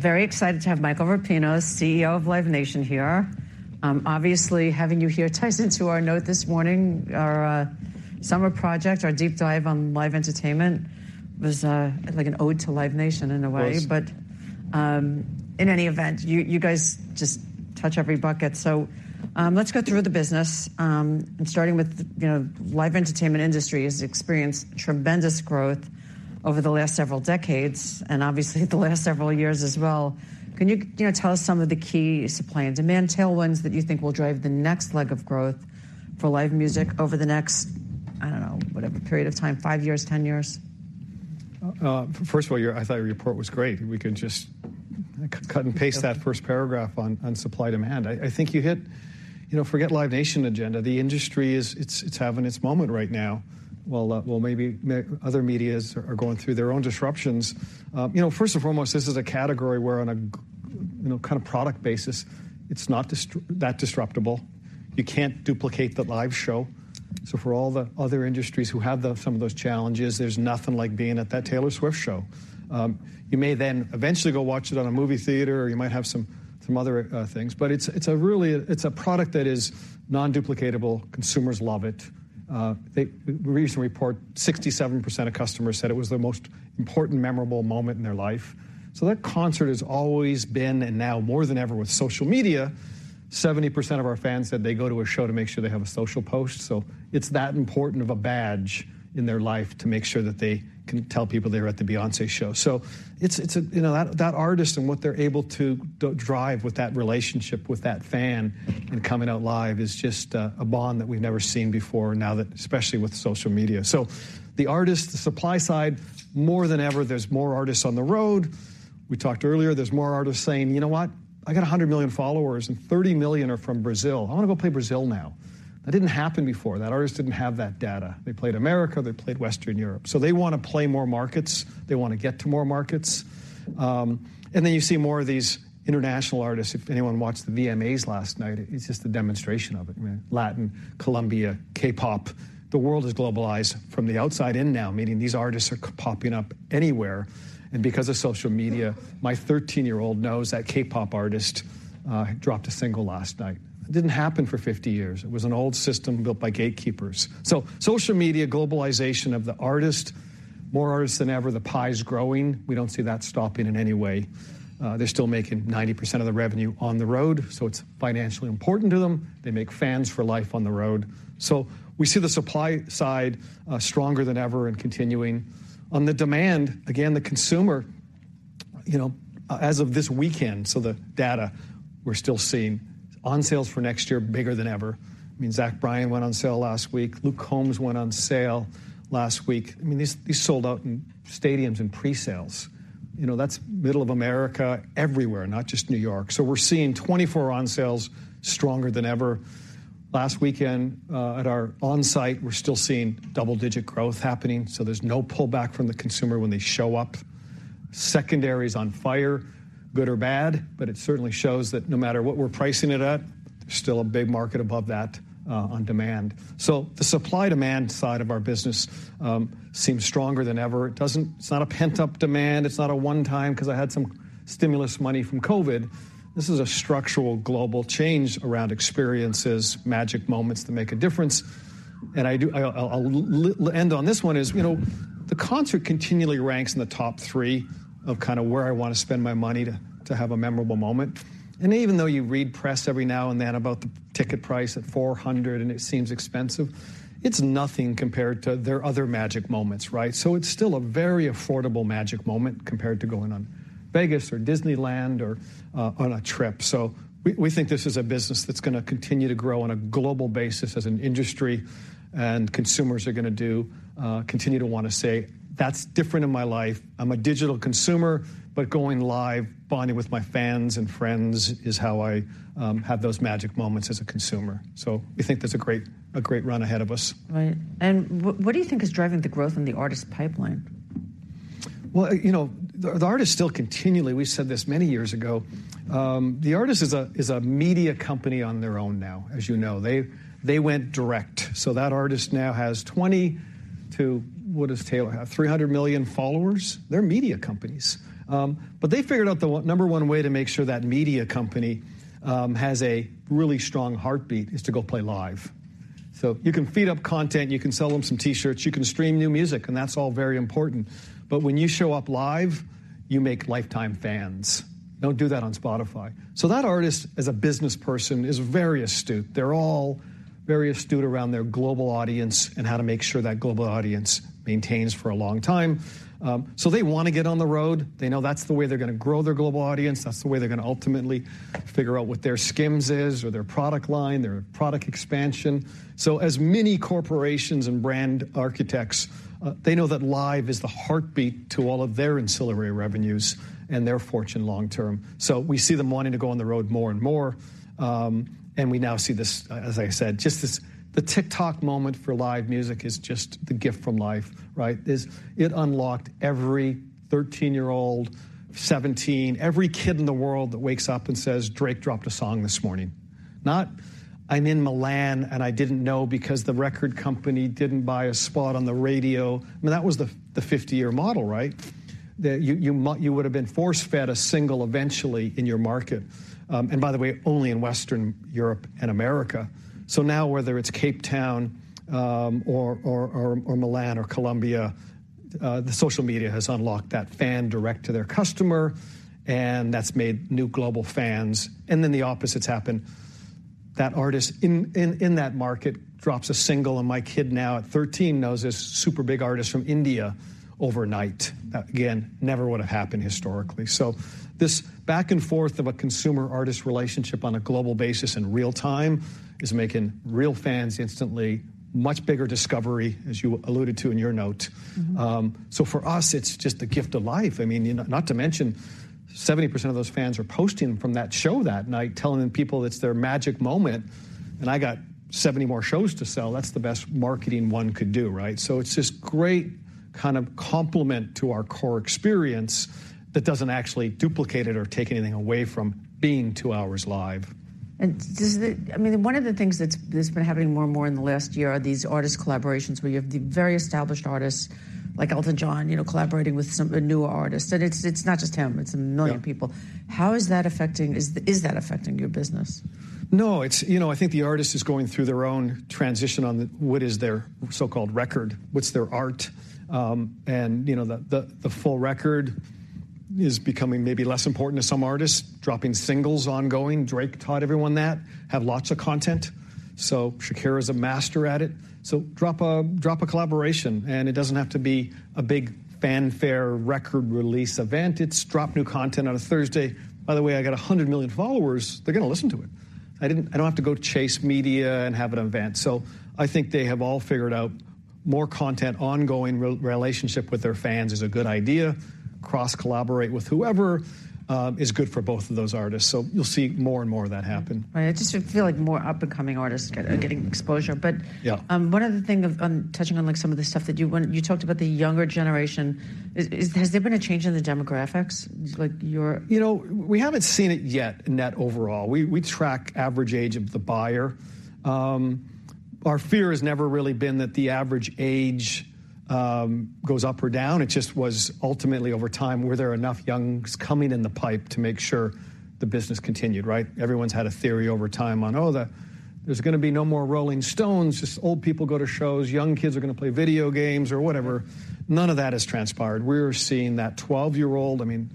Very excited to have Michael Rapino, CEO of Live Nation, here. Obviously, having you here ties into our note this morning. Our summer project, our deep dive on live entertainment, was like an ode to Live Nation in a way. It was. In any event, you guys just touch every bucket. Let's go through the business. Starting with, you know, live entertainment industry has experienced tremendous growth over the last several decades and obviously the last several years as well. Can you, you know, tell us some of the key supply and demand tailwinds that you think will drive the next leg of growth for live music over the next, I don't know, whatever period of time, five years, 10 years? First of all, I thought your report was great. We can just cut and paste that first paragraph on supply, demand. I think you hit—you know, forget Live Nation agenda. The industry is having its moment right now. Well, maybe other medias are going through their own disruptions. You know, first and foremost, this is a category where on a kind of product basis, it's not that disruptable. You can't duplicate the live show. So for all the other industries who have some of those challenges, there's nothing like being at that Taylor Swift show. You may then eventually go watch it on a movie theater, or you might have some other things, but it's a really a product that is non-duplicatable. Consumers love it. A recent report, 67% of customers said it was the most important, memorable moment in their life. So that concert has always been, and now more than ever with social media—70% of our fans said they go to a show to make sure they have a social post. So, it's that important of a badge in their life to make sure that they can tell people they were at the Beyoncé show. So it's, you know, that artist and what they're able to drive with that relationship with that fan and coming out live is just a bond that we've never seen before, now that, especially with social media. So the artist, the supply side, more than ever, there's more artists on the road. We talked earlier, there's more artists saying: "You know what? I got 100 million followers, and 30 million are from Brazil. I want to go play Brazil now." That didn't happen before. That artist didn't have that data. They played America, they played Western Europe. So they want to play more markets. They want to get to more markets. And then you see more of these international artists. If anyone watched the VMAs last night, it's just a demonstration of it, man. Latin, Colombia, K-pop. The world is globalized from the outside in now, meaning these artists are popping up anywhere. And because of social media, my 13-year-old knows that K-pop artist dropped a single last night. It didn't happen for 50 years. It was an old system built by gatekeepers. So social media, globalization of the artist, more artists than ever, the pie is growing. We don't see that stopping in any way. They're still making 90% of the revenue on the road, so it's financially important to them. They make fans for life on the road. So we see the supply side stronger than ever and continuing. On the demand, again, the consumer, you know, as of this weekend, so the data we're still seeing on sales for next year bigger than ever. I mean, Zach Bryan went on sale last week. Luke Combs went on sale last week. I mean, these sold out in stadiums and pre-sales. You know, that's middle of America everywhere, not just New York. So we're seeing 2024 on sales stronger than ever. Last weekend at our on-site, we're still seeing double-digit growth happening, so there's no pullback from the consumer when they show up. Secondary is on fire, good or bad, but it certainly shows that no matter what we're pricing it at, there's still a big market above that, on demand. So the supply-demand side of our business seems stronger than ever. It's not a pent-up demand. It's not a one-time because I had some stimulus money from COVID. This is a structural global change around experiences, magic moments that make a difference. And I'll end on this one, you know, the concert continually ranks in the top three of kind of where I want to spend my money to have a memorable moment. And even though you read press every now and then about the ticket price at $400 and it seems expensive, it's nothing compared to their other magic moments, right? So it's still a very affordable magic moment compared to going on Vegas or Disneyland or on a trip. So we, we think this is a business that's gonna continue to grow on a global basis as an industry, and consumers are gonna do continue to want to say, "That's different in my life. I'm a digital consumer, but going live, bonding with my fans and friends, is how I have those magic moments as a consumer." So we think there's a great, a great run ahead of us. Right. What, what do you think is driving the growth in the artist pipeline? Well, you know, the artist still continually—we've said this many years ago, the artist is a media company on their own now, as you know. They went direct. So that artist now has 20 to—what does Taylor have, 300 million followers? They're media companies. But they figured out the number one way to make sure that media company has a really strong heartbeat is to go play live. So you can feed up content, you can sell them some T-shirts, you can stream new music, and that's all very important. But when you show up live, you make lifetime fans. Don't do that on Spotify. So that artist, as a business person, is very astute. They're all very astute around their global audience and how to make sure that global audience maintains for a long time. So they want to get on the road. They know that's the way they're going to grow their global audience. That's the way they're going to ultimately figure out what their SKIMS is or their product line, their product expansion. So as many corporations and brand architects, they know that live is the heartbeat to all of their ancillary revenues and their fortune long term. So we see them wanting to go on the road more and more. And we now see this, as I said, just this, the TikTok moment for live music is just the gift from life, right? This, it unlocked every 13-year-old, 17, every kid in the world that wakes up and says, "Drake dropped a song this morning." Not, "I'm in Milan, and I didn't know because the record company didn't buy a spot on the radio." I mean, that was the 50-year model, right? That you would've been force-fed a single eventually in your market, and by the way, only in Western Europe and America. So now whether it's Cape Town, or Milan or Colombia, the social media has unlocked that fan direct to their customer, and that's made new global fans. And then the opposites happen. That artist in that market drops a single, and my kid now, at 13, knows this super big artist from India overnight. Again, never would've happened historically. This back and forth of a consumer-artist relationship on a global basis in real time is making real fans instantly, much bigger discovery, as you alluded to in your note. So for us, it's just the gift of life. I mean, you know, not to mention, 70% of those fans are posting from that show that night, telling people it's their magic moment, and I got 70 more shows to sell. That's the best marketing one could do, right? So it's this great kind of complement to our core experience that doesn't actually duplicate it or take anything away from being two hours live. Does it—I mean, one of the things that's been happening more and more in the last year are these artist collaborations, where you have the very established artists, like Elton John, you know, collaborating with some, a newer artist. And it's not just him, it's a million people. How is that affecting—is that affecting your business? No, it's, you know, I think the artist is going through their own transition on what is their so-called record, what's their art. And, you know, the full record is becoming maybe less important to some artists, dropping singles, ongoing. Drake taught everyone that. Have lots of content. So Shakira's a master at it. So drop a collaboration, and it doesn't have to be a big fanfare record release event. It's drop new content on a Thursday. By the way, I got 100 million followers. They're gonna listen to it. I don't have to go chase media and have an event. So I think they have all figured out more content, ongoing relationship with their fans is a good idea. Cross-collaborate with whoever is good for both of those artists. So you'll see more and more of that happen. Right. I just feel like more up-and-coming artists getting exposure. But— Yeah. One other thing of, touching on, like, some of the stuff that you wanted—you talked about the younger generation. Is, has there been a change in the demographics, like your— You know, we haven't seen it yet net overall. We, we track average age of the buyer. Our fear has never really been that the average age goes up or down. It just was ultimately over time, were there enough youngs coming in the pipe to make sure the business continued, right? Everyone's had a theory over time on, "Oh, the, there's gonna be no more Rolling Stones, just old people go to shows. Young kids are gonna play video games or whatever." None of that has transpired. We're seeing that 12-year-old, I mean,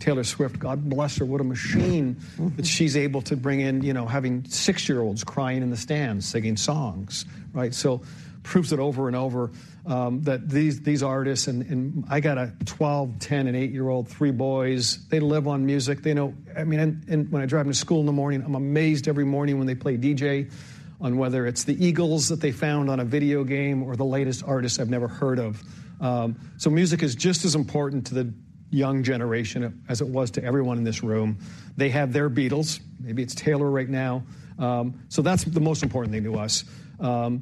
Taylor Swift, God bless her, what a machine that she's able to bring in, you know, having six-year-olds crying in the stands, singing songs, right? So proves it over and over, that these artists—and I got a 12, 10, and 8-year-old, three boys. They live on music. They know, I mean, and when I drive them to school in the morning, I'm amazed every morning when they play DJ on whether it's the Eagles that they found on a video game or the latest artist I've never heard of. So music is just as important to the young generation as it was to everyone in this room. They have their Beatles. Maybe it's Taylor right now. So that's the most important thing to us. All of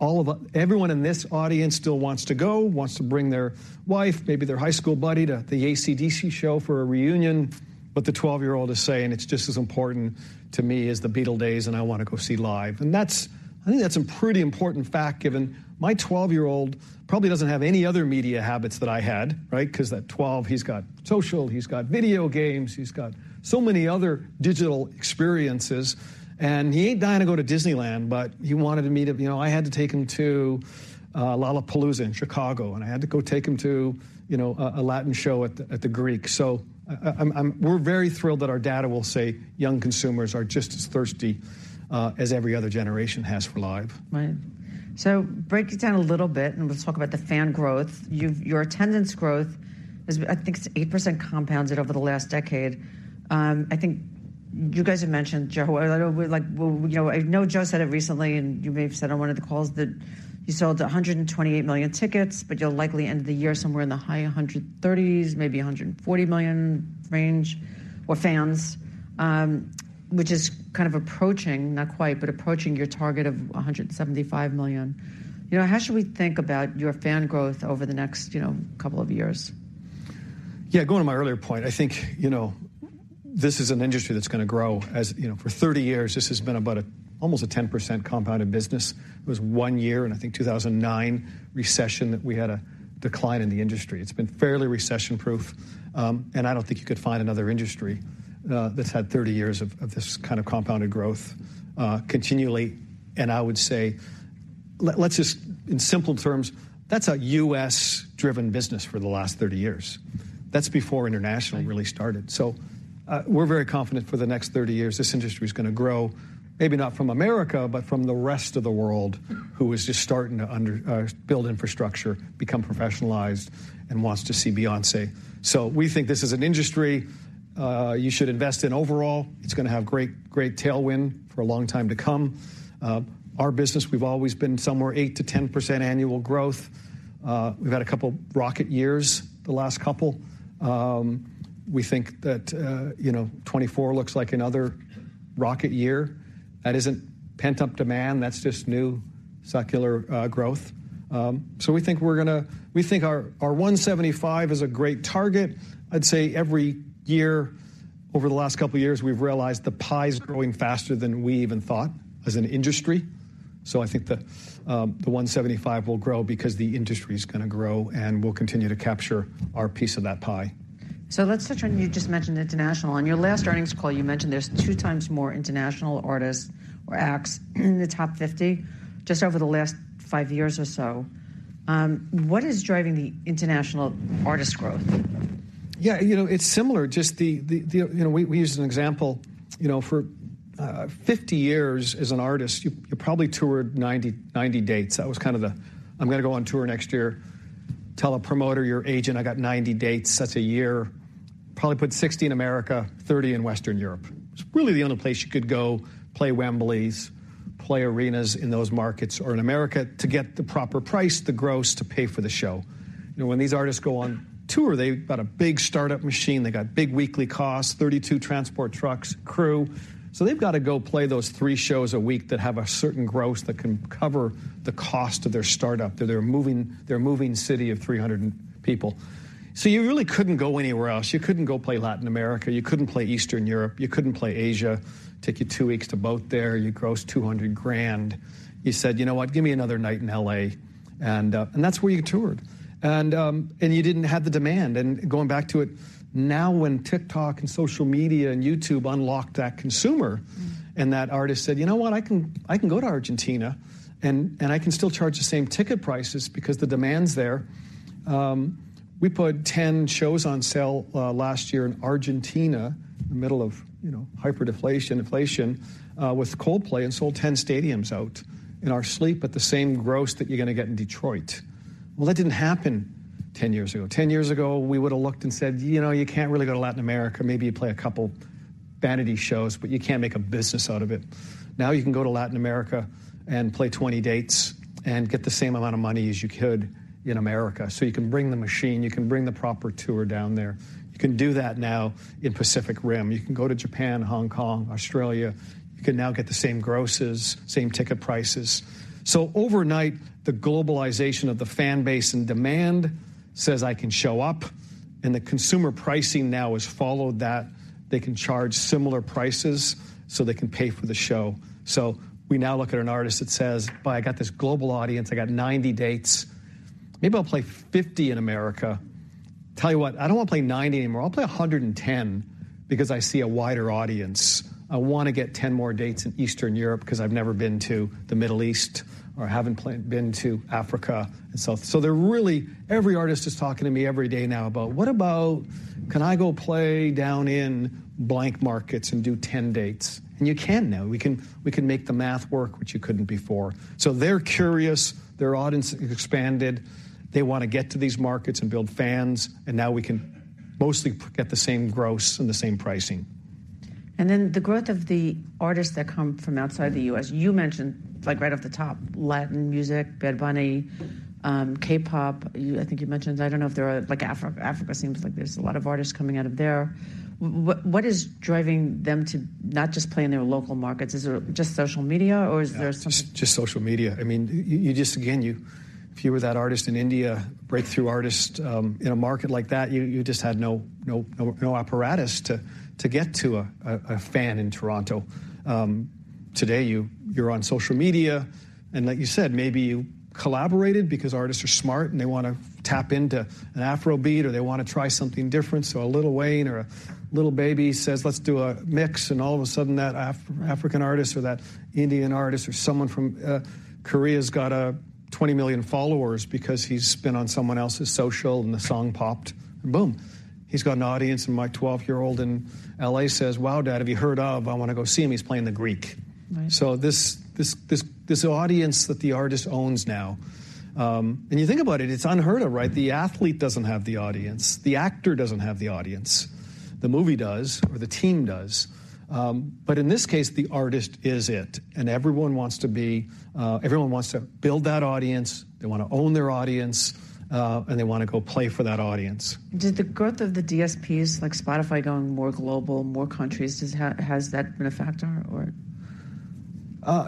us, everyone in this audience still wants to go, wants to bring their wife, maybe their high school buddy, to the AC/DC show for a reunion. But the 12-year-old is saying, "It's just as important to me as the Beatles days, and I wanna go see live." And that's, I think that's a pretty important fact, given my 12-year-old probably doesn't have any other media habits that I had, right? 'Cause at 12, he's got social, he's got video games, he's got so many other digital experiences, and he ain't dying to go to Disneyland, but he wanted to meet up. You know, I had to take him to Lollapalooza in Chicago, and I had to go take him to, you know, a Latin show at the, at The Greek. We're very thrilled that our data will say young consumers are just as thirsty as every other generation has for live. Right. So break it down a little bit, and let's talk about the fan growth. You've, your attendance growth is, I think, it's 8% compounded over the last decade. I think you guys have mentioned, Joe, like, you know, I know Joe said it recently, and you may have said on one of the calls that you sold 128 million tickets, but you'll likely end the year somewhere in the high 130s, maybe 140 million range for fans, which is kind of approaching, not quite, but approaching your target of 175 million. You know, how should we think about your fan growth over the next, you know, couple of years? Yeah, going to my earlier point, I think, you know, this is an industry that's gonna grow. As, you know, for 30 years, this has been about a, almost a 10% compounded business. It was one year in I think, 2009 recession, that we had a decline in the industry. It's been fairly recession-proof, and I don't think you could find another industry, that's had 30 years of this kind of compounded growth, continually. And I would say, let's just in simple terms, that's a US-driven business for the last 30 years. That's before international really started. So, we're very confident for the next 30 years, this industry is gonna grow, maybe not from America, but from the rest of the world, who is just starting to build infrastructure, become professionalized, and wants to see Beyoncé. So we think this is an industry you should invest in overall. It's gonna have great, great tailwind for a long time to come. Our business, we've always been somewhere 8% to 10% annual growth. We've had a couple rocket years, the last couple. We think that, you know, 2024 looks like another rocket year. That isn't pent-up demand, that's just new secular growth. So we think we're gonna. We think our 175 million is a great target. I'd say every year over the last couple of years, we've realized the pie is growing faster than we even thought as an industry. So I think that the 175 million will grow because the industry's gonna grow, and we'll continue to capture our piece of that pie. So, let's touch on. You just mentioned international. On your last earnings call, you mentioned there's 2x more international artists or acts in the top 50 just over the last five years or so. What is driving the international artist growth? Yeah, you know, it's similar. Just the, you know, we use an example, you know, for 50 years as an artist, you probably toured 90, 90 dates. That was kind of the, "I'm gonna go on tour next year." Tell a promoter, your agent, "I got 90 dates, that's a year." Probably put 60 in America, 30 in Western Europe. It's really the only place you could go, play Wembleys, play arenas in those markets or in America to get the proper price, the gross to pay for the show. You know, when these artists go on tour, they've got a big startup machine, they got big weekly costs, 32 transport trucks, crew. So they've got to go play those three shows a week that have a certain gross that can cover the cost of their startup, that they're moving, their moving city of 300 people. So you really couldn't go anywhere else. You couldn't go play Latin America, you couldn't play Eastern Europe, you couldn't play Asia. Take you two weeks to boat there, you gross $200,000. You said, "You know what? Give me another night in Los Angeles," and, and that's where you toured. And, and you didn't have the demand, and going back to it, now when TikTok and social media and YouTube unlocked that consumer and that artist said, "You know what? I can, I can go to Argentina, and, and I can still charge the same ticket prices because the demand's there." We put 10 shows on sale last year in Argentina, in the middle of, you know, hyper deflation, inflation with Coldplay, and sold 10 stadiums out in our sleep at the same gross that you're gonna get in Detroit. Well, that didn't happen 10 years ago. Ten years ago, we would have looked and said: You know, you can't really go to Latin America. Maybe you play a couple vanity shows, but you can't make a business out of it. Now, you can go to Latin America and play 20 dates and get the same amount of money as you could in America. So you can bring the machine, you can bring the proper tour down there. You can do that now in Pacific Rim. You can go to Japan, Hong Kong, Australia. You can now get the same grosses, same ticket prices. So overnight, the globalization of the fan base and demand says, I can show up, and the consumer pricing now has followed that. They can charge similar prices, so they can pay for the show. So we now look at an artist that says, "Well, I got this global audience. I got 90 dates. Maybe I'll play 50 in America. Tell you what, I don't want to play 90 anymore. I'll play 110 because I see a wider audience. I want to get 10 more dates in Eastern Europe because I've never been to the Middle East or haven't been to Africa and so forth. "So they're really, every artist is talking to me every day now about, "What about, can I go play down in blank markets and do 10 dates?" And you can now, we can, we can make the math work, which you couldn't before. So they're curious, their audience expanded, they want to get to these markets and build fans, and now we can mostly get the same gross and the same pricing. And then the growth of the artists that come from outside the US, you mentioned, like, right off the top, Latin music, Bad Bunny, K-pop, you, I think you mentioned, I don't know if there are, like, Africa. Africa seems like there's a lot of artists coming out of there. What, what is driving them to not just play in their local markets? Is it just social media or is there something- Just social media. I mean, you just again, if you were that artist in India, breakthrough artist, in a market like that, you just had no apparatus to get to a fan in Toronto. Today, you're on social media, and like you said, maybe you collaborated because artists are smart, and they want to tap into an Afrobeat or they want to try something different. So a Lil Wayne or a Lil Baby says, "Let's do a mix," and all of a sudden, that African artist or that Indian artist or someone from Korea's got 20 million followers because he's been on someone else's social, and the song popped, and boom! He's got an audience, and my 12-year-old in LA says: "Wow, Dad, have you heard of, I wanna go see him. He's playing The Greek." Right. So this audience that the artist owns now, and you think about it, it's unheard of, right? The athlete doesn't have the audience, the actor doesn't have the audience, the movie does, or the team does. But in this case, the artist is it, and everyone wants to build that audience, they want to own their audience, and they want to go play for that audience. Did the growth of the DSPs, like Spotify, going more global, more countries, has that been a factor or?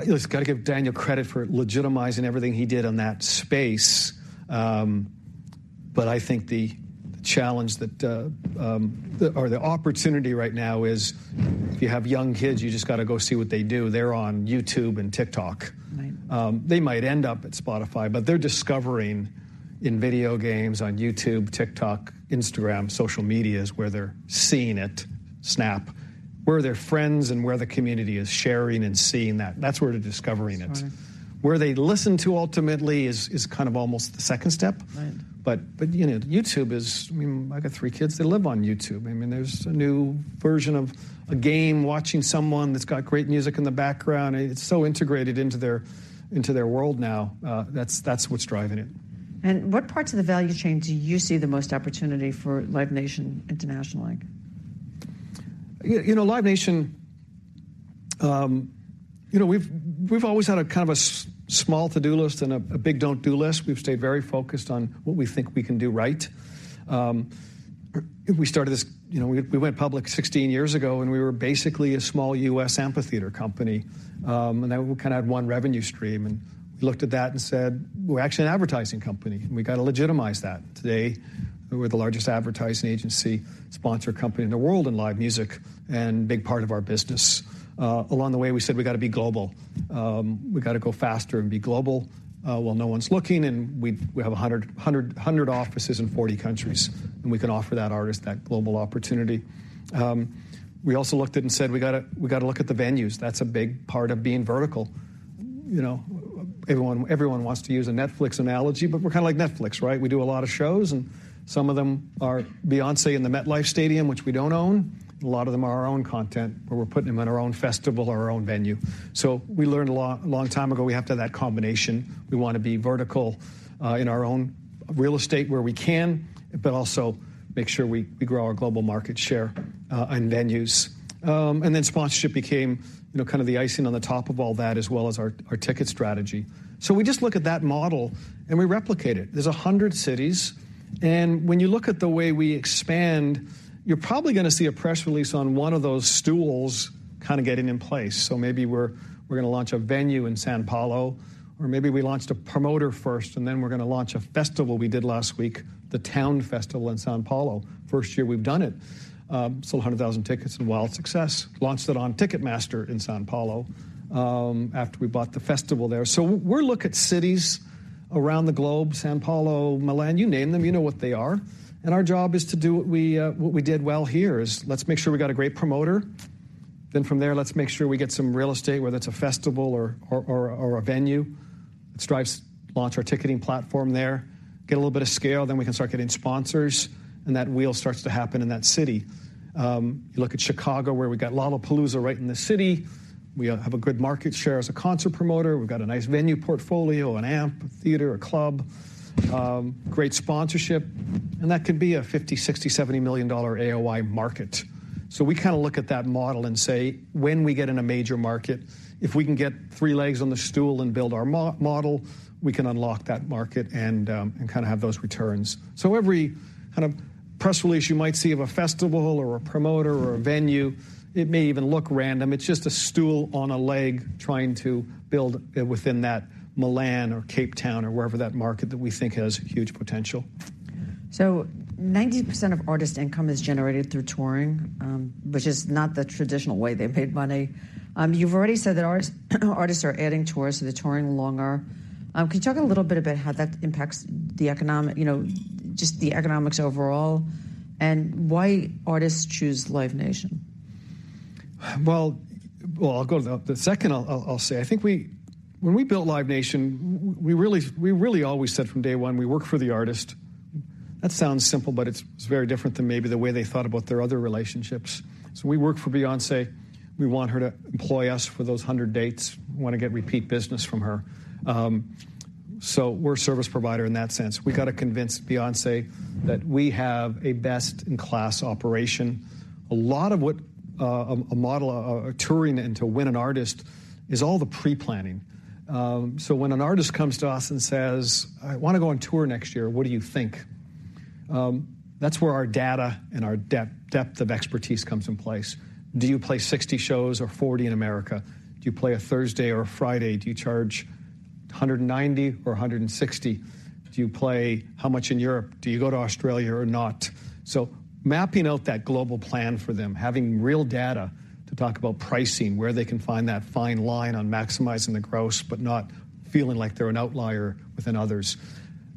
Just got to give Daniel credit for legitimizing everything he did on that space. But I think the challenge, or the opportunity right now is, if you have young kids, you just got to go see what they do. They're on YouTube and TikTok. Right. They might end up at Spotify, but they're discovering in video games, on YouTube, TikTok, Instagram, social media is where they're seeing it, Snap, where their friends and where the community is sharing and seeing that. That's where they're discovering it. Where they listen to ultimately is kind of almost the second step. Right. But, you know, YouTube is—I mean, I got three kids, they live on YouTube. I mean, there's a new version of a game watching someone that's got great music in the background. It's so integrated into their world now, that's what's driving it. What parts of the value chain do you see the most opportunity for Live Nation internationally? You, you know, Live Nation, you know, we've, we've always had a kind of a small to-do list and a, a big don't-do list. We've stayed very focused on what we think we can do right. We started this, you know, we, we went public 16 years ago, and we were basically a small US amphitheater company. And then we kind of had one revenue stream, and we looked at that and said: "We're actually an advertising company, and we got to legitimize that." Today, we're the largest advertising agency sponsor company in the world in live music and a big part of our business. Along the way, we said, "We've got to be global. We've got to go faster and be global, while no one's looking," and we have 100 offices in 40 countries, and we can offer that artist that global opportunity. We also looked at and said, "We gotta look at the venues." That's a big part of being vertical. You know, everyone wants to use a Netflix analogy, but we're kind of like Netflix, right? We do a lot of shows, and some of them are Beyoncé in the MetLife Stadium, which we don't own. A lot of them are our own content, where we're putting them in our own festival or our own venue. So we learned a long time ago, we have to have that combination. We want to be vertical in our own real estate where we can, but also make sure we grow our global market share and venues. And then sponsorship became, you know, kind of the icing on the top of all that, as well as our ticket strategy. So we just look at that model, and we replicate it. There's 100 cities, and when you look at the way we expand, you're probably gonna see a press release on one of those stools kind of getting in place. So maybe we're gonna launch a venue in São Paulo, or maybe we launched a promoter first, and then we're gonna launch a festival we did last week, The Town festival in São Paulo; first year we've done it, sold 100,000 tickets and wild success. Launched it on Ticketmaster in São Paulo, after we bought the festival there. We're looking at cities around the globe, São Paulo, Milan, you name them, you know what they are. Our job is to do what we did well here is, let's make sure we got a great promoter. Then from there, let's make sure we get some real estate, whether it's a festival or a venue. Then launch our ticketing platform there, get a little bit of scale, then we can start getting sponsors, and that wheel starts to happen in that city. You look at Chicago, where we've got Lollapalooza right in the city. We have a good market share as a concert promoter. We've got a nice venue portfolio, an amp, a theater, a club, great sponsorship, and that could be a $50 to 70 million AOI market. So we kind of look at that model and say, "When we get in a major market, if we can get three legs on the stool and build our model, we can unlock that market and kind of have those returns." So every kind of press release you might see of a festival or a promoter or a venue, it may even look random. It's just a stool on a leg trying to build within that Milan or Cape Town or wherever that market that we think has huge potential. So 90% of artist income is generated through touring, which is not the traditional way they've made money. You've already said that artists, artists are adding tours, so the touring longer. Can you talk a little bit about how that impacts the economic, you know, just the economics overall and why artists choose Live Nation? Well, I'll go to the second. I'll say. I think we, when we built Live Nation, we really always said from day one, we work for the artist. That sounds simple, but it's very different than maybe the way they thought about their other relationships. So we work for Beyoncé. We want her to employ us for those 100 dates. We wanna get repeat business from her. So we're a service provider in that sense. We've got to convince Beyoncé that we have a best-in-class operation. A lot of what a model touring and to win an artist is all the pre-planning. So when an artist comes to us and says, "I want to go on tour next year, what do you think?" That's where our data and our depth of expertise comes in place. Do you play 60 shows or 40 in America? Do you play a Thursday or a Friday? Do you charge $190 or $160? Do you play how much in Europe? Do you go to Australia or not? So mapping out that global plan for them, having real data to talk about pricing, where they can find that fine line on maximizing the gross but not feeling like they're an outlier within others.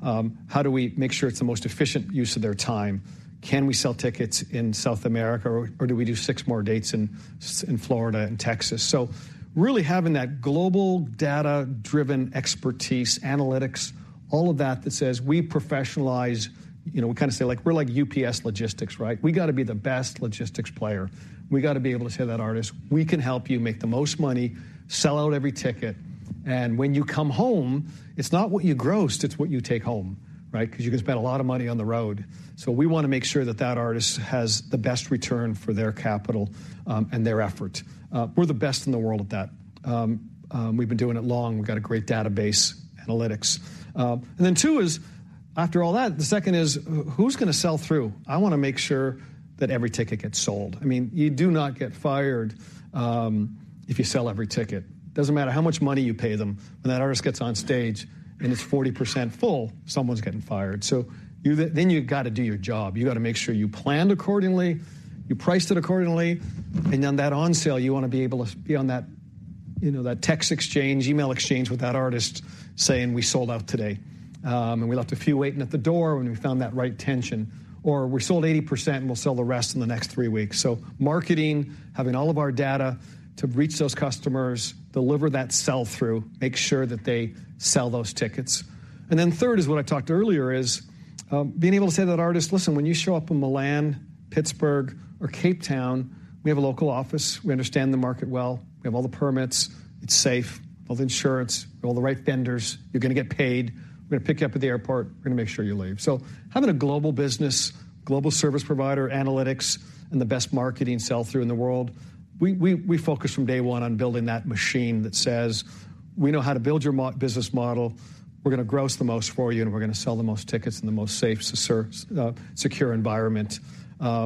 How do we make sure it's the most efficient use of their time? Can we sell tickets in South America, or, or do we do six more dates in Florida and Texas? So really having that global data-driven expertise, analytics, all of that, that says we professionalize—you know, we kind of say, like, we're like UPS Logistics, right? We got to be the best logistics player. We got to be able to tell that artist, "We can help you make the most money, sell out every ticket, and when you come home, it's not what you grossed, it's what you take home," right? Because you can spend a lot of money on the road. So we want to make sure that that artist has the best return for their capital and their effort. We're the best in the world at that. We've been doing it long. We've got a great database, analytics. And then two is, after all that, the second is, who's gonna sell through? I wanna make sure that every ticket gets sold. I mean, you do not get fired if you sell every ticket. Doesn't matter how much money you pay them, when that artist gets on stage, and it's 40% full, someone's getting fired. So then you've got to do your job. You gotta make sure you planned accordingly, you priced it accordingly, and on that on sale, you wanna be able to be on that, you know, that text exchange, email exchange with that artist saying, "We sold out today, and we left a few waiting at the door, and we found that right tension," or, "We sold 80%, and we'll sell the rest in the next three weeks." So marketing, having all of our data to reach those customers, deliver that sell-through, make sure that they sell those tickets. And then third is what I talked earlier is, being able to tell that artist, "Listen, when you show up in Milan, Pittsburgh, or Cape Town, we have a local office. We understand the market well. We have all the permits. It's safe, has insurance, and all athe right vendors. You're gonna get paid. We're gonna pick you up at the airport. We're gonna make sure you leave." So having a global business, global service provider, analytics, and the best marketing sell-through in the world, we focus from day one on building that machine that says, "We know how to build your business model. We're gonna gross the most for you, and we're gonna sell the most tickets in the most safe secure environment, and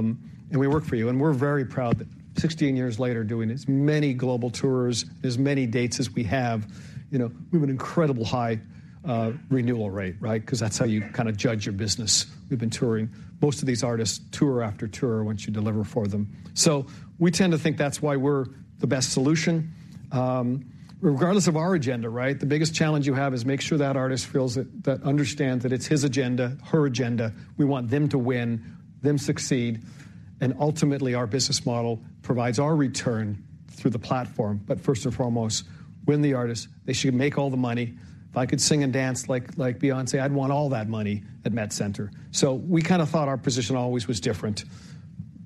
we work for you." And we're very proud that 16 years later, doing as many global tours, as many dates as we have, you know, we have an incredible high renewal rate, right? Because that's how you kind of judge your business. We've been touring. Most of these artists tour after tour once you deliver for them. So we tend to think that's why we're the best solution. Regardless of our agenda, right, the biggest challenge you have is make sure that artist feels that—understands that it's his agenda, her agenda. We want them to win, them succeed, and ultimately, our business model provides our return through the platform. But first and foremost, win the artist. They should make all the money. If I could sing and dance like, like Beyoncé, I'd want all that money at my concert. So we kind of thought our position always was different.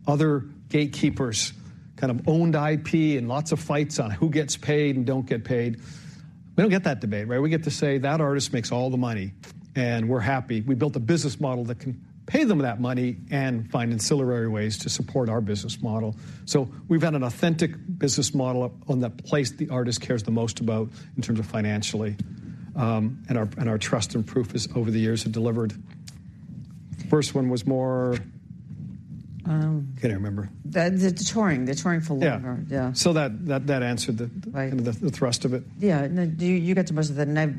Other gatekeepers kind of owned IP and lots of fights on who gets paid and don't get paid. We don't get that debate, right? We get to say, "That artist makes all the money," and we're happy. We built a business model that can pay them that money and find ancillary ways to support our business model. So we've got an authentic business model on the place the artist cares the most about in terms of financially. And our trust and proof is, over the years, have delivered. First one was more—I can't remember. The touring. The touring for longer. Yeah. Yeah. So that answered the the thrust of it. Yeah. No, you, you get to most of it, and I've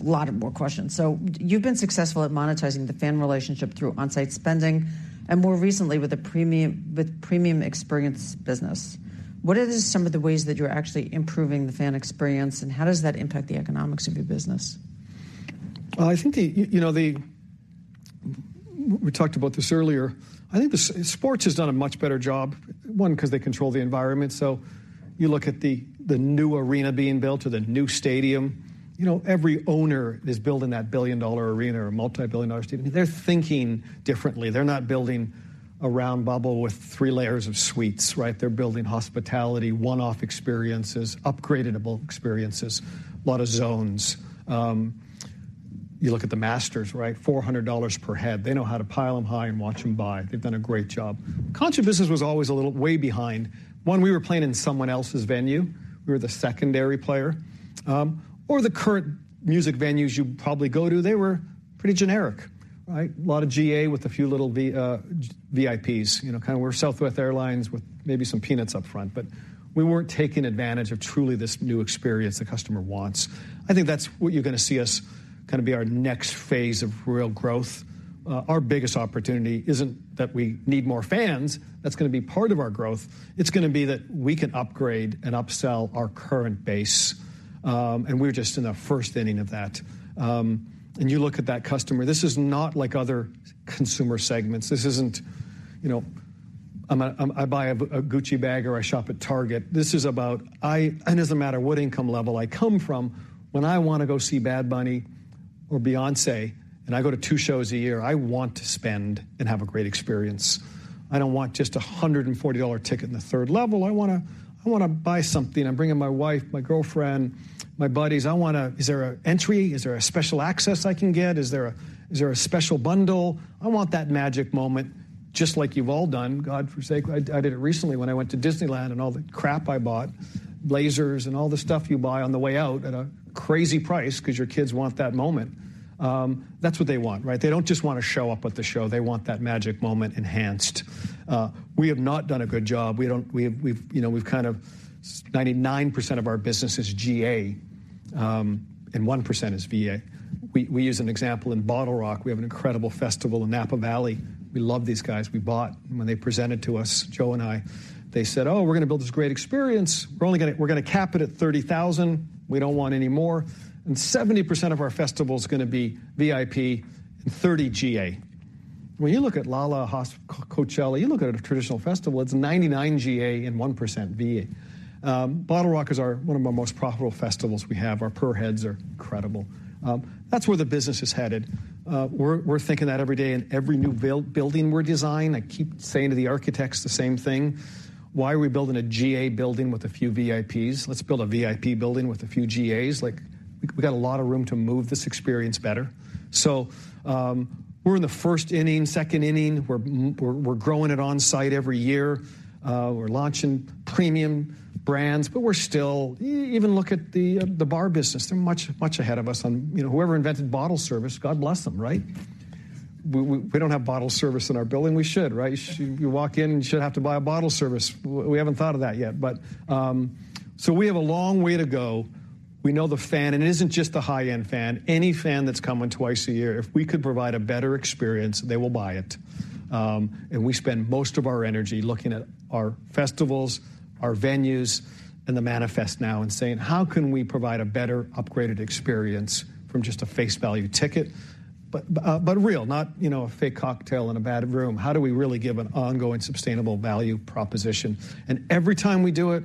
a lot more questions. So you've been successful at monetizing the fan relationship through onsite spending and more recently, with premium experience business. What are some of the ways that you're actually improving the fan experience, and how does that impact the economics of your business? Well, I think you know, the—we talked about this earlier. I think the sports has done a much better job, one, because they control the environment. So you look at the new arena being built or the new stadium, you know, every owner is building that billion-dollar arena or multibillion-dollar stadium. They're thinking differently. They're not building a round bubble with three layers of suites, right? They're building hospitality, one-off experiences, upgradable experiences, a lot of zones. You look at the Masters, right? $400 per head. They know how to pile them high and watch them buy. They've done a great job. Concert business was always a little way behind. One, we were playing in someone else's venue. We were the secondary player. Or the current music venues you probably go to, they were pretty generic, right? A lot of GA with a few little VVIPs. You know, kind of we're Southwest Airlines with maybe some peanuts up front. But we weren't taking advantage of truly this new experience the customer wants. I think that's what you're gonna see us kind of be our next phase of real growth. Our biggest opportunity isn't that we need more fans. That's gonna be part of our growth. It's gonna be that we can upgrade and upsell our current base, and we're just in the first inning of that. And you look at that customer. This is not like other consumer segments. This isn't, you know, I buy a Gucci bag, or I shop at Target. This is about, it doesn't matter what income level I come from, when I wanna go see Bad Bunny or Beyoncé, and I go to two shows a year, I want to spend and have a great experience. I don't want just a $140 ticket in the third level. I wanna, I wanna buy something. I'm bringing my wife, my girlfriend, my buddies. I wanna—is there an entry? Is there a special access I can get? Is there a, is there a special bundle? I want that magic moment, just like you've all done, God forsake. I, I did it recently when I went to Disneyland and all the crap I bought, blazers and all the stuff you buy on the way out at a crazy price because your kids want that moment. That's what they want, right? They don't just want to show up at the show. They want that magic moment enhanced. We have not done a good job. We don't. We've-- You know, we've kind of 99% of our business is GA, and 1% is VIP. We use an example in BottleRock. We have an incredible festival in Napa Valley. We love these guys. We bought—when they presented to us, Joe and I, they said, "Oh, we're gonna build this great experience. We're only gonna-- We're gonna cap it at 30,000. We don't want any more, and 70% of our festival is gonna be VIP and 30% GA." When you look at Lollapalooza, Coachella, you look at a traditional festival, it's 99% GA and 1% VIP. BottleRock is our, one of our most profitable festivals we have; our per heads are incredible. That's where the business is headed. We're, we're thinking that every day in every new build, building we're designing. I keep saying to the architects the same thing: "Why are we building a GA building with a few VIPs? Let's build a VIP building with a few GAs." Like, we've got a lot of room to move this experience better. So, we're in the first inning, second inning. We're, we're, we're growing it on-site every year. We're launching premium brands, but we're still—even look at the, the bar business. They're much, much ahead of us on—you know, whoever invented bottle service, God bless them, right? We, we, we don't have bottle service in our building. We should, right? You should walk in, and you should have to buy a bottle service. We haven't thought of that yet, but so we have a long way to go. We know the fan, and it isn't just the high-end fan. Any fan that's coming twice a year, if we could provide a better experience, they will buy it. And we spend most of our energy looking at our festivals, our venues, and the manifest now and saying: How can we provide a better, upgraded experience from just a face value ticket? But real, not, you know, a fake cocktail in a bad room. How do we really give an ongoing, sustainable value proposition? And every time we do it,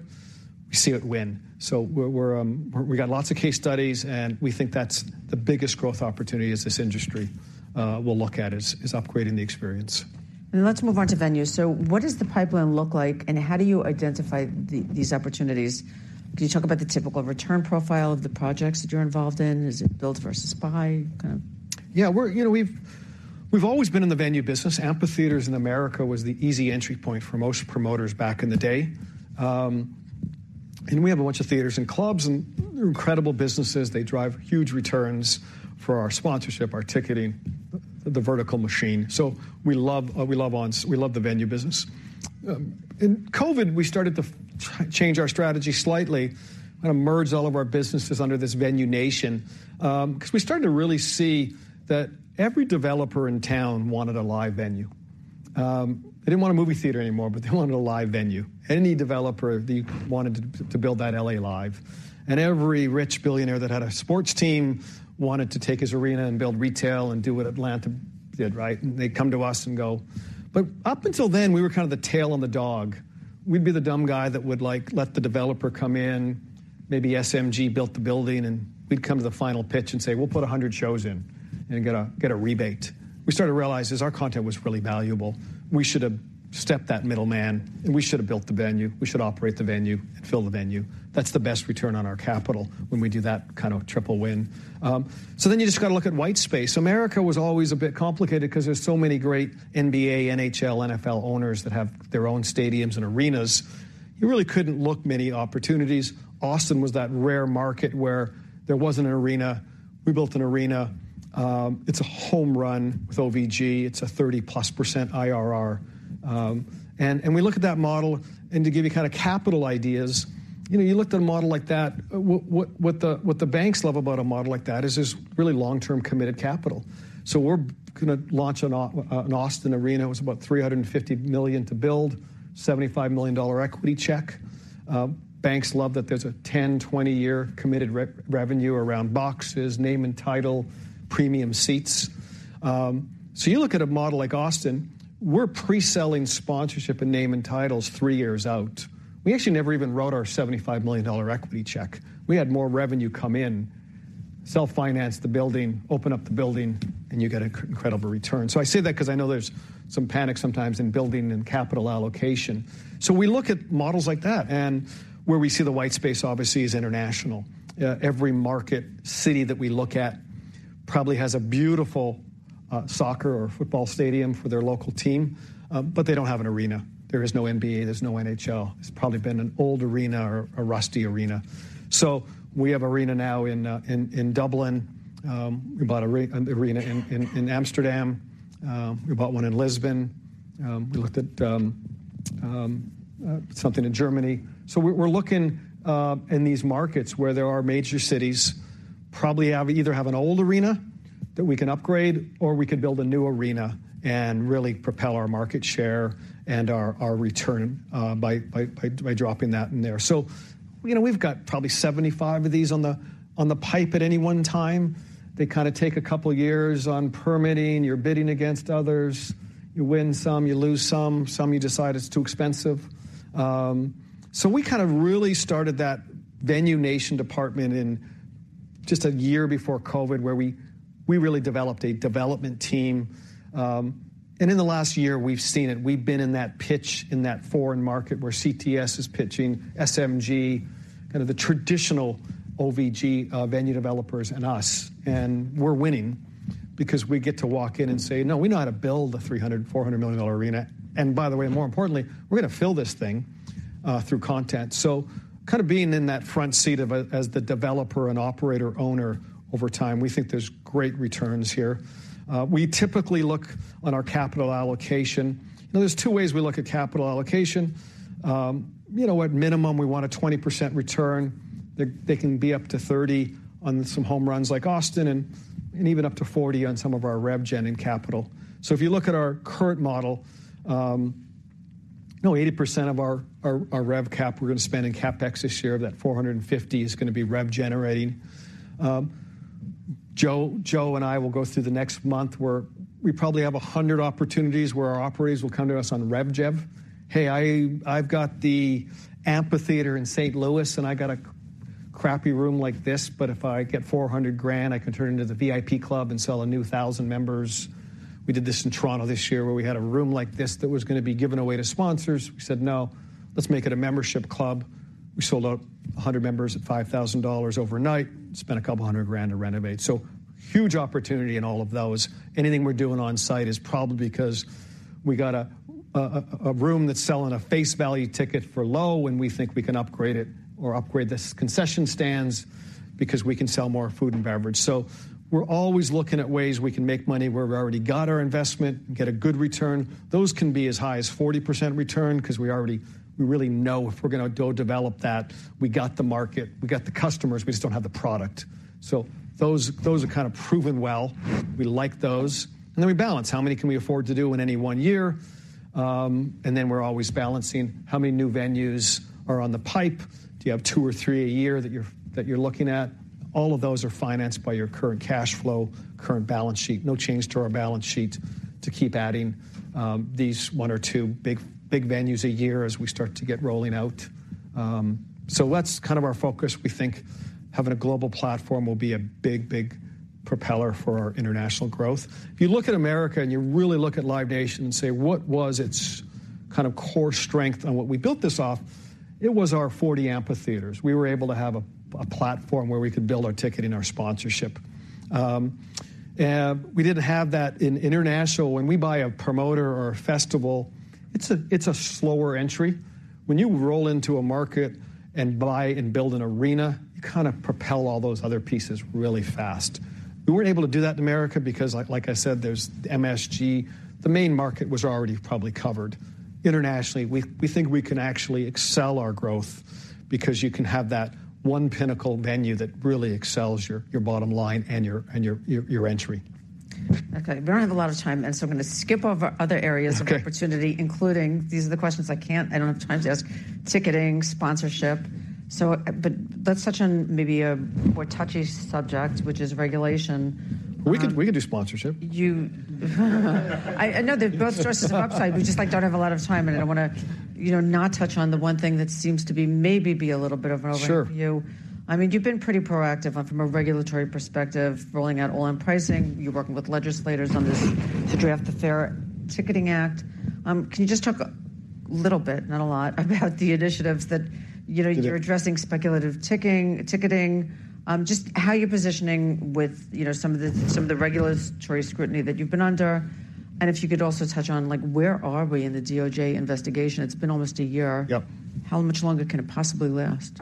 we see it win. So we're, we've got lots of case studies, and we think that's the biggest growth opportunity as this industry will look at, is upgrading the experience. Let's move on to venues. What does the pipeline look like, and how do you identify these opportunities? Can you talk about the typical return profile of the projects that you're involved in? Is it build versus buy, kind of? Yeah, we're—you know, we've always been in the venue business. Amphitheaters in America was the easy entry point for most promoters back in the day. And we have a bunch of theaters and clubs and incredible businesses. They drive huge returns for our sponsorship, our ticketing, and the vertical machine. So we love, we love the venue business. In COVID, we started to change our strategy slightly and merge all of our businesses under this "Venue Nation," because we started to really see that every developer in town wanted a live venue. They didn't want a movie theater anymore, but they wanted a live venue. Any developer, they wanted to build that L.A. Live, and every rich billionaire that had a sports team wanted to take his arena and build retail and do what Atlanta did, right? They'd come to us and go. But up until then, we were kind of the tail on the dog. We'd be the dumb guy that would like, let the developer come in, maybe SMG built the building, and we'd come to the final pitch and say, "We'll put 100 shows in," and get a rebate. We started to realize is our content was really valuable. We should have stepped that middleman, and we should have built the venue. We should operate the venue and fill the venue. That's the best return on our capital when we do that kind of triple win. So then you just got to look at white space. America was always a bit complicated because there's so many great NBA, NHL, NFL owners that have their own stadiums and arenas. You really couldn't look many opportunities. Austin was that rare market where there wasn't an arena. We built an arena. It's a home run with OVG. It's a 30%+ IRR. And we look at that model, and to give you kind of capital ideas, you know, you look at a model like that, what the banks love about a model like that is it's really long-term committed capital. So we're gonna launch an Austin arena. It was about $350 million to build, $75 million equity check. Banks love that there's a 10 to 20 year committed revenue around boxes, name and title, premium seats. So you look at a model like Austin, we're pre-selling sponsorship and name and titles three years out. We actually never even wrote our $75 million equity check. We had more revenue come in, self-finance the building, open up the building, and you get an incredible return. So I say that because I know there's some panic sometimes in building and capital allocation. So we look at models like that, and where we see the white space, obviously, is international. Every market city that we look at probably has a beautiful soccer or football stadium for their local team, but they don't have an arena. There is no NBA, there's no NHL. It's probably been an old arena or a rusty arena. So we have an arena now in Dublin. We bought an arena in Amsterdam. We bought one in Lisbon. We looked at something in Germany. So we're looking in these markets where there are major cities, probably have either an old arena that we can upgrade, or we could build a new arena and really propel our market share and our return by dropping that in there. So, you know, we've got probably 75 of these on the pipe at any one time. They kind of take a couple of years on permitting. You're bidding against others. You win some, you lose some, you decide it's too expensive. So we kind of really started that "Venue Nation" department in just a year before COVID, where we really developed a development team. And in the last year, we've seen it. We've been in that pitch, in that foreign market where CTS is pitching, SMG, kind of the traditional OVG, venue developers and us. And we're winning because we get to walk in and say, "No, we know how to build a $300 to 400 million arena. And by the way, more importantly, we're going to fill this thing through content." So kind of being in that front seat of, as the developer and operator owner over time, we think there's great returns here. We typically look on our capital allocation. Now, there's two ways we look at capital allocation. You know, at minimum, we want a 20% return. They, they can be up to 30% on some home runs like Austin and, and even up to 40% on some of our rev gen and capital. So if you look at our current model, you know, 80% of our rev cap, we're going to spend in CapEx this year. That 450 is going to be rev generating. Joe and I will go through the next month, where we probably have 100 opportunities where our operators will come to us on rev gen. "Hey, I've got the amphitheater in St. Louis, and I got a crappy room like this, but if I get $400,000, I can turn it into the VIP club and sell a new 1,000 members." We did this in Toronto this year, where we had a room like this that was going to be given away to sponsors. We said, "No, let's make it a membership club." We sold out 100 members at $5,000 overnight, spent $200,000 to renovate. So huge opportunity in all of those. Anything we're doing on-site is probably because we got a room that's selling a face value ticket for low, and we think we can upgrade it or upgrade the concession stands because we can sell more food and beverage. So we're always looking at ways we can make money, where we've already got our investment and get a good return. Those can be as high as 40% return because we already, we really know if we're going to go develop that, we got the market, we got the customers, we just don't have the product. So those, those are kind of proven well. We like those. And then we balance how many can we afford to do in any one year? And then we're always balancing how many new venues are on the pipe. Do you have two or three a year that you're looking at? All of those are financed by your current cash flow, current balance sheet. No change to our balance sheet to keep adding these one or two big, big venues a year as we start to get rolling out. So that's kind of our focus. We think having a global platform will be a big, big propeller for our international growth. If you look at America, and you really look at Live Nation and say: what was its kind of core strength and what we built this off? It was our 40 amphitheaters. We were able to have a platform where we could build our ticket and our sponsorship. We didn't have that in international. When we buy a promoter or a festival, it's a slower entry. When you roll into a market and buy and build an arena, you kind of propel all those other pieces really fast. We weren't able to do that in America because, like I said, there's MSG. The main market was already probably covered. Internationally, we think we can actually excel our growth because you can have that one pinnacle venue that really excels your bottom line and your entry. Okay. We don't have a lot of time, and so I'm gonna skip over other areas- Okay. Of opportunity, including—these are the questions I can't, I don't have time to ask: ticketing, sponsorship. So, but that's such an maybe a more touchy subject, which is regulation. We could, we could do sponsorship. I know they're both sources of upside. We just, like, don't have a lot of time, and I wanna, you know, not touch on the one thing that seems to be maybe a little bit of an overview. Sure. I mean, you've been pretty proactive from a regulatory perspective, rolling out all-in pricing. You're working with legislators on this to draft the FAIR Ticketing Act. Can you just talk a little bit, not a lot, about the initiatives that, you know you're addressing speculative ticketing, just how you're positioning with, you know, some of the, some of the regulatory scrutiny that you've been under. If you could also touch on, like, where are we in the DOJ investigation? It's been almost a year. Yep. How much longer can it possibly last? It's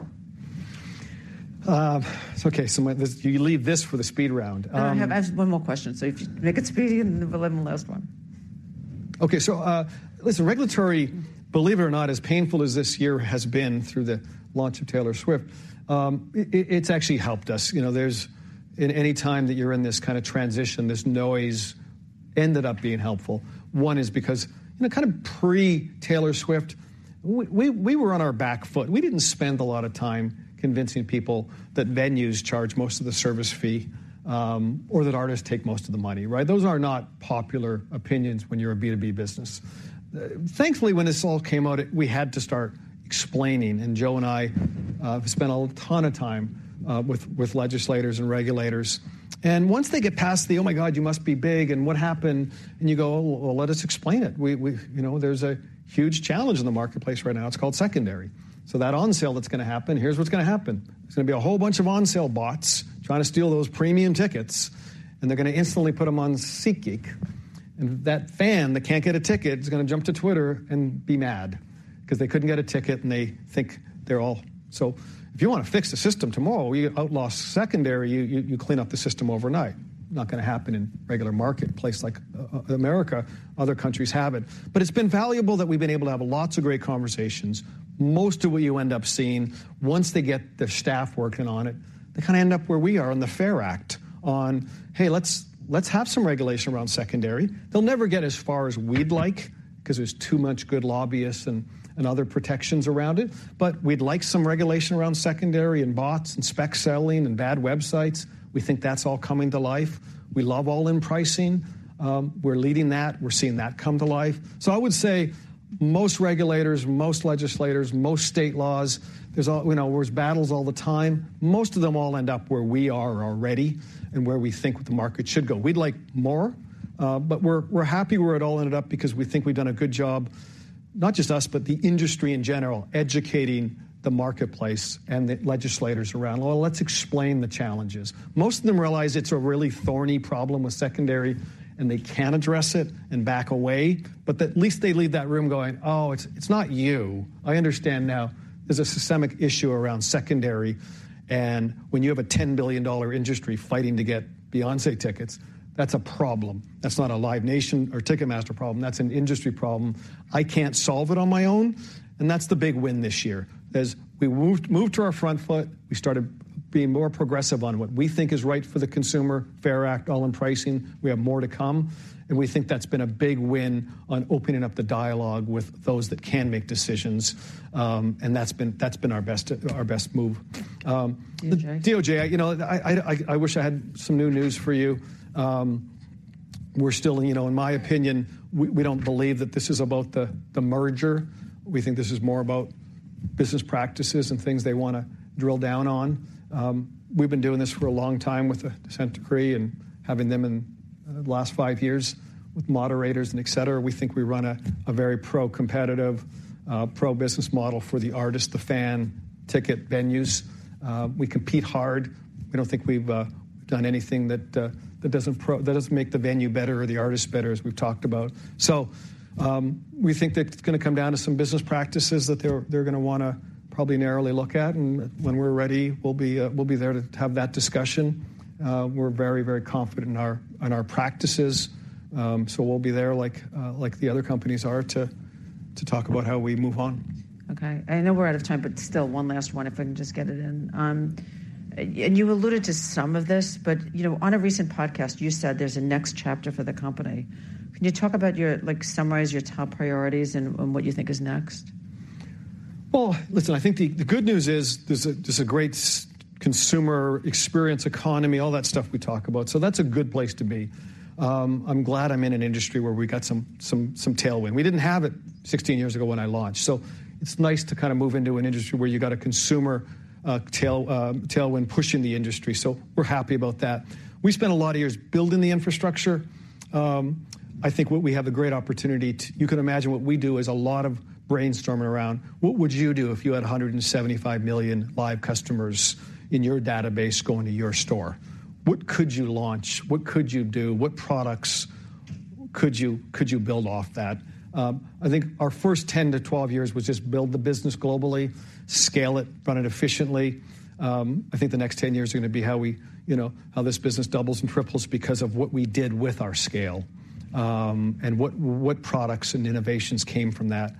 okay, so you leave this for the speed round. I have actually one more question, so if you make it speedy and then the last one. Okay, so, listen, regulatory, believe it or not, as painful as this year has been through the launch of Taylor Swift, it's actually helped us. You know, there's—in any time that you're in this kind of transition, this noise ended up being helpful. One is because in the kind of pre-Taylor Swift, we were on our back foot. We didn't spend a lot of time convincing people that venues charge most of the service fee, or that artists take most of the money, right? Those are not popular opinions when you're a B2B business. Thankfully, when this all came out, it—we had to start explaining, and Joe and I spent a ton of time with legislators and regulators. And once they get past the, "Oh, my god, you must be big," and, "What happened?" And you go, "Well, let us explain it. We, you know, there's a huge challenge in the marketplace right now. It's called secondary. So that on sale that's gonna happen, here's what's gonna happen. There's gonna be a whole bunch of on-sale bots trying to steal those premium tickets, and they're gonna instantly put them on SeatGeek, and that fan that can't get a ticket is gonna jump to Twitter and be mad because they couldn't get a ticket, and they think they're all" So if you want to fix the system tomorrow, we outlaw secondary, you clean up the system overnight. Not gonna happen in a regular marketplace like America. Other countries have it. But it's been valuable that we've been able to have lots of great conversations. Most of what you end up seeing, once they get their staff working on it, they kind of end up where we are on the FAIR Act on, "Hey, let's, let's have some regulation around secondary." They'll never get as far as we'd like because there's too much good lobbyists and, and other protections around it. But we'd like some regulation around secondary and bots and spec selling and bad websites. We think that's all coming to life. We love all-in pricing. We're leading that. We're seeing that come to life. So I would say most regulators, most legislators, most state laws, there's you know, there's battles all the time. Most of them all end up where we are already and where we think the market should go. We'd like more, but we're happy where it all ended up because we think we've done a good job, not just us, but the industry in general, educating the marketplace and the legislators around, "Well, let's explain the challenges." Most of them realize it's a really thorny problem with secondary, and they can address it and back away, but at least they leave that room going, "Oh, it's not you. I understand now there's a systemic issue around secondary, and when you have a $10 billion industry fighting to get Beyoncé tickets, that's a problem. That's not a Live Nation or Ticketmaster problem. That's an industry problem. I can't solve it on my own." And that's the big win this year, is we moved to our front foot. We started being more progressive on what we think is right for the consumer, FAIR Act, all-in pricing. We have more to come, and we think that's been a big win on opening up the dialogue with those that can make decisions. And that's been our best move. DOJ? DOJ, you know, I wish I had some new news for you. We're still, you know, in my opinion, we don't believe that this is about the merger. We think this is more about business practices and things they wanna drill down on. We've been doing this for a long time with the consent decree and having them in the last five years with moderators and et cetera. We think we run a very pro-competitive pro-business model for the artist, the fan, ticket, venues. We compete hard. We don't think we've done anything that doesn't make the venue better or the artist better, as we've talked about. So, we think that it's gonna come down to some business practices that they're gonna wanna probably narrowly look at, and when we're ready, we'll be there to have that discussion. We're very, very confident in our practices, so we'll be there like the other companies are, to talk about how we move on. Okay. I know we're out of time, but still one last one, if I can just get it in. And you alluded to some of this, but, you know, on a recent podcast, you said there's a next chapter for the company. Can you talk about your—like, summarize your top priorities and, and what you think is next? Well, listen, I think the good news is there's a great consumer experience economy, all that stuff we talk about, so that's a good place to be. I'm glad I'm in an industry where we got some tailwind. We didn't have it 16 years ago when I launched, so it's nice to kind of move into an industry where you got a consumer tailwind pushing the industry. So we're happy about that. We spent a lot of years building the infrastructure. I think what we have a great opportunity to. You can imagine what we do is a lot of brainstorming around: What would you do if you had 175 million live customers in your database going to your store? What could you launch? What could you do? What products? Could you, could you build off that? I think our first 10 to 12 years was just build the business globally, scale it, run it efficiently. I think the next 10 years are gonna be how we, you know, how this business doubles and triples because of what we did with our scale, and what, what products and innovations came from that.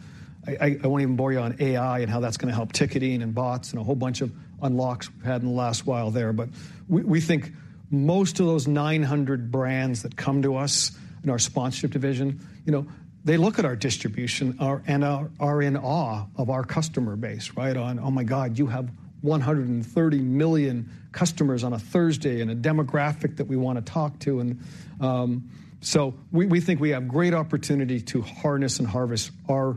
I, I, I won't even bore you on AI and how that's gonna help ticketing and bots and a whole bunch of unlocks we've had in the last while there. But we, we think most of those 900 brands that come to us in our sponsorship division, you know, they look at our distribution and are in awe of our customer base, right? Oh, my God, you have 130 million customers on a Thursday in a demographic that we wanna talk to." And so we think we have great opportunity to harness and harvest our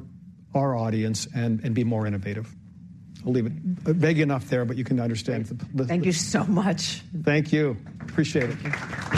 audience and be more innovative. I'll leave it vague enough there, but you can understand the— Thank you so much. Thank you. Appreciate it.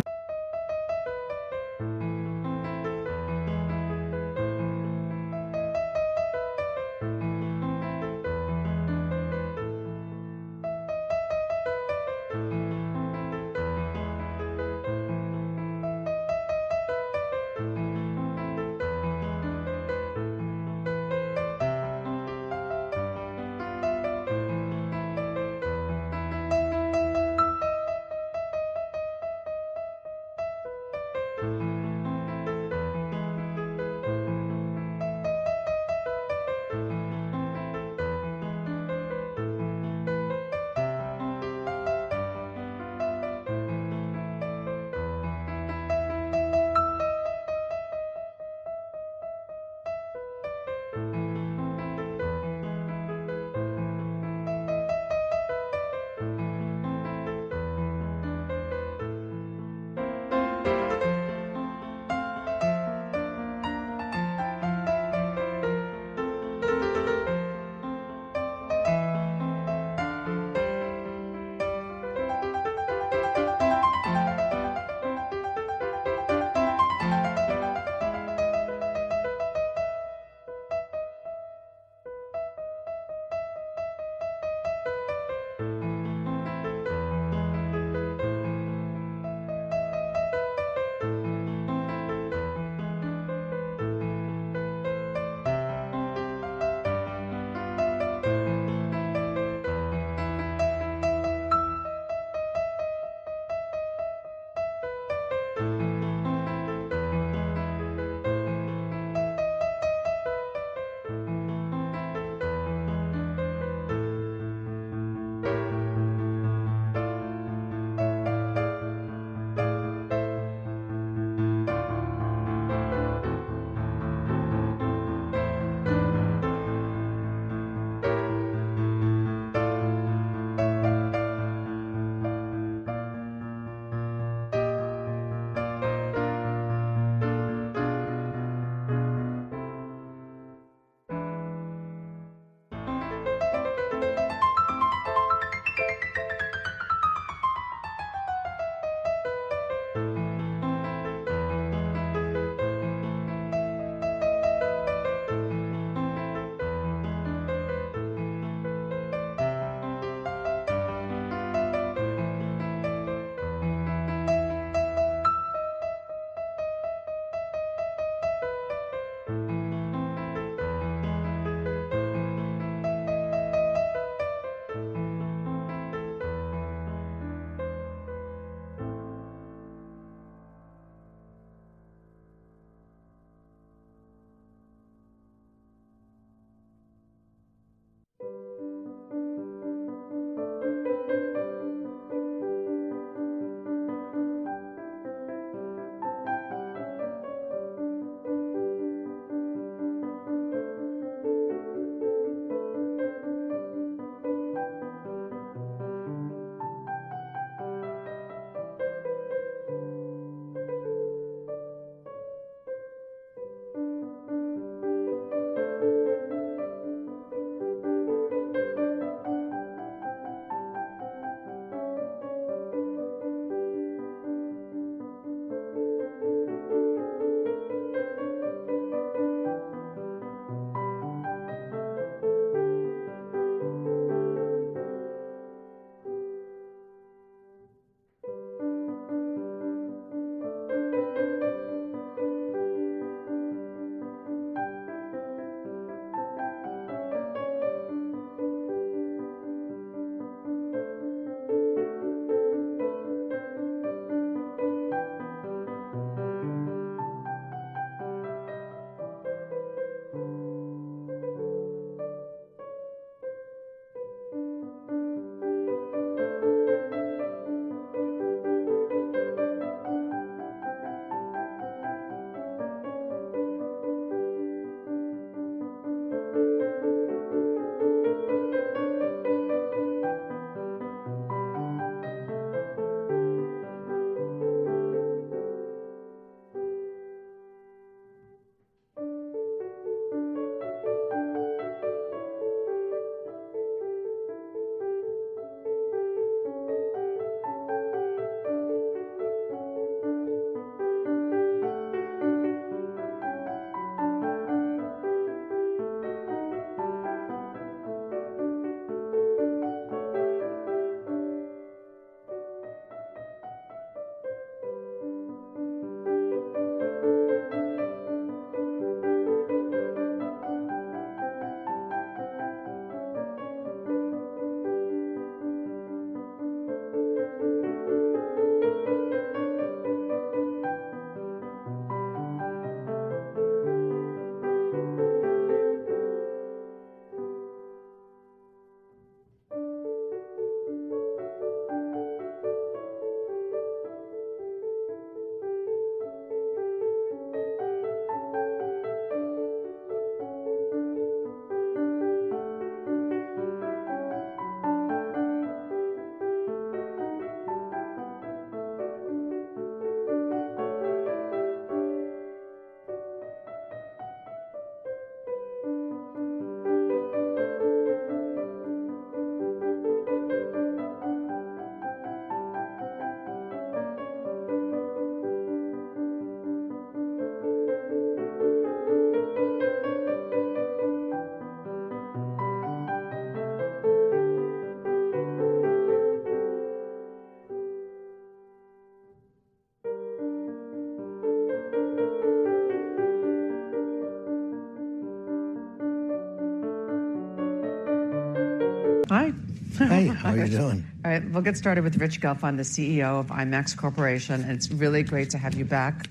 Hi! Hey, how are you doing? All right, we'll get started with Rich Gelfond, the CEO of IMAX Corporation, and it's really great to have you back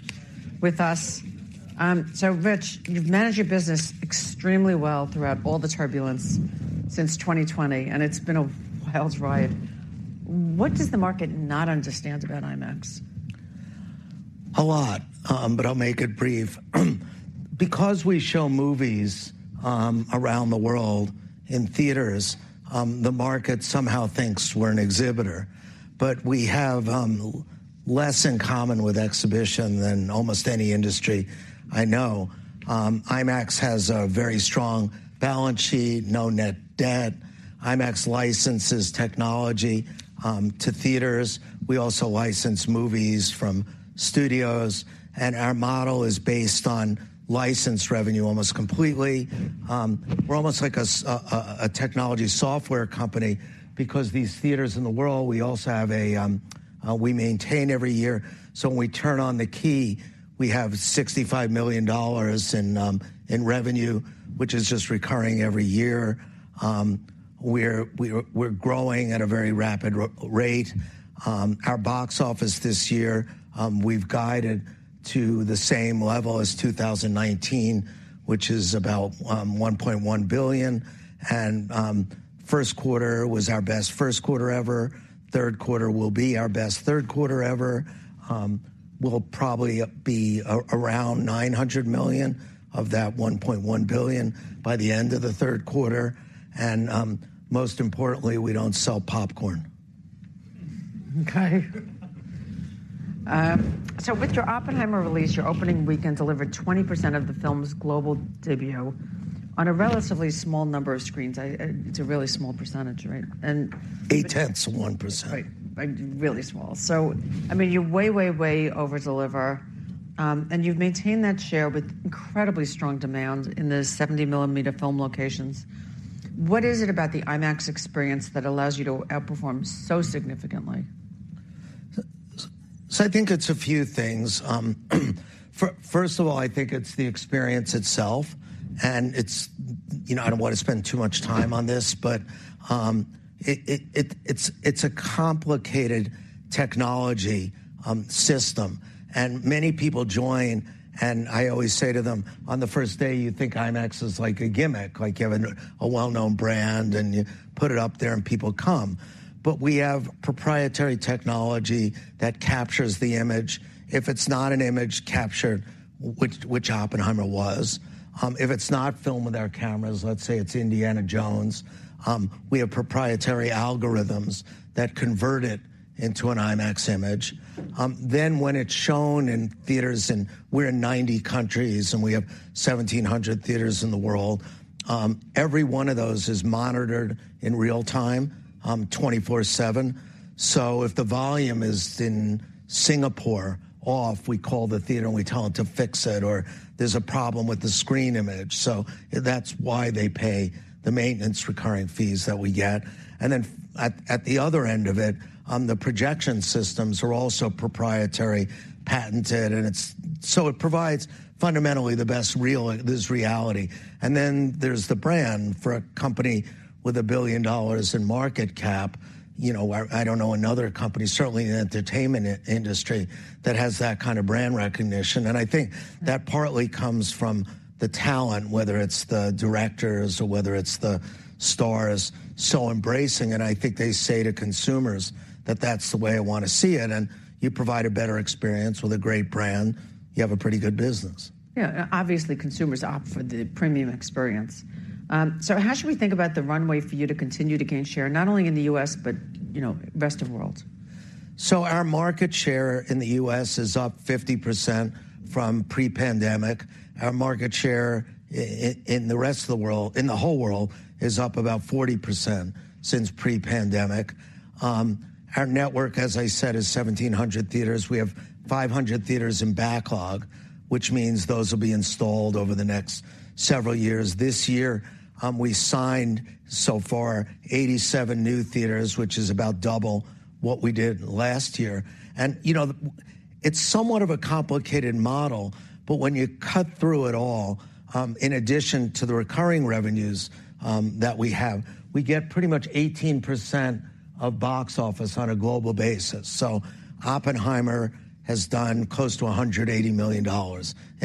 with us. So Rich, you've managed your business extremely well throughout all the turbulence since 2020, and it's been a wild ride. What does the market not understand about IMAX? A lot, but I'll make it brief. Because we show movies around the world in theaters, the market somehow thinks we're an exhibitor. But we have less in common with exhibition than almost any industry I know. IMAX has a very strong balance sheet, no net debt. IMAX licenses technology to theaters. We also license movies from studios, and our model is based on license revenue almost completely. We're almost like a technology software company because these theaters in the world, we also have a, we maintain every year. So when we turn on the key, we have $65 million in revenue, which is just recurring every year. We're growing at a very rapid rate. Our box office this year, we've guided to the same level as 2019, which is about $1.1 billion. Q1 was our best Q1 ever. Q3 will be our best Q3 ever. We'll probably be around $900 million of that $1.1 billion by the end of the Q3, and most importantly, we don't sell popcorn. Okay. So with your Oppenheimer release, your opening weekend delivered 20% of the film's global debut on a relatively small number of screens. It's a really small percentage, right? And- 0.8%. Right. Like, really small. So, I mean, you way, way, way over-deliver, and you've maintained that share with incredibly strong demand in the 70-mm film locations. What is it about the IMAX experience that allows you to outperform so significantly? So I think it's a few things. First of all, I think it's the experience itself, and it's—you know, I don't want to spend too much time on this, but it's a complicated technology system, and many people join, and I always say to them, "On the first day, you think IMAX is like a gimmick, like you have a well-known brand, and you put it up there, and people come." But we have proprietary technology that captures the image. If it's not an image captured, which Oppenheimer was, if it's not filmed with our cameras, let's say it's Indiana Jones, we have proprietary algorithms that convert it into an IMAX image. Then when it's shown in theaters, and we're in 90 countries, and we have 1,700 theaters in the world, every one of those is monitored in real time, 24/7. So if the volume is in Singapore off, we call the theater, and we tell them to fix it, or there's a problem with the screen image, so that's why they pay the maintenance recurring fees that we get. And then at the other end of it, the projection systems are also proprietary, patented, and it's so it provides fundamentally the best this reality. And then there's the brand for a company with a $1 billion in market cap, you know, I don't know another company, certainly in the entertainment industry, that has that kind of brand recognition. I think that partly comes from the talent, whether it's the directors or whether it's the stars, so embracing, and I think they say to consumers that, that's the way I want to see it, and you provide a better experience with a great brand, you have a pretty good business. Yeah. Obviously, consumers opt for the premium experience. So how should we think about the runway for you to continue to gain share, not only in the US, but, you know, rest of world? So our market share in the US is up 50% from pre-pandemic. Our market share in the rest of the world, in the whole world, is up about 40% since pre-pandemic. Our network, as I said, is 1,700 theaters. We have 500 theaters in backlog, which means those will be installed over the next several years. This year, we signed so far 87 new theaters, which is about double what we did last year. And, you know, it's somewhat of a complicated model, but when you cut through it all, in addition to the recurring revenues, that we have, we get pretty much 18% of box office on a global basis. So Oppenheimer has done close to $180 million in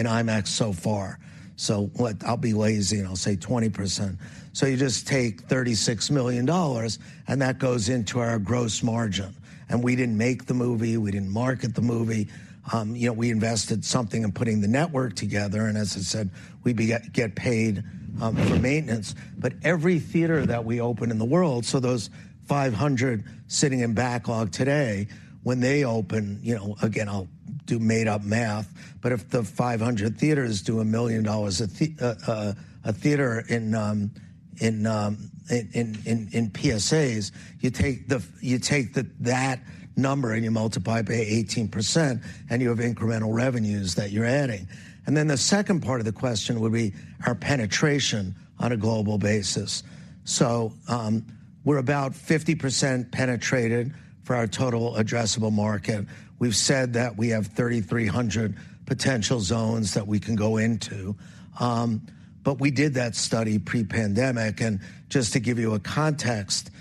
IMAX so far. So, I'll be lazy, and I'll say 20%. So you just take $36 million, and that goes into our gross margin. And we didn't make the movie, we didn't market the movie. You know, we invested something in putting the network together, and as I said, we get paid for maintenance. But every theater that we open in the world, so those 500 sitting in backlog today, when they open, you know, again, I'll do made-up math, but if the 500 theaters do $1 million a theater in PSAs, you take that number and you multiply by 18%, and you have incremental revenues that you're adding. And then the second part of the question would be our penetration on a global basis. So, we're about 50% penetrated for our total addressable market. We've said that we have 3,300 potential zones that we can go into. But we did that study pre-pandemic. And just to give you a context,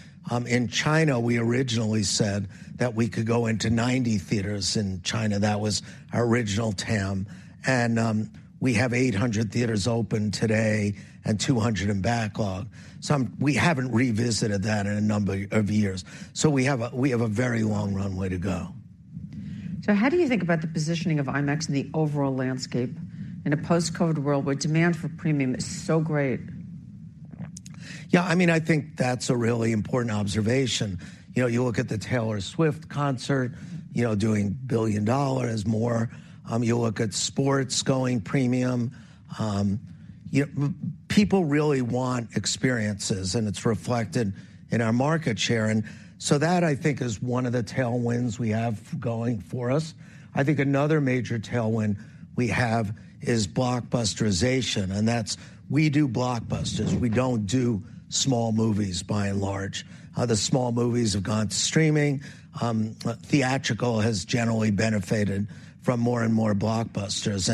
in China, we originally said that we could go into 90 theaters in China. That was our original TAM. And we have 800 theaters open today and 200 in backlog. We haven't revisited that in a number of years, so we have a very long runway to go. So how do you think about the positioning of IMAX in the overall landscape in a post-COVID world where demand for premium is so great? Yeah, I mean, I think that's a really important observation. You know, you look at the Taylor Swift concert, you know, doing $1 billion more. You look at sports going premium. You know, people really want experiences, and it's reflected in our market share, and so that I think is one of the tailwinds we have going for us. I think another major tailwind we have is blockbusterization, and that's we do blockbusters. We don't do small movies, by and large. The small movies have gone to streaming. Theatrical has generally benefited from more and more blockbusters.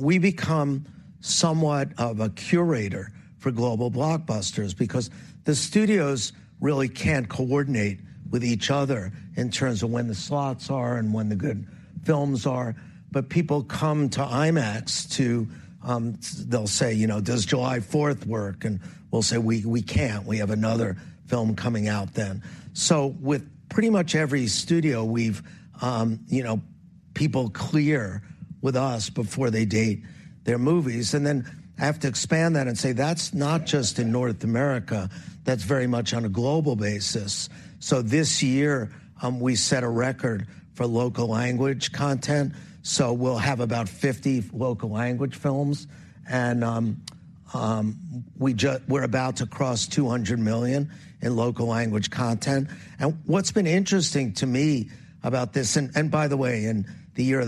We become somewhat of a curator for global blockbusters because the studios really can't coordinate with each other in terms of when the slots are and when the good films are. But people come to IMAX to—they'll say, you know, "Does 4 July work?" And we'll say, "We, we can't. We have another film coming out then." So with pretty much every studio we've, you know, people clear with us before they date their movies, and then I have to expand that and say, that's not just in North America. That's very much on a global basis. So this year, we set a record for local language content, so we'll have about 50 local language films. And, we're about to cross $200 million in local language content. What's been interesting to me about this, and by the way, in the year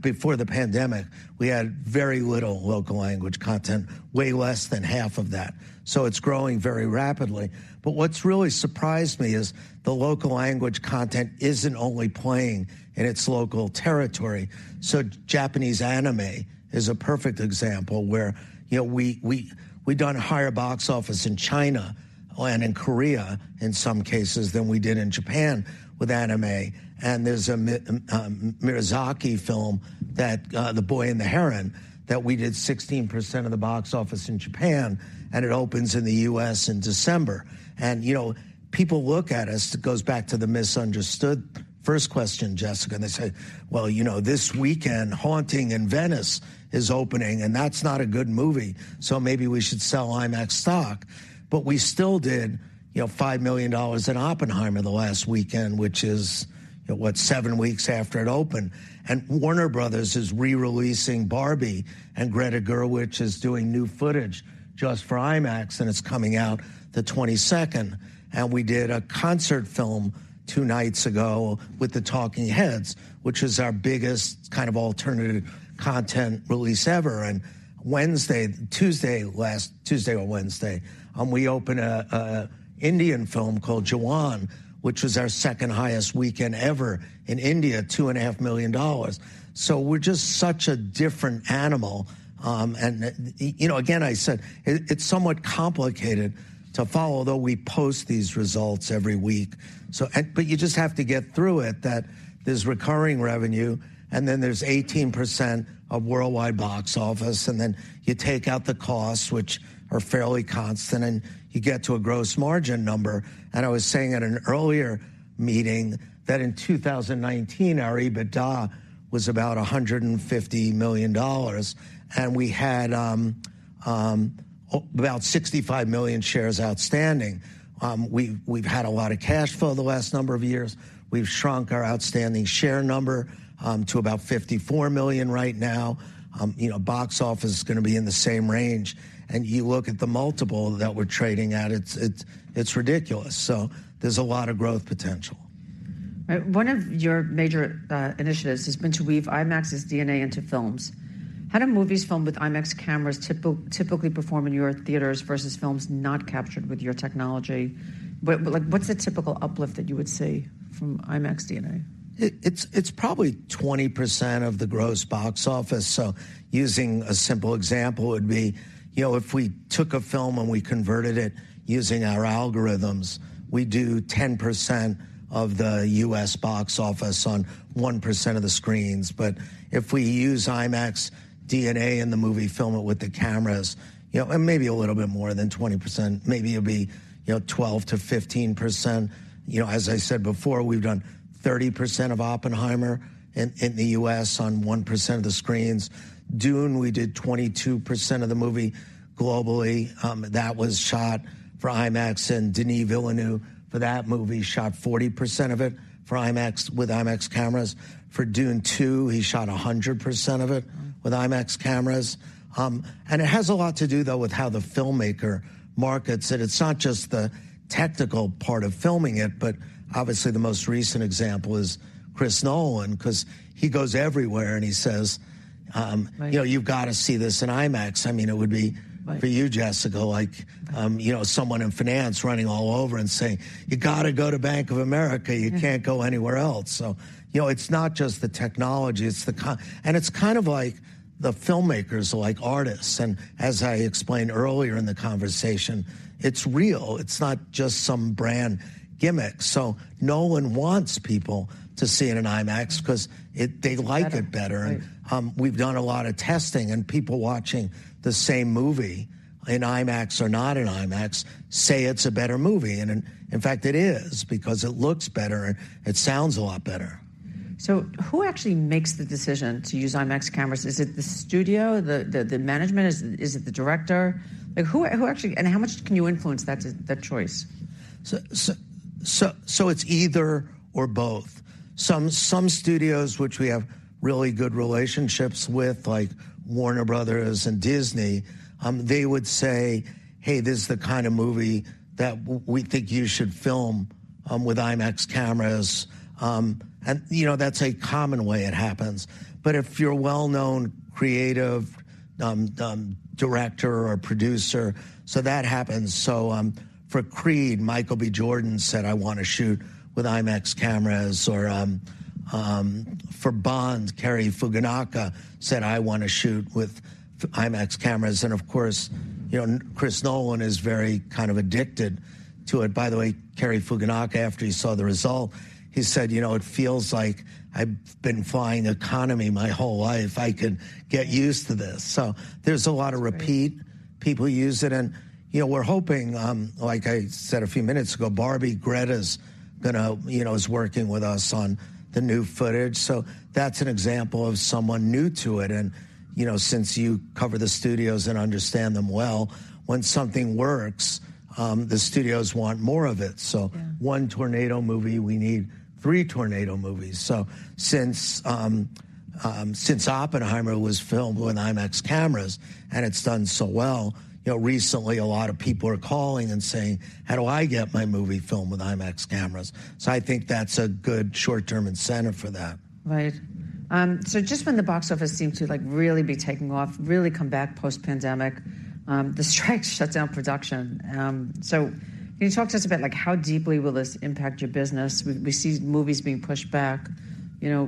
before the pandemic, we had very little local language content, way less than 1/2 of that. So it's growing very rapidly. But what's really surprised me is the local language content isn't only playing in its local territory. So Japanese anime is a perfect example where, you know, we've done higher box office in China and in Korea, in some cases, than we did in Japan with anime. And there's a Miyazaki film, The Boy and the Heron, that we did 16% of the box office in Japan, and it opens in the US in December. You know, people look at us, it goes back to the misunderstood first question, Jessica, and they say: "Well, you know, this weekend, Haunting in Venice is opening, and that's not a good movie, so maybe we should sell IMAX stock." But we still did, you know, $5 million in Oppenheimer the last weekend, which is, what, seven weeks after it opened. And Warner Bros is re-releasing Barbie, and Greta Gerwig is doing new footage just for IMAX, and it's coming out the 22nd. And we did a concert film two nights ago with the Talking Heads, which is our biggest kind of alternative content release ever. And last Tuesday or Wednesday, we opened an Indian film called Jawan, which was our second highest weekend ever in India, $2.5 million. So we're just such a different animal. And, you know, again, I said it's somewhat complicated to follow, though we post these results every week. You just have to get through it, that there's recurring revenue, and then there's 18% of worldwide box office, and then you take out the costs, which are fairly constant, and you get to a gross margin number. And I was saying at an earlier meeting that in 2019, our EBITDA was about $150 million, and we had about 65 million shares outstanding. We've had a lot of cash flow the last number of years. We've shrunk our outstanding share number to about 54 million right now. You know, box office is gonna be in the same range, and you look at the multiple that we're trading at, it's ridiculous. There's a lot of growth potential. Right. One of your major initiatives has been to weave IMAX's DNA into films. How do movies filmed with IMAX cameras typically perform in your theaters versus films not captured with your technology? But, like, what's the typical uplift that you would see from IMAX DNA? It's probably 20% of the gross box office. So using a simple example would be, you know, if we took a film, and we converted it using our algorithms, we do 10% of the US box office on 1% of the screens. But if we use IMAX DNA in the movie, film it with the cameras, you know, it may be a little bit more than 20%. Maybe it'll be, you know, 12% to 15%. You know, as I said before, we've done 30% of Oppenheimer in the US on 1% of the screens. Dune, we did 22% of the movie globally. That was shot for IMAX, and Denis Villeneuve, for that movie, shot 40% of it for IMAX with IMAX cameras. For Dune Two, he shot 100% of it with IMAX cameras. And it has a lot to do, though, with how the filmmaker markets it. It's not just the technical part of filming it, but obviously, the most recent example is Chris Nolan. 'Cause he goes everywhere, and he says, "You know, you've got to see this in IMAX." I mean, it would be-for you, Jessica, like, you know, someone in finance running all over and saying, "You got to go to Bank of America You can't go anywhere else." So, you know, it's not just the technology, it's the—and it's kind of like the filmmakers are like artists, and as I explained earlier in the conversation, it's real. It's not just some brand gimmick. So Nolan wants people to see it in IMAX 'cause it, they like it better. Right. We've done a lot of testing, and people watching the same movie in IMAX or not in IMAX say it's a better movie, and in fact, it is because it looks better, and it sounds a lot better. So who actually makes the decision to use IMAX cameras? Is it the studio, the management? Is it the director? Like, who actually—and how much can you influence that choice? It's either or both. Some studios which we have really good relationships with, like Warner Bros and Disney, they would say, "Hey, this is the kind of movie that we think you should film with IMAX cameras." And, you know, that's a common way it happens. But if you're a well-known creative director or producer, so that happens. So, for Creed, Michael B. Jordan said, "I want to shoot with IMAX cameras," or, for Bond, Cary Fukunaga said, "I want to shoot with IMAX cameras." And of course, you know, Chris Nolan is very kind of addicted to it. By the way, Cary Fukunaga, after he saw the result, he said, "You know, it feels like I've been flying economy my whole life. I could get used to this." So there's a lot of repeat. Right. People use it, and, you know, we're hoping, like I said a few minutes ago, Barbie, Greta's gonna—you know, is working with us on the new footage. So that's an example of someone new to it, and, you know, since you cover the studios and understand them well, when something works, the studios want more of it. Yeah. So one tornado movie, we need three tornado movies. So since Oppenheimer was filmed with IMAX cameras, and it's done so well, you know, recently, a lot of people are calling and saying: How do I get my movie filmed with IMAX cameras? So I think that's a good short-term incentive for that. Right. So just when the box office seemed to, like, really be taking off, really come back post-pandemic, the strike shut down production. So can you talk to us about, like, how deeply will this impact your business? We see movies being pushed back. You know,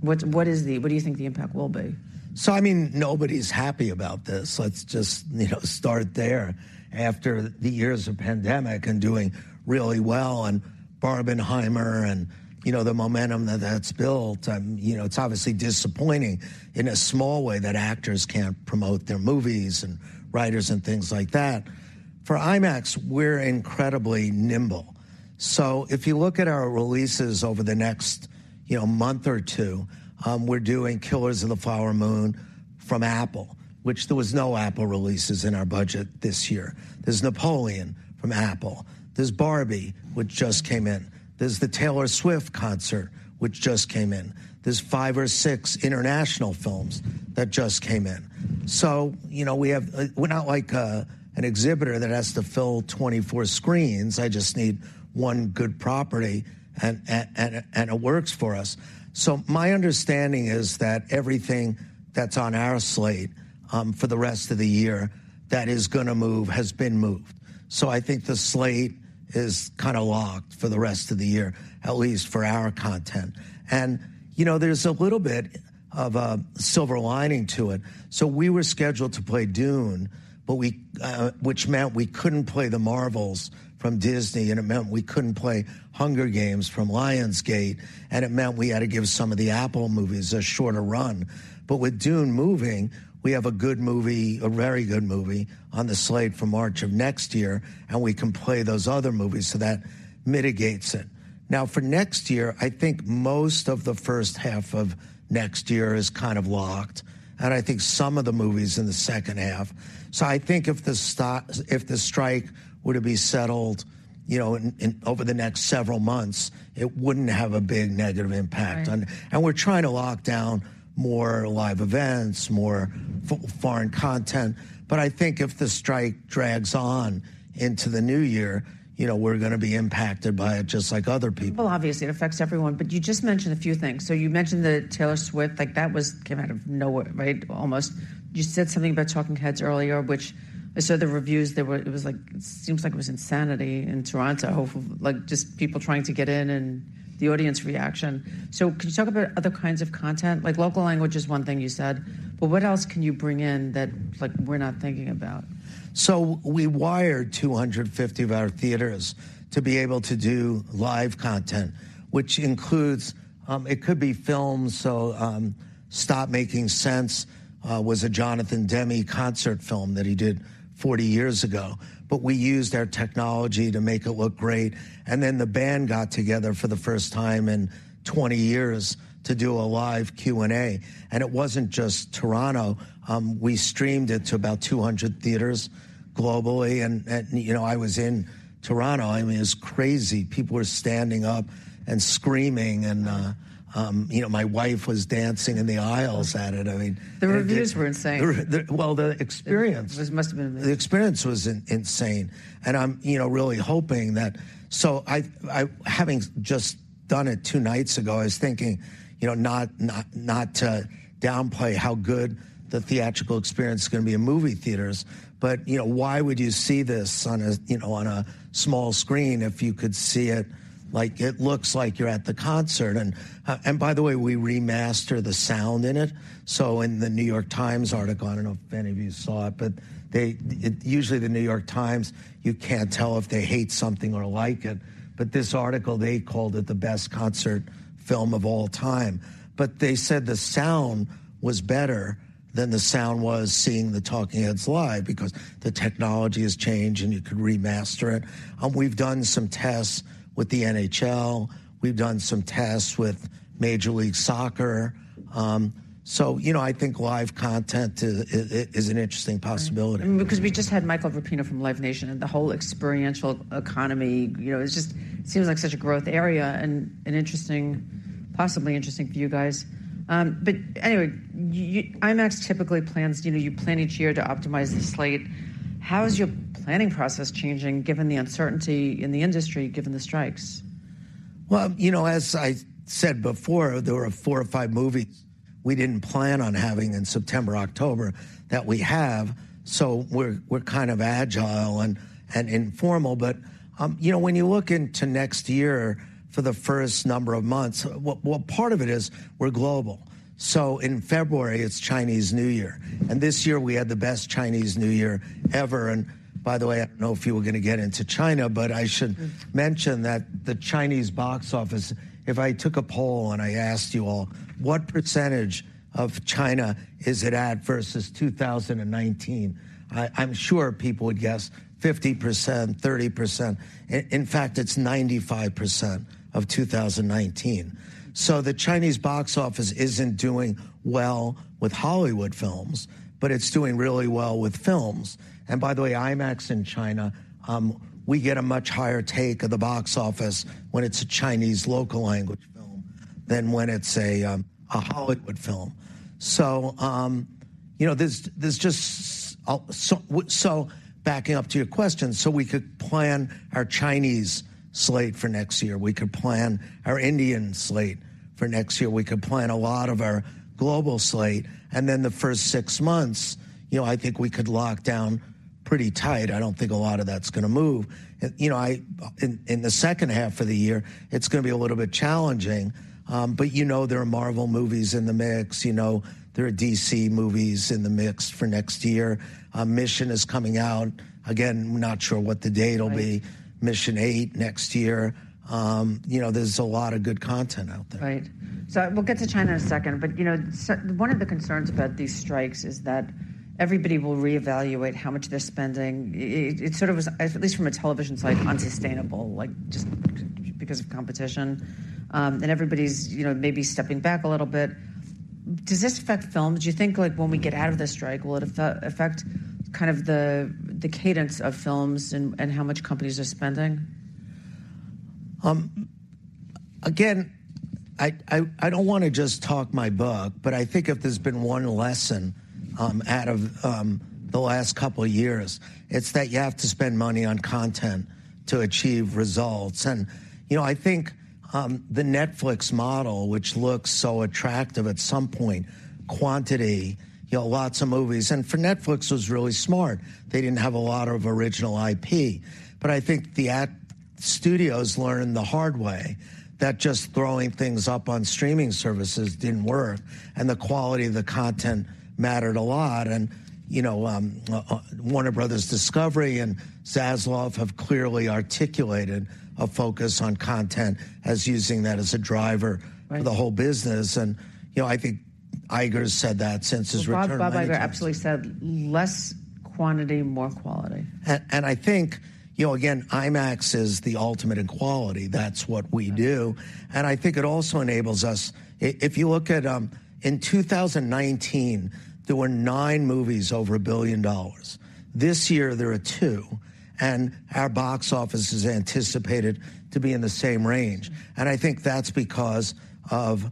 what, what is the—what do you think the impact will be? So, I mean, nobody's happy about this. Let's just, you know, start there. After the years of pandemic and doing really well and "Barbenheimer" and, you know, the momentum that that's built, you know, it's obviously disappointing in a small way that actors can't promote their movies, and writers, and things like that. For IMAX, we're incredibly nimble. So if you look at our releases over the next, you know, month or two, we're doing Killers of the Flower Moon from Apple, which there was no Apple releases in our budget this year. There's Napoleon from Apple. There's Barbie, which just came in. There's the Taylor Swift concert, which just came in. There's five or six international films that just came in. So, you know, we have—we're not like, an exhibitor that has to fill 24 screens. I just need one good property, and it works for us. So my understanding is that everything that's on our slate for the rest of the year that is gonna move has been moved. So I think the slate is kind of locked for the rest of the year, at least for our content. And, you know, there's a little bit of a silver lining to it. So we were scheduled to play Dune, but which meant we couldn't play The Marvels from Disney, and it meant we couldn't play The Hunger Games from Lionsgate, and it meant we had to give some of the Apple movies a shorter run. But with Dune moving, we have a good movie, a very good movie, on the slate for March of next year, and we can play those other movies, so that mitigates it. Now, for next year, I think most of H1 of next year is kind of locked, and I think some of the movies in H2. So I think if the strike were to be settled, you know, in, in over the next several months, it wouldn't have a big negative impact on- Right. We're trying to lock down more live events, more foreign content, but I think if the strike drags on into the new year, you know, we're gonna be impacted by it, just like other people. Well, obviously, it affects everyone, but you just mentioned a few things. So you mentioned the Taylor Swift, like, that was, came out of nowhere, right? Almost. You said something about Talking Heads earlier, which I saw the reviews. They were—it was like, it seems like it was insanity in Toronto, of, like, just people trying to get in and the audience reaction. So can you talk about other kinds of content? Like, local language is one thing you said, but what else can you bring in that, like, we're not thinking about? So we wired 250 of our theaters to be able to do live content, which includes, it could be film. So, Stop Making Sense, was a Jonathan Demme concert film that he did 40 years ago. But we used our technology to make it look great, and then the band got together for the first time in 20 years to do a live Q&A. And it wasn't just Toronto. We streamed it to about 200 theaters globally, and, you know, I was in Toronto. I mean, it was crazy. People were standing up and screaming, and, you know, my wife was dancing in the aisles at it. I mean- The reviews were insane. The, well, the experience— It must have been— The experience was insane, and I'm, you know, really hoping that—so I, having just done it two nights ago, I was thinking, you know, not to downplay how good the theatrical experience is gonna be in movie theaters. But, you know, why would you see this on a, you know, on a small screen if you could see it, like, it looks like you're at the concert? And, and by the way, we remastered the sound in it. So in The New York Times article, I don't know if any of you saw it, but they—usually, the New York Times, you can't tell if they hate something or like it, but this article, they called it the best concert film of all time. But they said the sound was better than the sound was seeing the Talking Heads live because the technology has changed, and you could remaster it. We've done some tests with the NHL. We've done some tests with Major League Soccer. So, you know, I think live content is an interesting possibility. Because we just had Michael Rapino from Live Nation, and the whole experiential economy, you know, it's just seems like such a growth area and an interesting, possibly interesting for you guys. But anyway, you, IMAX typically plans, you know, you plan each year to optimize the slate. How is your planning process changing, given the uncertainty in the industry, given the strikes? Well, you know, as I said before, there were four or five movies we didn't plan on having in September, October, that we have, so we're kind of agile and informal. But, you know, when you look into next year for the first number of months, what part of it is, we're global. So in February, it's Chinese New Year, and this year we had the best Chinese New Year ever. And by the way, I don't know if you were gonna get into China, but I should mention that the Chinese box office, if I took a poll and I asked you all, "What percentage of China is it at versus 2019?" I'm sure people would guess 50%, 30%. In fact, it's 95% of 2019. So the Chinese box office isn't doing well with Hollywood films, but it's doing really well with films. And by the way, IMAX in China, we get a much higher take of the box office when it's a Chinese local language film than when it's a Hollywood film. So, you know, there's just so backing up to your question, so we could plan our Chinese slate for next year. We could plan our Indian slate for next year. We could plan a lot of our global slate, and then the first six months, you know, I think we could lock down pretty tight. I don't think a lot of that's gonna move. You know, in H2 of the year, it's gonna be a little bit challenging, but you know there are Marvel movies in the mix. You know, there are DC movies in the mix for next year. Mission is coming out. Again, we're not sure what the date will be. Right. Mission VIII next year. You know, there's a lot of good content out there. Right. So we'll get to China in a second, but, you know, one of the concerns about these strikes is that everybody will reevaluate how much they're spending. It sort of is, at least from a television side, unsustainable, like, just because of competition. And everybody's, you know, maybe stepping back a little bit. Does this affect film? Do you think, like, when we get out of this strike, will it affect kind of the cadence of films and how much companies are spending? Again, I don't wanna just talk my book, but I think if there's been one lesson out of the last couple years, it's that you have to spend money on content to achieve results. And, you know, I think the Netflix model, which looks so attractive at some point, quantity, you know, lots of movies, and for Netflix, it was really smart. They didn't have a lot of original IP. But I think the studios learned the hard way that just throwing things up on streaming services didn't work, and the quality of the content mattered a lot. And, you know, Warner Bros Discovery and Zaslav have clearly articulated a focus on content as using that as a driver for the whole business. And, you know, I think Iger's said that since his return. Well, Bob, Bob Iger actually said, "Less quantity, more quality." And I think, you know, again, IMAX is the ultimate in quality. That's what we do. Right. I think it also enables us. If you look at in 2019, there were nine movies over $1 billion. This year, there are two, and our box office is anticipated to be in the same range. I think that's because of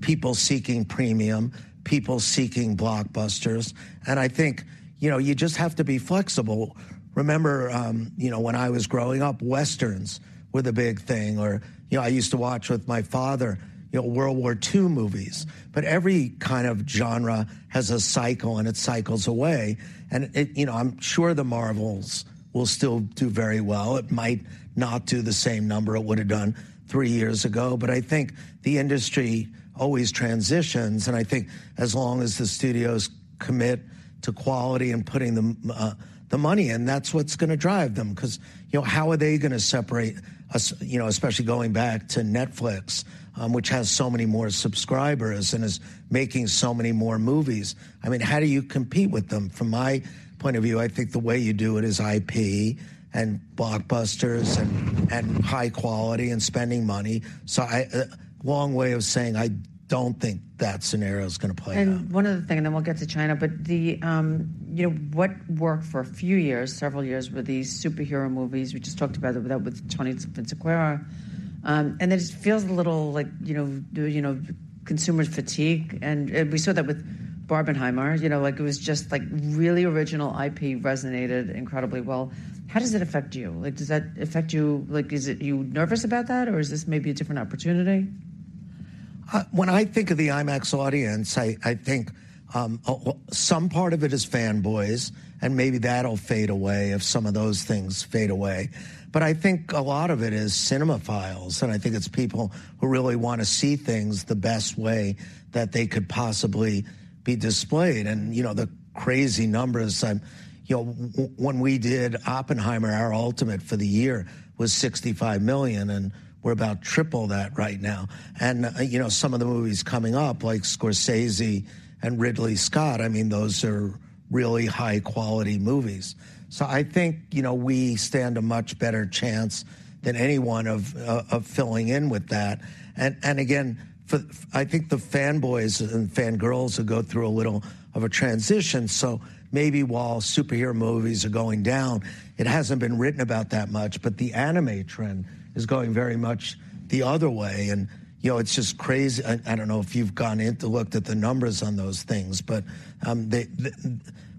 people seeking premium, people seeking blockbusters, and I think, you know, you just have to be flexible. Remember, you know, when I was growing up, Westerns were the big thing, or, you know, I used to watch with my father, you know, World War II movies, but every kind of genre has a cycle, and it cycles away. It, you know, I'm sure The Marvels will still do very well. It might not do the same number it would've done three years ago, but I think the industry always transitions. I think as long as the studios commit to quality and putting the money in, that's what's gonna drive them. 'Cause, you know, how are they gonna separate us, you know, especially going back to Netflix, which has so many more subscribers and is making so many more movies. I mean, how do you compete with them? From my point of view, I think the way you do it is IP, and blockbusters, and, and high quality and spending money. So I—long way of saying I don't think that scenario's gonna play out. And one other thing, and then we'll get to China. But the, you know, what worked for a few years, several years, with these superhero movies, we just talked about it with Tony Vinciquerra, and it just feels a little like, you know, consumer fatigue, and we saw that with "Barbenheimer." You know, like, it was just, like, really original IP resonated incredibly well. How does it affect you? Like, does that affect you? Like, is it you nervous about that, or is this maybe a different opportunity? When I think of the IMAX audience, I, I think, some part of it is fanboys, and maybe that'll fade away if some of those things fade away. But I think a lot of it is cinemaphiles, and I think it's people who really wanna see things the best way that they could possibly be displayed. And, you know, the crazy numbers, you know, when we did Oppenheimer, our ultimate for the year was $65 million, and we're about triple that right now. And, you know, some of the movies coming up, like Scorsese and Ridley Scott, I mean, those are really high-quality movies. So I think, you know, we stand a much better chance than anyone of, of filling in with that. And, and again, for, I think the fanboys and fangirls will go through a little of a transition. So maybe while superhero movies are going down, it hasn't been written about that much, but the anime trend is going very much the other way, and, you know, it's just crazy. I don't know if you've gone in to look at the numbers on those things, but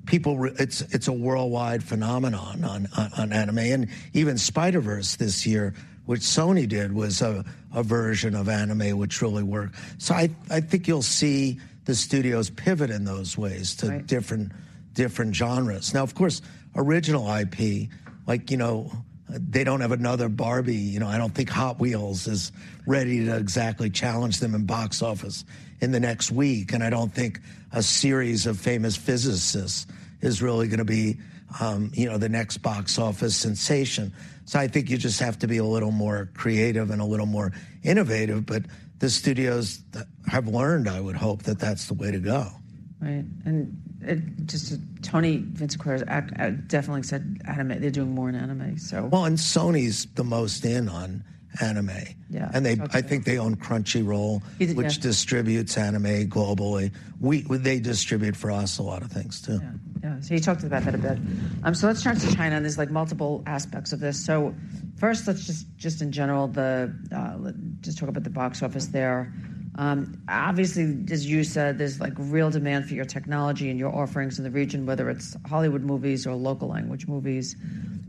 It's a worldwide phenomenon on anime. And even Spider-Verse this year, which Sony did, was a version of anime, which really worked. So I think you'll see the studios pivot in those ways- Right. To different genres. Now, of course, original IP, like, you know, they don't have another Barbie. You know, I don't think Hot Wheels is ready to exactly challenge them in box office in the next week, and I don't think a series of famous physicists is really gonna be, you know, the next box office sensation. So I think you just have to be a little more creative and a little more innovative, but the studios have learned, I would hope, that that's the way to go. Right. And it just, Tony Vinciquerra definitely said anime. They're doing more in anime, so- Well, and Sony's the most in on anime. Yeah. And they— Okay. I think they own Crunchyroll- Yes. Which distributes anime globally. Well, they distribute for us a lot of things, too. Yeah. Yeah, so you talked about that a bit. So let's turn to China, and there's, like, multiple aspects of this. So first, let's just in general just talk about the box office there. Obviously, as you said, there's, like, real demand for your technology and your offerings in the region, whether it's Hollywood movies or local language movies.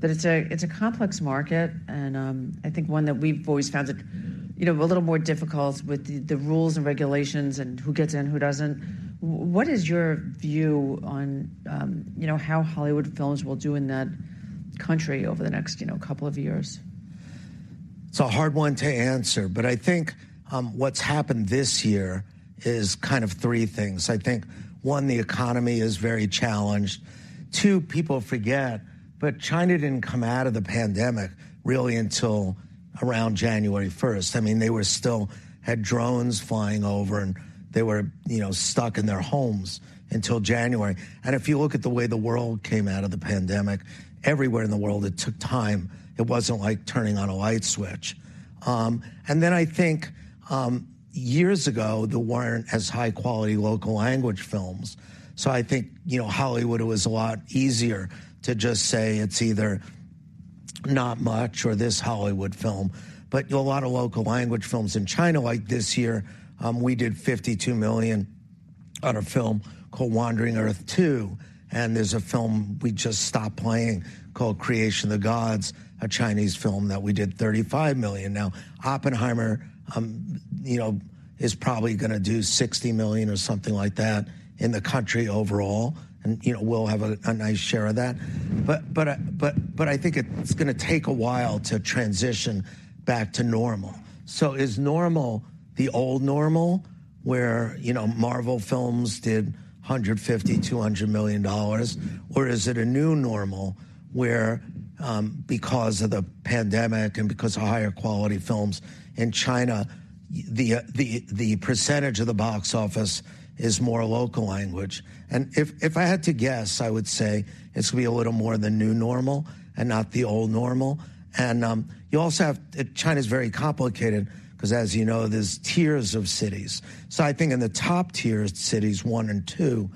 But it's a, it's a complex market, and, I think one that we've always found it, you know, a little more difficult with the, the rules and regulations and who gets in, who doesn't. What is your view on, you know, how Hollywood films will do in that country over the next, you know, couple of years? It's a hard one to answer, but I think, what's happened this year is kind of three things. I think, one, the economy is very challenged. Two, people forget, but China didn't come out of the pandemic really until around January first. I mean, they were still, had drones flying over, and they were, you know, stuck in their homes until January. And if you look at the way the world came out of the pandemic, everywhere in the world, it took time. It wasn't like turning on a light switch. And then I think, years ago, there weren't as high-quality local language films. So I think, you know, Hollywood, it was a lot easier to just say, "It's either not much or this Hollywood film." But, you know, a lot of local language films in China, like this year, we did $52 million on a film called Wandering Earth 2. And there's a film we just stopped playing called Creation of the Gods, a Chinese film that we did $35 million. Now, Oppenheimer, you know, is probably gonna do $60 million or something like that in the country overall, and, you know, we'll have a nice share of that. But I think it's gonna take a while to transition back to normal. So is normal the old normal, where, you know, Marvel films did $150 to 200 million? Or is it a new normal, where, because of the pandemic and because of higher-quality films in China, the percentage of the box office is more local language? And if I had to guess, I would say it's gonna be a little more the new normal and not the old normal. And you also have—China's very complicated, 'cause as you know, there's tiers of cities. So I think in the top-tier cities 1 and 2,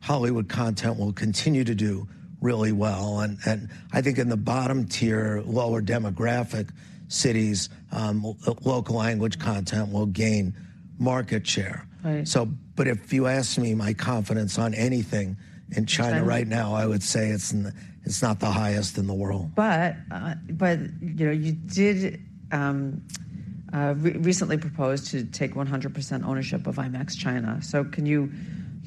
Hollywood content will continue to do really well. And I think in the bottom tier, lower demographic cities, local language content will gain market share. Right. But if you ask me, my confidence on anything in China right now— Understood. I would say it's in the, it's not the highest in the world. But you know, you did recently propose to take 100% ownership of IMAX China. So can you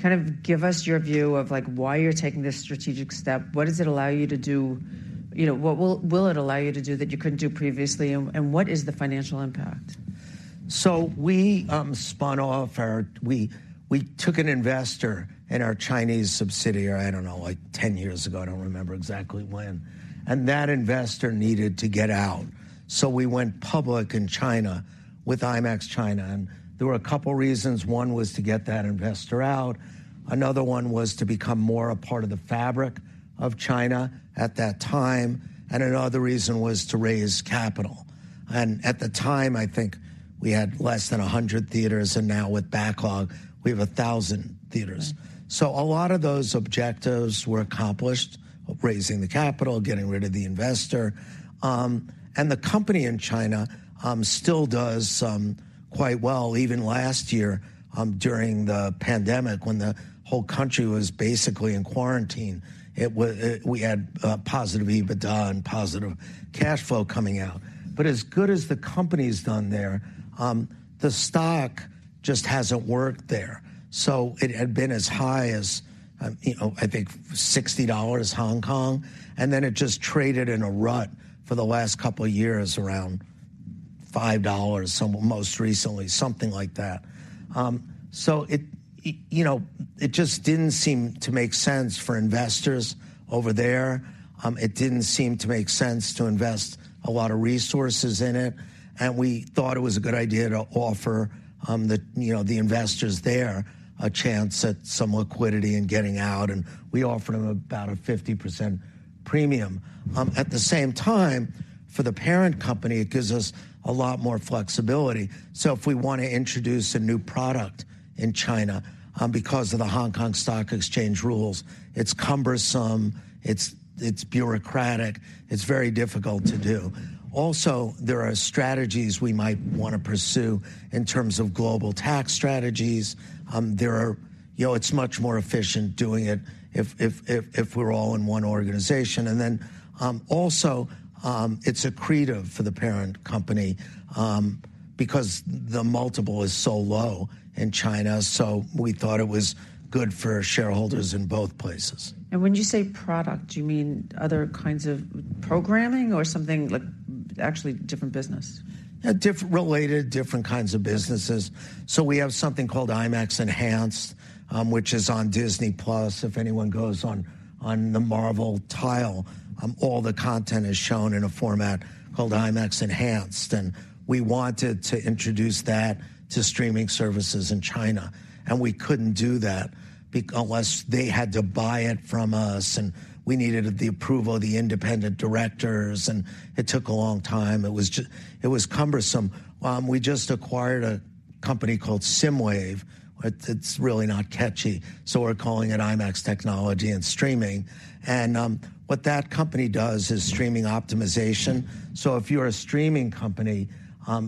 kind of give us your view of, like, why you're taking this strategic step? What does it allow you to do? You know, what will it allow you to do that you couldn't do previously, and what is the financial impact? We took an investor in our Chinese subsidiary, I don't know, like, 10 years ago. I don't remember exactly when. And that investor needed to get out. So we went public in China with IMAX China, and there were a couple reasons. One was to get that investor out, another one was to become more a part of the fabric of China at that time, and another reason was to raise capital. And at the time, I think we had less than 100 theaters, and now with backlog, we have 1,000 theaters. Right. So a lot of those objectives were accomplished, of raising the capital, getting rid of the investor. And the company in China still does quite well. Even last year, during the pandemic, when the whole country was basically in quarantine, we had positive EBITDA and positive cash flow coming out. But as good as the company's done there, the stock just hasn't worked there. So it had been as high as, you know, I think 60 Hong Kong dollars, and then it just traded in a rut for the last couple years around 5 dollars, some, most recently, something like that. So it, you know, it just didn't seem to make sense for investors over there. It didn't seem to make sense to invest a lot of resources in it, and we thought it was a good idea to offer, you know, the investors there a chance at some liquidity and getting out, and we offered them about a 50% premium. At the same time, for the parent company, it gives us a lot more flexibility. So if we wanna introduce a new product in China, because of the Hong Kong Stock Exchange rules, it's cumbersome, it's bureaucratic, it's very difficult to do. Also, there are strategies we might wanna pursue in terms of global tax strategies. You know, it's much more efficient doing it if we're all in one organization. Then, also, it's accretive for the parent company, because the multiple is so low in China, so we thought it was good for shareholders in both places. When you say product, do you mean other kinds of programming or something like actually different business? Different related, different kinds of businesses. Okay. So we have something called IMAX Enhanced, which is on Disney+. If anyone goes on the Marvel tile, all the content is shown in a format called IMAX Enhanced, and we wanted to introduce that to streaming services in China, and we couldn't do that unless they had to buy it from us, and we needed the approval of the independent directors, and it took a long time. It was—it was cumbersome. We just acquired a company called SSIMWAVE. It's really not catchy, so we're calling it IMAX Technology and Streaming. And what that company does is streaming optimization. So if you're a streaming company,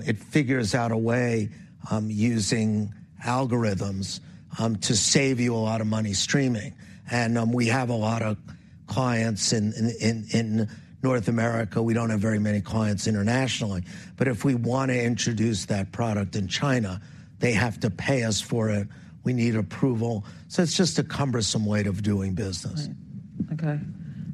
it figures out a way, using algorithms, to save you a lot of money streaming. And we have a lot of clients in North America. We don't have very many clients internationally, but if we wanna introduce that product in China, they have to pay us for it. We need approval. So it's just a cumbersome way of doing business. Right. Okay.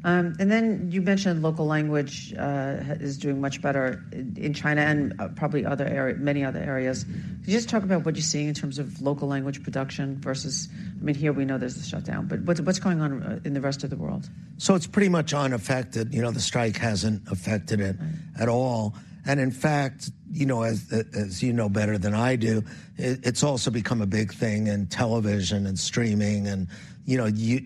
And then you mentioned local language is doing much better in China and, probably other area, many other areas. Can you just talk about what you're seeing in terms of local language production versus—I mean, here we know there's a shutdown, but what's going on in the rest of the world? It's pretty much unaffected. You know, the strike hasn't affected it at all. And in fact, you know, as, as you know better than I do, it, it's also become a big thing in television and streaming and, you know, you--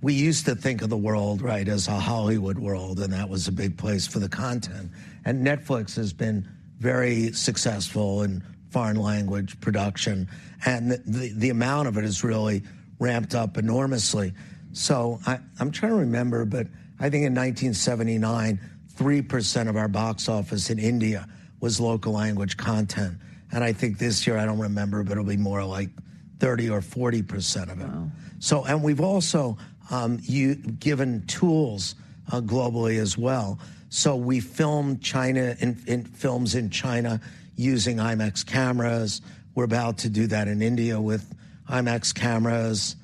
we used to think of the world, right, as a Hollywood world, and that was a big place for the content. And Netflix has been very successful in foreign language production, and the amount of it has really ramped up enormously. So I'm trying to remember, but I think in 1979, 3% of our box office in India was local language content. And I think this year, I don't remember, but it'll be more like 30% or 40% of it. Wow. So we've also given tools globally as well. So we filmed in China, in films in China using IMAX cameras. We're about to do that in India with IMAX cameras.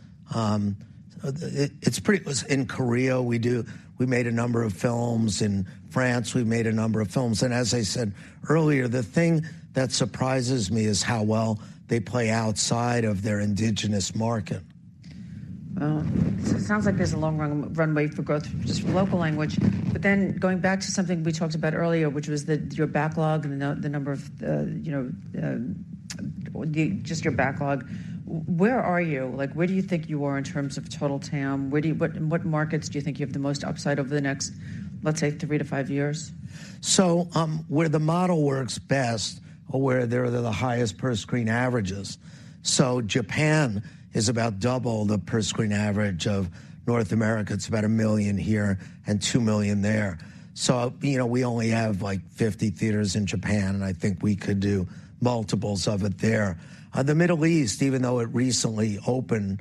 In Korea, we made a number of films. In France, we've made a number of films, and as I said earlier, the thing that surprises me is how well they play outside of their indigenous market. Wow. So it sounds like there's a long run, runway for growth just from local language. But then going back to something we talked about earlier, which was the, your backlog and the number of, you know, just your backlog. Where are you? Like, where do you think you are in terms of total TAM? Where do you—what, what markets do you think you have the most upside over the next, let's say, three to five years? So, where the model works best are where there are the highest per-screen averages. So Japan is about double the per-screen average of North America. It's about $1 million here and $2 million there. So, you know, we only have, like, 50 theaters in Japan, and I think we could do multiples of it there. The Middle East, even though it recently opened,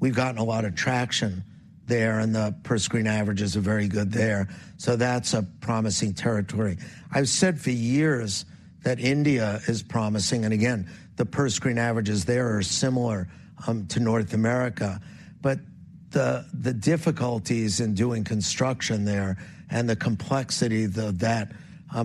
we've gotten a lot of traction there, and the per-screen averages are very good there. So that's a promising territory. I've said for years that India is promising, and again, the per-screen averages there are similar to North America. But the, the difficulties in doing construction there and the complexity of that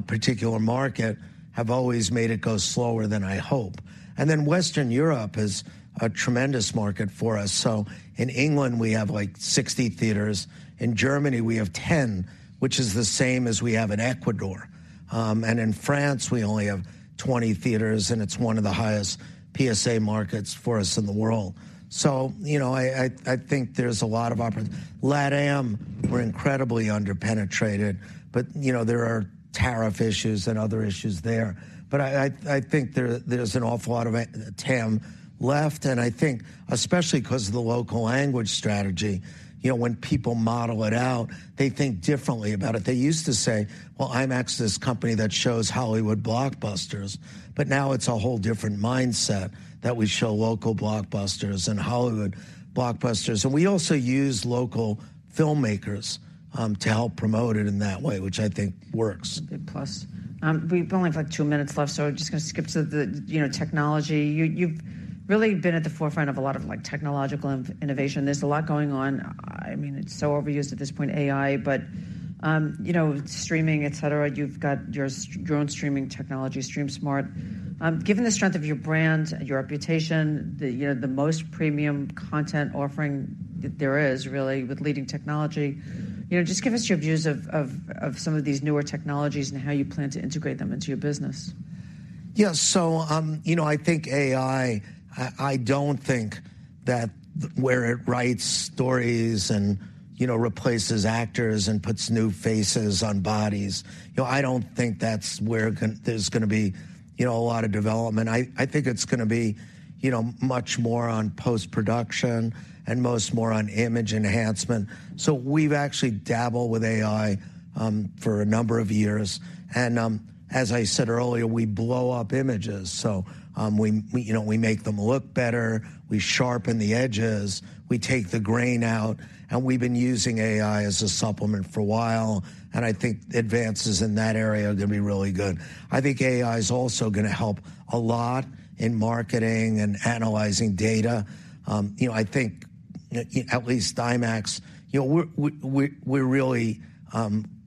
particular market have always made it go slower than I hope. And then Western Europe is a tremendous market for us. So in England, we have, like, 60 theaters. In Germany, we have 10, which is the same as we have in Ecuador. And in France, we only have 20 theaters, and it's one of the highest PSA markets for us in the world. So, you know, I think there's a lot of opportunities. Latin America, we're incredibly under-penetrated, but, you know, there are tariff issues and other issues there. But I think there's an awful lot of TAM left, and I think especially 'cause of the local language strategy, you know, when people model it out, they think differently about it. They used to say, "Well, IMAX is this company that shows Hollywood blockbusters," but now it's a whole different mindset that we show local blockbusters and Hollywood blockbusters. And we also use local filmmakers to help promote it in that way, which I think works. A big plus. We've only have, like, two minutes left, so just gonna skip to the, you know, technology. You, you've really been at the forefront of a lot of, like, technological innovation. There's a lot going on. I mean, it's so overused at this point, AI, but, you know, streaming, et cetera. You've got your own streaming technology, StreamSmart. Given the strength of your brand, your reputation, the, you know, the most premium content offering that there is really with leading technology, you know, just give us your views of some of these newer technologies and how you plan to integrate them into your business. Yeah, so, you know, I think AI. I don't think that where it writes stories and, you know, replaces actors and puts new faces on bodies, you know, I don't think that's where there's gonna be, you know, a lot of development. I think it's gonna be, you know, much more on post-production and much more on image enhancement. So we've actually dabbled with AI for a number of years, and, as I said earlier, we blow up images. So, you know, we make them look better, we sharpen the edges, we take the grain out, and we've been using AI as a supplement for a while, and I think advances in that area are gonna be really good. I think AI is also gonna help a lot in marketing and analyzing data. You know, I think at least IMAX, you know, we're really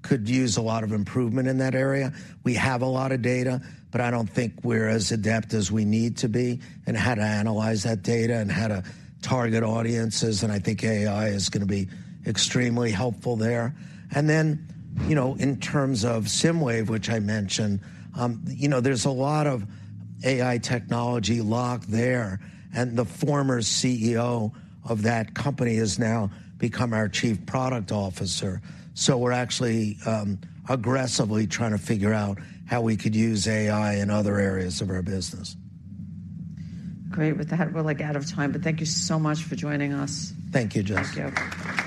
could use a lot of improvement in that area. We have a lot of data, but I don't think we're as adept as we need to be in how to analyze that data and how to target audiences, and I think AI is gonna be extremely helpful there. And then, you know, in terms of SSIMWAVE, which I mentioned, you know, there's a lot of AI technology locked there, and the former CEO of that company has now become our chief product officer. So we're actually aggressively trying to figure out how we could use AI in other areas of our business. Great. With that, we're, like, out of time, but thank you so much for joining us. Thank you, Jessica. Thank you.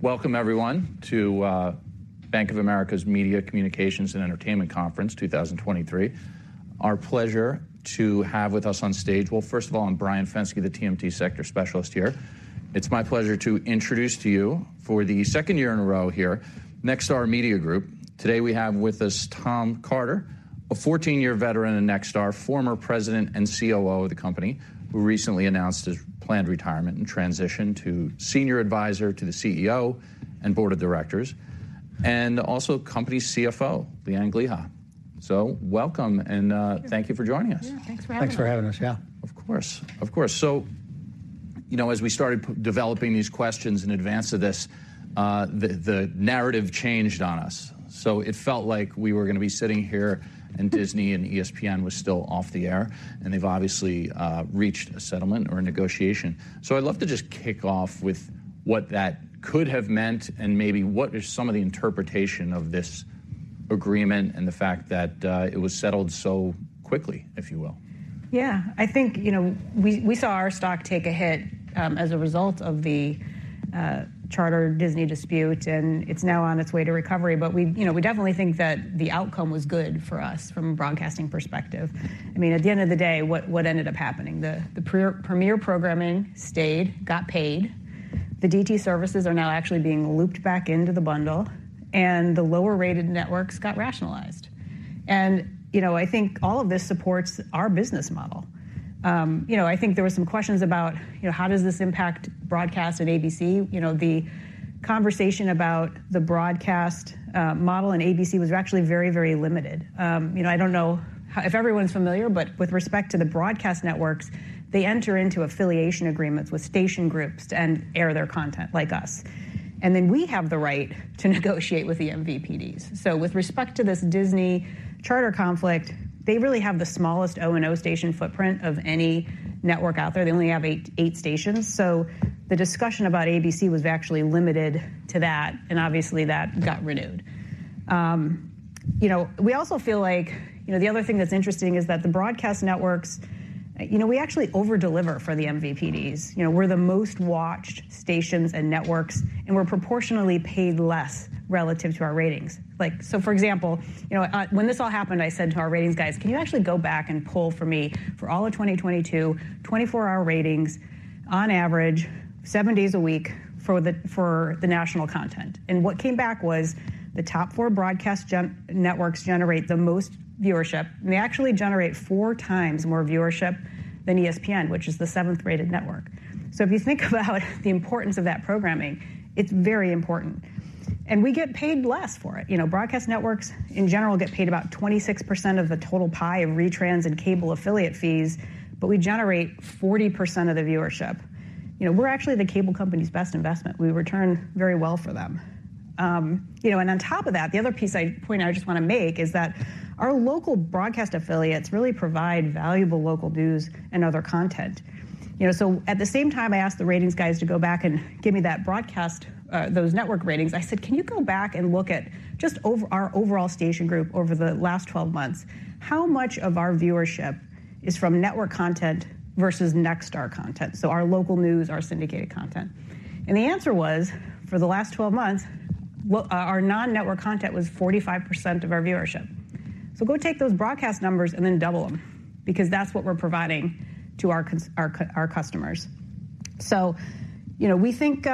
Welcome everyone to Bank of America's Media, Communications, and Entertainment Conference 2023. Our pleasure to have with us on stage. Well, first of all, I'm Brian Fenske, the TMT sector specialist here. It's my pleasure to introduce to you for the second year in a row here, Nexstar Media Group. Today we have with us Tom Carter, a 14-year veteran of Nexstar, former President and COO of the company, who recently announced his planned retirement and transition to Senior Advisor to the CEO and Board of Directors, and also company CFO, Lee Ann Gliha. So welcome, and thank you for joining us. Yeah, thanks for having us. Thanks for having us. Yeah. Of course. Of course. So, you know, as we started developing these questions in advance of this, the narrative changed on us. So it felt like we were gonna be sitting here, and Disney and ESPN was still off the air, and they've obviously reached a settlement or a negotiation. So I'd love to just kick off with what that could have meant and maybe what is some of the interpretation of this agreement and the fact that it was settled so quickly, if you will? Yeah, I think, you know, we, we saw our stock take a hit, as a result of the Charter-Disney dispute, and it's now on its way to recovery. But we, you know, we definitely think that the outcome was good for us from a broadcasting perspective. I mean, at the end of the day, what, what ended up happening? The premier programming stayed, got paid. The DTC services are now actually being looped back into the bundle, and the lower-rated networks got rationalized. And, you know, I think all of this supports our business model. You know, I think there were some questions about, you know, how does this impact broadcast and ABC? You know, the conversation about the broadcast model and ABC was actually very, very limited. You know, I don't know if everyone's familiar, but with respect to the broadcast networks, they enter into affiliation agreements with station groups and air their content, like us, and then we have the right to negotiate with the MVPDs. So with respect to this Disney-Charter conflict, they really have the smallest O&O station footprint of any network out there. They only have eight stations. So the discussion about ABC was actually limited to that, and obviously that got renewed. You know, we also feel like—you know, the other thing that's interesting is that the broadcast networks, you know, we actually over-deliver for the MVPDs. You know, we're the most watched stations and networks, and we're proportionally paid less relative to our ratings. Like, so for example, you know, when this all happened, I said to our ratings guys, "Can you actually go back and pull for me for all of 2022, 24-hour ratings on average, seven days a week, for the, for the national content?" And what came back was the top four broadcast networks generate the most viewership. We actually generate four times more viewership than ESPN, which is the seventh-rated network. So if you think about the importance of that programming, it's very important, and we get paid less for it. You know, broadcast networks, in general, get paid about 26% of the total pie of retrans and cable affiliate fees, but we generate 40% of the viewership. You know, we're actually the cable company's best investment. We return very well for them. You know, and on top of that, the other piece I point out, I just want to make, is that our local broadcast affiliates really provide valuable local news and other content. You know, so at the same time, I asked the ratings guys to go back and give me that broadcast, those network ratings. I said: "Can you go back and look at just over our overall station group over the last 12 months? How much of our viewership is from network content versus Nexstar content, so our local news, our syndicated content?" And the answer was: for the last 12 months, our non-network content was 45% of our viewership. So go take those broadcast numbers and then double them because that's what we're providing to our customers. So, you know, we think,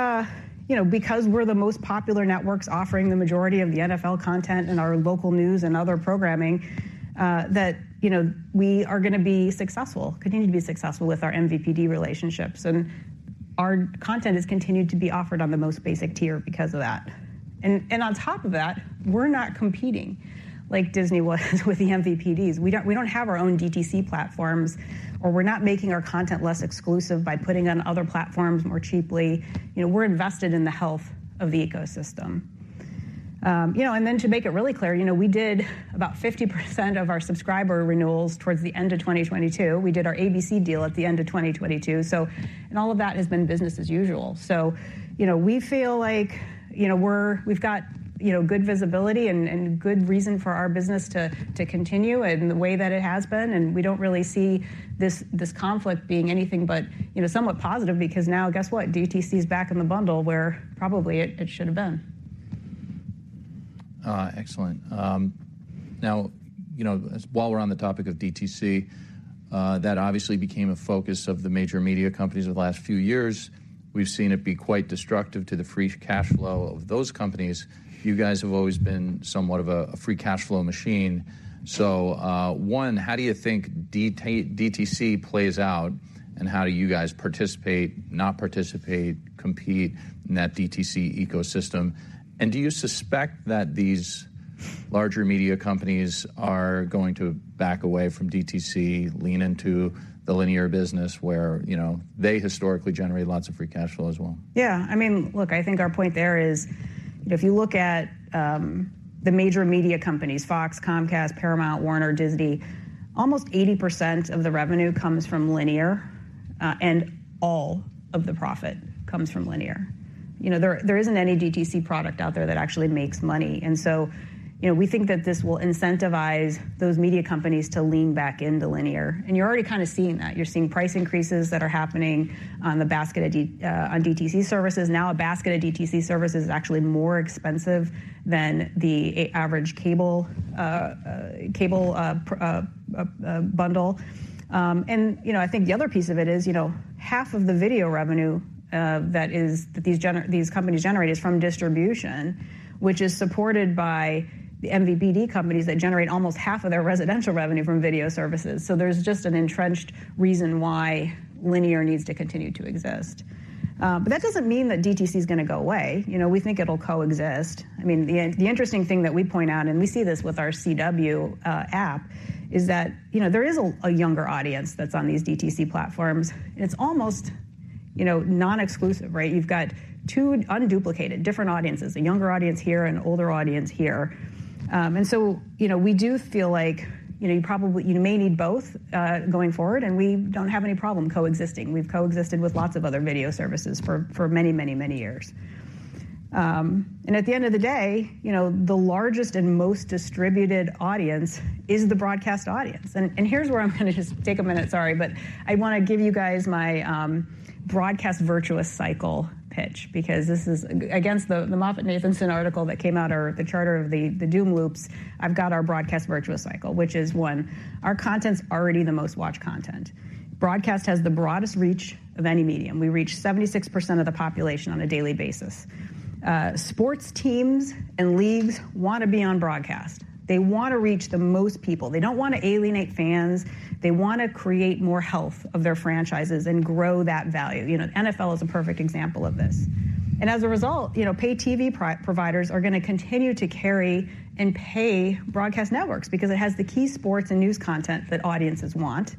you know, because we're the most popular networks offering the majority of the NFL content and our local news anad other programming, that, you know, we are gonna be successful, continue to be successful with our MVPD relationships. And our content has continued to be offered on the most basic tier because of that. And on top of that, we're not competing like Disney was with the MVPDs. We don't have our own DTC platforms, or we're not making our content less exclusive by putting it on other platforms more cheaply. You know, we're invested in the health of the ecosystem. You know, and then to make it really clear, you know, we did about 50% of our subscriber renewals towards the end of 2022. We did our ABC deal at the end of 2022. And all of that has been business as usual. You know, we feel like, you know, we've got, you know, good visibility and good reason for our business to continue in the way that it has been, and we don't really see this conflict being anything but, you know, somewhat positive because now guess what? DTC is back in the bundle where probably it should have been. Excellent. Now, you know, as while we're on the topic of DTC, that obviously became a focus of the major media companies over the last few years. We've seen it be quite destructive to the free cash flow of those companies. You guys have always been somewhat of a, a free cash flow machine. So, one, how do you think DTC plays out, and how do you guys participate, not participate, compete in that DTC ecosystem? And do you suspect that these larger media companies are going to back away from DTC, lean into the linear business where, you know, they historically generate lots of free cash flow as well? Yeah, I mean, look, I think our point there is, if you look at the major media companies, Fox, Comcast, Paramount, Warner, Disney, almost 80% of the revenue comes from linear, and all of the profit comes from linear. You know, there isn't any DTC product out there that actually makes money. And so, you know, we think that this will incentivize those media companies to lean back into linear. And you're already kind of seeing that. You're seeing price increases that are happening on the basket on DTC services. Now, a basket of DTC services is actually more expensive than the average cable bundle. And, you know, I think the other piece of it is, you know, 1/2 of the video revenue that these companies generate is from distribution, which is supported by the MVPD companies that generate almost 1/2 of their residential revenue from video services. So there's just an entrenched reason why linear needs to continue to exist. But that doesn't mean that DTC is gonna go away. You know, we think it'll coexist. I mean, the interesting thing that we point out, and we see this with our CW app, is that, you know, there is a younger audience that's on these DTC platforms. It's almost, you know, non-exclusive, right? You've got two unduplicated, different audiences, a younger audience here, an older audience here. And so, you know, we do feel like, you know, you probably, you may need both, going forward, and we don't have any problem coexisting. We've coexisted with lots of other video services for many, many, many years. And at the end of the day, you know, the largest and most distributed audience is the broadcast audience. And here's where I'm gonna just take a minute, sorry, but I wanna give you guys my broadcast virtuous cycle pitch, because this is against the MoffettNathanson article that came out, or the Charter doom loops. I've got our broadcast virtuous cycle, which is, one, our content's already the most watched content. Broadcast has the broadest reach of any medium. We reach 76% of the population on a daily basis. Sports teams and leagues wanna be on broadcast. They want to reach the most people. They don't want to alienate fans. They want to create more health of their franchises and grow that value. You know, NFL is a perfect example of this. And as a result, you know, pay TV providers are gonna continue to carry and pay broadcast networks because it has the key sports and news content that audiences want.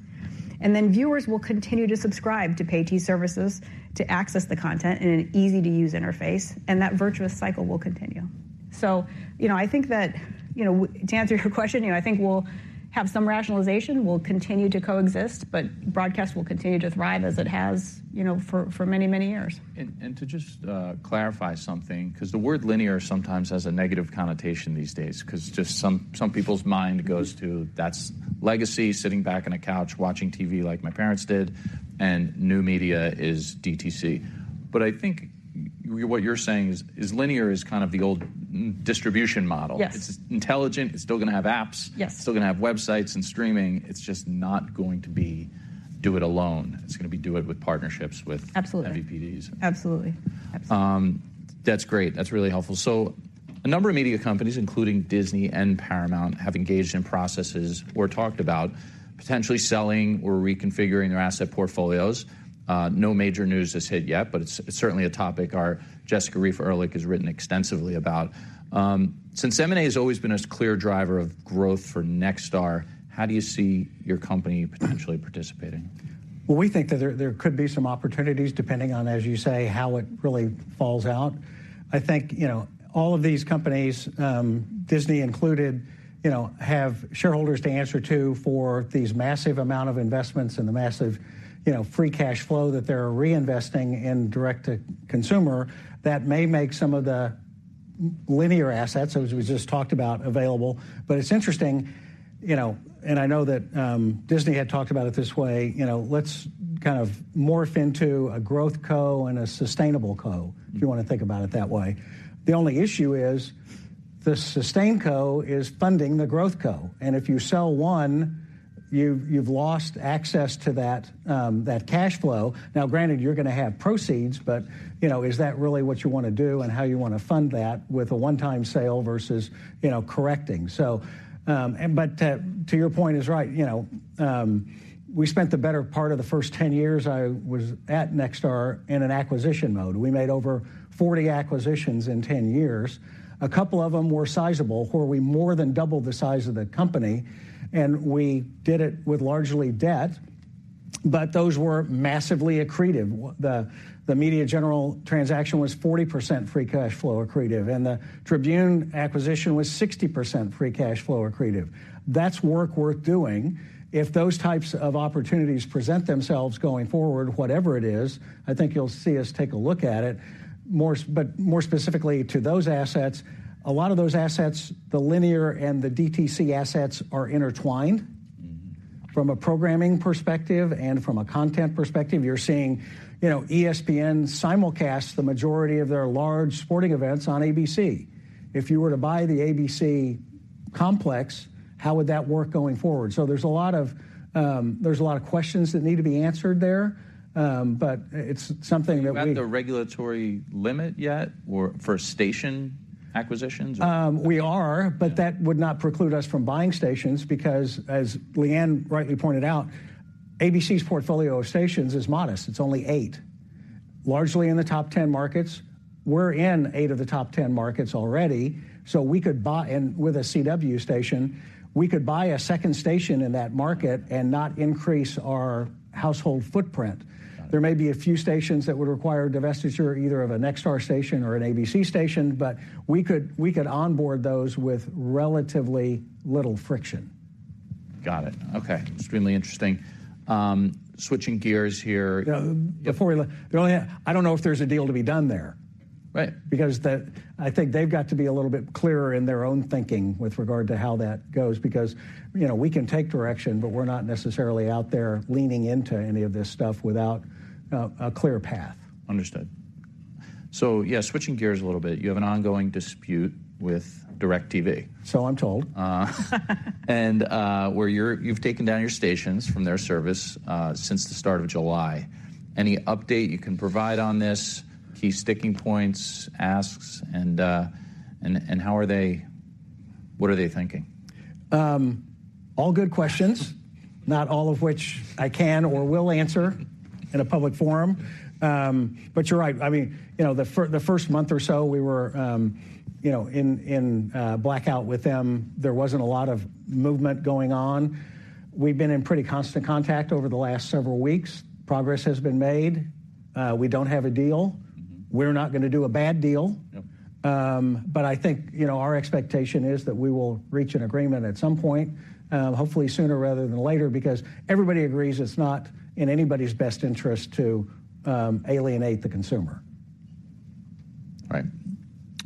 And then viewers will continue to subscribe to pay TV services to access the content in an easy-to-use interface, and that virtuous cycle will continue. So, you know, I think that, you know, to answer your question, you know, I think we'll have some rationalization, we'll continue to coexist, but broadcast will continue to thrive as it has, you know, for many, many years. To just clarify something, 'cause the word linear sometimes has a negative connotation these days, 'cause just some people's mind goes to, that's legacy, sitting back on a couch, watching TV like my parents did, and new media is DTC. But I think what you're saying is linear is kind of the old distribution model. Yes. It's intelligent. It's still gonna have apps. Yes. Still gonna have websites and streaming. It's just not going to be do it alone. It's gonna be do it with partnerships with MVPDs. Absolutely. Absolutely. That's great. That's really helpful. So a number of media companies, including Disney and Paramount, have engaged in processes or talked about potentially selling or reconfiguring their asset portfolios. No major news has hit yet, but it's certainly a topic our Jessica Reif Ehrlich has written extensively about. Since M&A has always been a clear driver of growth for Nexstar, how do you see your company potentially participating? Well, we think that there could be some opportunities, depending on, as you say, how it really falls out. I think, you know, all of these companies, Disney included, you know, have shareholders to answer to for these massive amount of investments and the massive, you know, free cash flow that they're reinvesting in direct-to-consumer, that may make some of the linear assets, as we just talked about, available. But it's interesting, you know, and I know that, Disney had talked about it this way, you know, let's kind of morph into a growth co and a sustainable co, if you wanna think about it that way. The only issue is the sustain co is funding the growth co, and if you sell one, you've lost access to that cash flow. Now, granted, you're gonna have proceeds, but, you know, is that really what you wanna do and how you wanna fund that with a one-time sale versus, you know, correcting? So, to your point is right. You know, we spent the better part of the first 10 years I was at Nexstar in an acquisition mode. We made over 40 acquisitions in 10 years. A couple of them were sizable, where we more than doubled the size of the company, and we did it with largely debt, but those were massively accretive. The Media General transaction was 40% free cash flow-accretive, and the Tribune acquisition was 60% free cash flow accretive. That's work worth doing. If those types of opportunities present themselves going forward, whatever it is, I think you'll see us take a look at it. But more specifically to those assets, a lot of those assets, the linear and the DTC assets, are intertwined from a programming perspective and from a content perspective. You're seeing, you know, ESPN simulcast the majority of their large sporting events on ABC. If you were to buy the ABC complex, how would that work going forward? So there's a lot of questions that need to be answered there, but it's something that we— Have you hit the regulatory limit yet for station acquisitions or? We are. Yeah. But that would not preclude us from buying stations, because as Lee Ann rightly pointed out, ABC's portfolio of stations is modest. It's only eight, largely in the top 10 markets. We're in eight of the top 10 markets already, so we could buy—and with a CW station, we could buy a second station in that market and not increase our household footprint. Got it. There may be a few stations that would require divestiture, either of a Nexstar station or an ABC station, but we could, we could onboard those with relatively little friction. Got it. Okay, extremely interesting. Switching gears here— Now, before we the only thing, I don't know if there's a deal to be done there. Right. Because I think they've got to be a little bit clearer in their own thinking with regard to how that goes, because, you know, we can take direction, but we're not necessarily out there leaning into any of this stuff without a clear path. Understood. So yeah, switching gears a little bit, you have an ongoing dispute with DIRECTV. So I'm told. And, where you've taken down your stations from their service since the start of July. Any update you can provide on this, key sticking points, asks, and how are they, what are they thinking? All good questions, not all of which I can or will answer in a public forum. But you're right. I mean, you know, the first month or so, we were, you know, in blackout with them. There wasn't a lot of movement going on. We've been in pretty constant contact over the last several weeks. Progress has been made. We don't have a deal. We're not gonna do a bad deal. Yep. But I think, you know, our expectation is that we will reach an agreement at some point, hopefully sooner rather than later, because everybody agrees it's not in anybody's best interest to alienate the consumer. Right.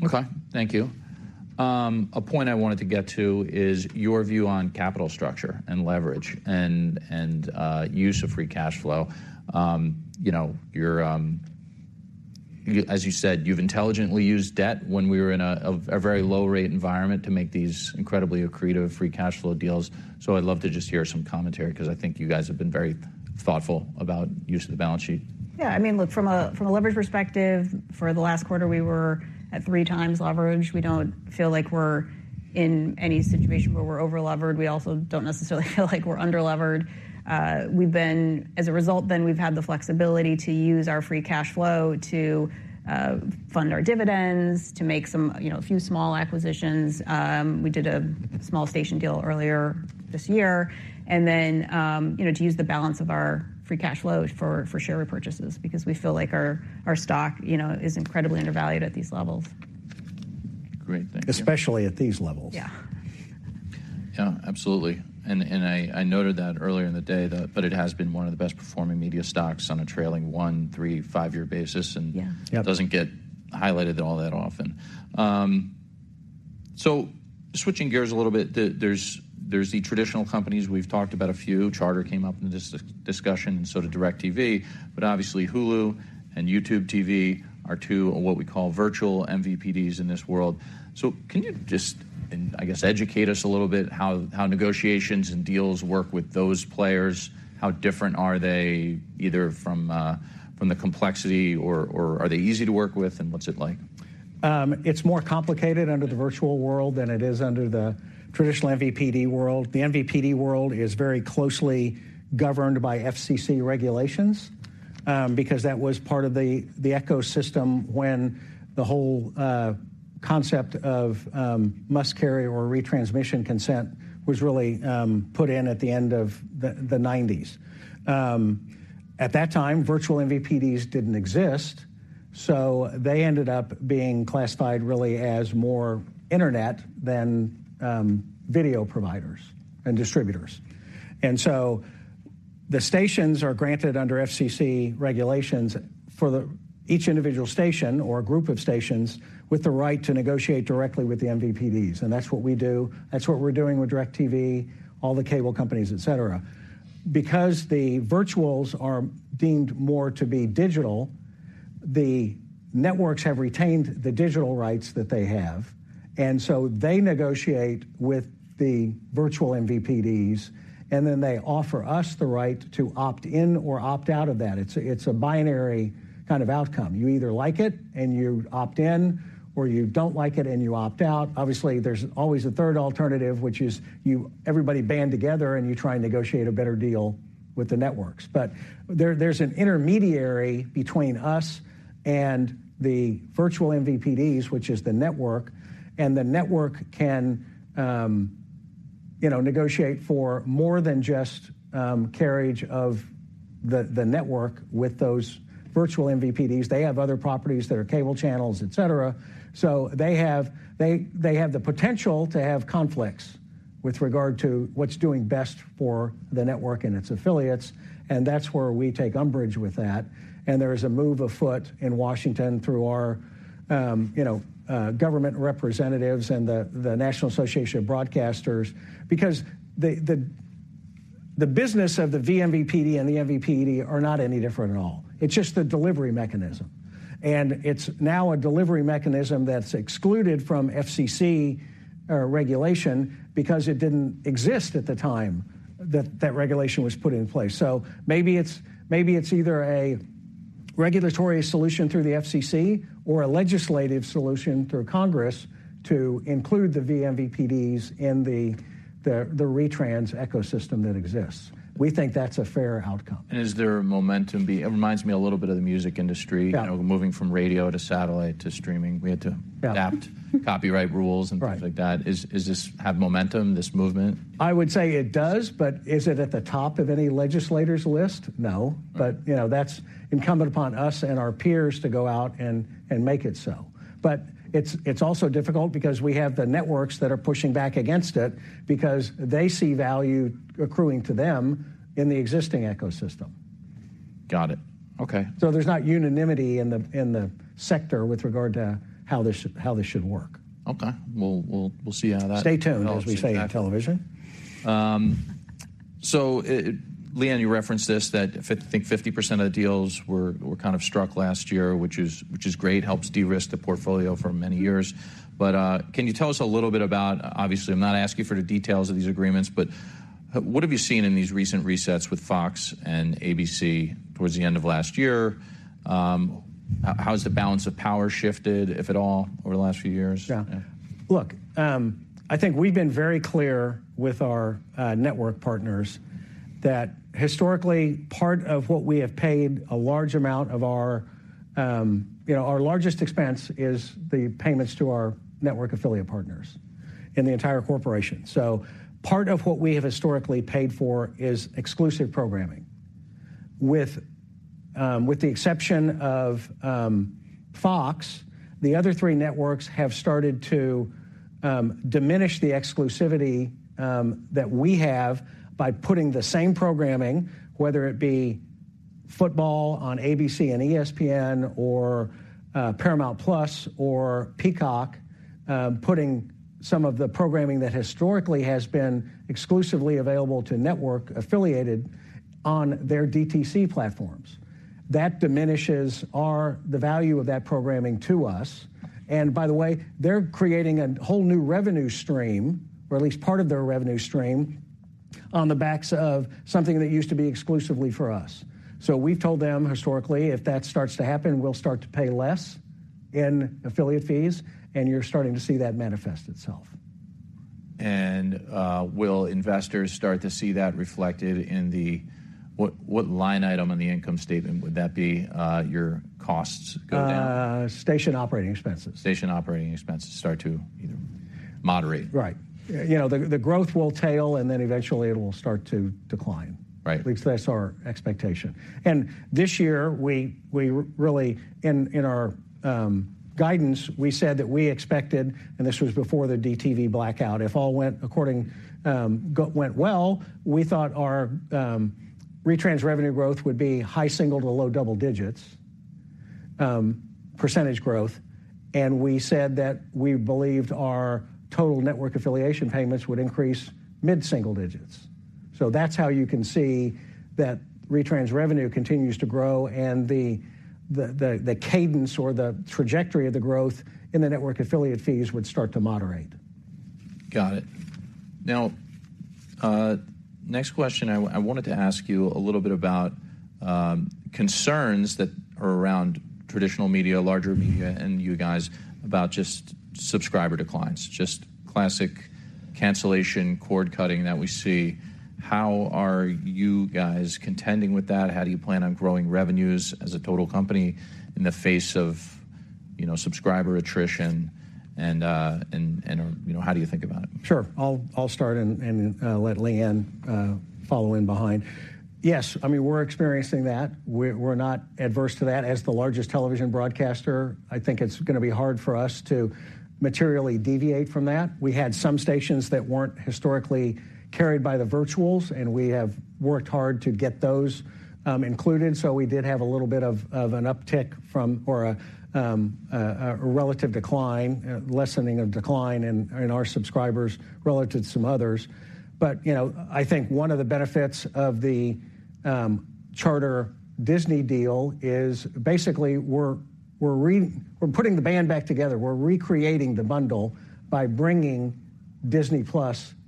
Okay, thank you. A point I wanted to get to is your view on capital structure and leverage and use of free cash flow. You know, you're as you said, you've intelligently used debt when we were in a very low-rate environment to make these incredibly accretive free cash flow deals. So I'd love to just hear some commentary, 'cause I think you guys have been very thoughtful about use of the balance sheet. Yeah, I mean, look, from a leverage perspective, for the last quarter, we were at 3x leverage. We don't feel like we're in any situation where we're over-levered. We also don't necessarily feel like we're under-levered. As a result, then, we've had the flexibility to use our free cash flow to fund our dividends, to make some, you know, a few small acquisitions. We did a small station deal earlier this year, and then, you know, to use the balance of our free cash flow for share repurchases, because we feel like our stock, you know, is incredibly undervalued at these levels. Great. Thank you. Especially at these levels. Yeah. Yeah, absolutely. I noted that earlier in the day, but it has been one of the best performing media stocks on a trailing one-, three-, five-year basis, and— Yeah. Yep It doesn't get highlighted all that often. So switching gears a little bit, there's the traditional companies. We've talked about a few. Charter came up in this discussion, and so did DIRECTV, but obviously Hulu and YouTube TV are two of what we call virtual MVPDs in this world. So can you just, and I guess, educate us a little bit, how negotiations and deals work with those players? How different are they, either from the complexity, or are they easy to work with, and what's it like? It's more complicated under the virtual world than it is under the traditional MVPD world. The MVPD world is very closely governed by FCC regulations. Because that was part of the ecosystem when the whole concept of must-carry or retransmission consent was really put in at the end of the '90s. At that time, virtual MVPDs didn't exist, so they ended up being classified really as more internet than video providers and distributors. And so the stations are granted under FCC regulations for the each individual station or group of stations with the right to negotiate directly with the MVPDs, and that's what we do. That's what we're doing with DIRECTV, all the cable companies, et cetera. Because the virtuals are deemed more to be digital, the networks have retained the digital rights that they have, and so they negotiate with the virtual MVPDs, and then they offer us the right to opt in or opt out of that. It's a binary kind of outcome. You either like it, and you opt in, or you don't like it, and you opt out. Obviously, there's always a third alternative, which is everybody band together, and you try and negotiate a better deal with the networks. But there's an intermediary between us and the virtual MVPDs, which is the network, and the network can, you know, negotiate for more than just carriage of the network with those virtual MVPDs. They have other properties that are cable channels, et cetera. So they have the potential to have conflicts with regard to what's doing best for the network and its affiliates, and that's where we take umbrage with that. And there is a move afoot in Washington through our you know government representatives and the business of the vMVPD and the MVPD are not any different at all. It's just the delivery mechanism, and it's now a delivery mechanism that's excluded from FCC regulation because it didn't exist at the time that that regulation was put in place. So maybe it's either a regulatory solution through the FCC or a legislative solution through Congress to include the vMVPDs in the retrans ecosystem that exists. We think that's a fair outcome. Is there a momentum? It reminds me a little bit of the music industry— Yeah. You know, moving from radio to satellite to streaming. We had to— Yeah. Adapt copyright rules- Right. And things like that. Is, does this have momentum, this movement? I would say it does, but is it at the top of any legislator's list? No. Right. But, you know, that's incumbent upon us and our peers to go out and make it so. But it's also difficult because we have the networks that are pushing back against it because they see value accruing to them in the existing ecosystem. Got it. Okay. There's not unanimity in the sector with regard to how this should work. Okay. We'll see how that— Stay tuned. We'll see— As we say in television. So, Lee Ann, you referenced this, that 50% of the deals were kind of struck last year, which is great, helps de-risk the portfolio for many years. But, can you tell us a little bit about—obviously, I'm not asking you for the details of these agreements, but what have you seen in these recent resets with Fox and ABC towards the end of last year? How has the balance of power shifted, if at all, over the last few years? Yeah. Look, I think we've been very clear with our network partners that historically, part of what we have paid a large amount of our—you know, our largest expense is the payments to our network affiliate partners in the entire corporation. So part of what we have historically paid for is exclusive programming. With the exception of Fox, the other three networks have started to diminish the exclusivity that we have by putting the same programming, whether it be football on ABC and ESPN or Paramount+ or Peacock, putting some of the programming that historically has been exclusively available to network affiliated on their DTC platforms. That diminishes the value of that programming to us, and by the way, they're creating a whole new revenue stream or at least part of their revenue stream on the backs of something that used to be exclusively for us. So we've told them historically, if that starts to happen, we'll start to pay less in affiliate fees, and you're starting to see that manifest itself. Will investors start to see that reflected in the—what line item on the income statement would that be, your costs go down? Station operating expenses. Station operating expenses start to, you know, moderate. Right. You know, the growth will tail, and then eventually it will start to decline. Right. At least that's our expectation. And this year, we really, in our guidance, we said that we expected, and this was before the DIRECTV blackout, if all went according, went well, we thought our retrans revenue growth would be high-single- to low-double-digit percentage growth, and we said that we believed our total network affiliation payments would increase mid-single-digit percentage. So that's how you can see that retrans revenue continues to grow and the cadence or the trajectory of the growth in the network affiliate fees would start to moderate. Got it. Now, next question, I wanted to ask you a little bit about concerns that are around traditional media, larger media, and you guys, about just subscriber declines, just classic cancellation, cord-cutting that we see. How are you guys contending with that? How do you plan on growing revenues as a total company in the face of you know, subscriber attrition, and, and, you know, how do you think about it? Sure. I'll start and let Lee Ann follow in behind. Yes, I mean, we're experiencing that. We're not adverse to that. As the largest television broadcaster, I think it's gonna be hard for us to materially deviate from that. We had some stations that weren't historically carried by the virtuals, and we have worked hard to get those included, so we did have a little bit of an uptick from or a relative decline lessening of decline in our subscribers relative to some others. But, you know, I think one of the benefits of the Charter-Disney deal is basically we're putting the band back together. We're recreating the bundle by bringing Disney+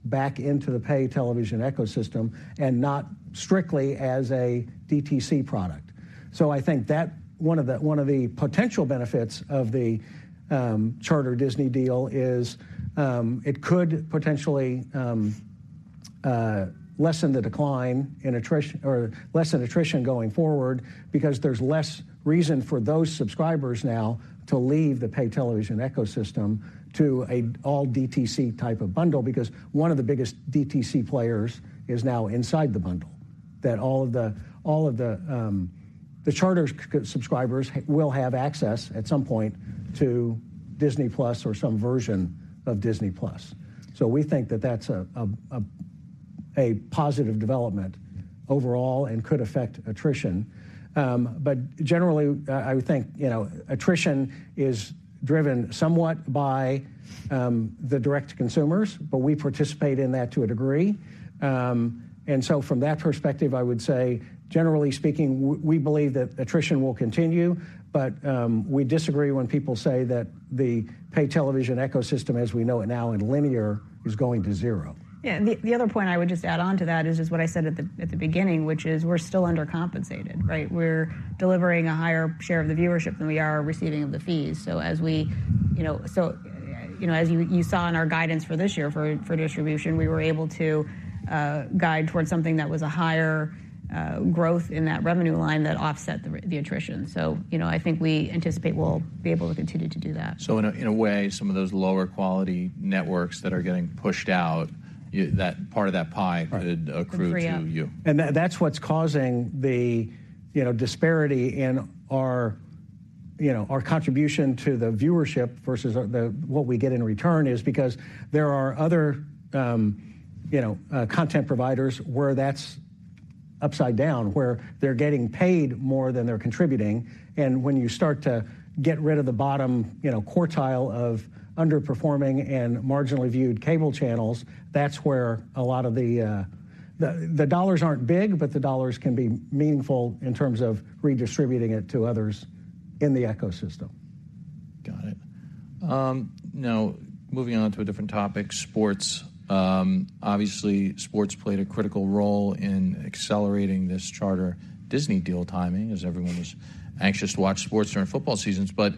back into the pay television ecosystem and not strictly as a DTC product. So I think that one of the, one of the potential benefits of the, Charter-Disney deal is, it could potentially, lessen the decline in attrition or lessen attrition going forward because there's less reason for those subscribers now to leave the pay television ecosystem to a all DTC type of bundle. Because one of the biggest DTC players is now inside the bundle, that all of the, all of the, the Charter subscribers will have access at some point to Disney+ or some version of Disney+. So we think that that's a, a positive development overall and could affect attrition. But generally, I would think, you know, attrition is driven somewhat by, the direct consumers, but we participate in that to a degree. And so from that perspective, I would say, generally speaking, we believe that attrition will continue, but we disagree when people say that the pay television ecosystem, as we know it now in linear, is going to zero. Yeah, the other point I would just add on to that is just what I said at the beginning, which is we're still undercompensated, right? We're delivering a higher share of the viewership than we are receiving of the fees. So as we, you know, as you saw in our guidance for this year for distribution, we were able to guide towards something that was a higher growth in that revenue line that offset the attrition. So, you know, I think we anticipate we'll be able to continue to do that. So in a way, some of those lower quality networks that are getting pushed out, that part of that pie could accrue to you. Would free up. And that's what's causing the, you know, disparity in our, you know, our contribution to the viewership versus what we get in return is because there are other, you know, content providers where that's upside down, where they're getting paid more than they're contributing. And when you start to get rid of the bottom, you know, quartile of underperforming and marginally viewed cable channels, that's where a lot of the dollars aren't big, but the dollars can be meaningful in terms of redistributing it to others in the ecosystem. Got it. Now, moving on to a different topic, sports. Obviously, sports played a critical role in accelerating this Charter-Disney deal timing, as everyone was anxious to watch sports during football seasons. But,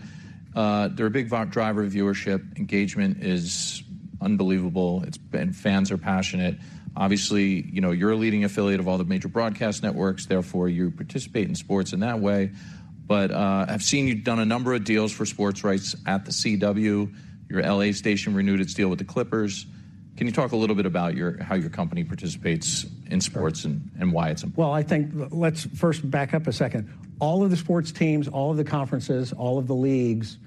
they're a big driver of viewership. Engagement is unbelievable. It's been—fans are passionate. Obviously, you know, you're a leading affiliate of all the major broadcast networks, therefore you participate in sports in that way. But, I've seen you've done a number of deals for sports rights at The CW. Your LA station renewed its deal with the Clippers. Can you talk a little bit about your, how your company participates in sports and, and why it's important? Well, I think let's first back up a second. All of the sports teams, all of the conferences, all of the leagues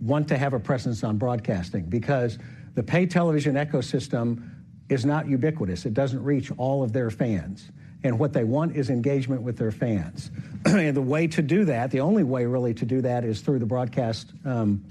want to have a presence on broadcasting because the pay television ecosystem is not ubiquitous. It doesn't reach all of their fans, and what they want is engagement with their fans. And the way to do that, the only way, really, to do that, is through the broadcast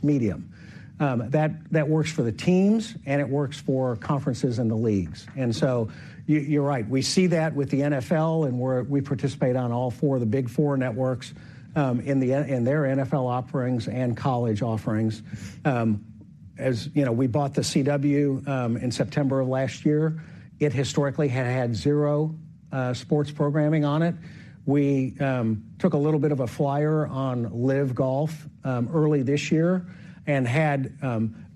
medium. That works for the teams, and it works for conferences and the leagues. And so you, you're right. We see that with the NFL, and we participate on all four of the big four networks in their NFL offerings and college offerings. As you know, we bought The CW in September of last year. It historically had zero sports programming on it. We took a little bit of a flyer on LIV Golf early this year and had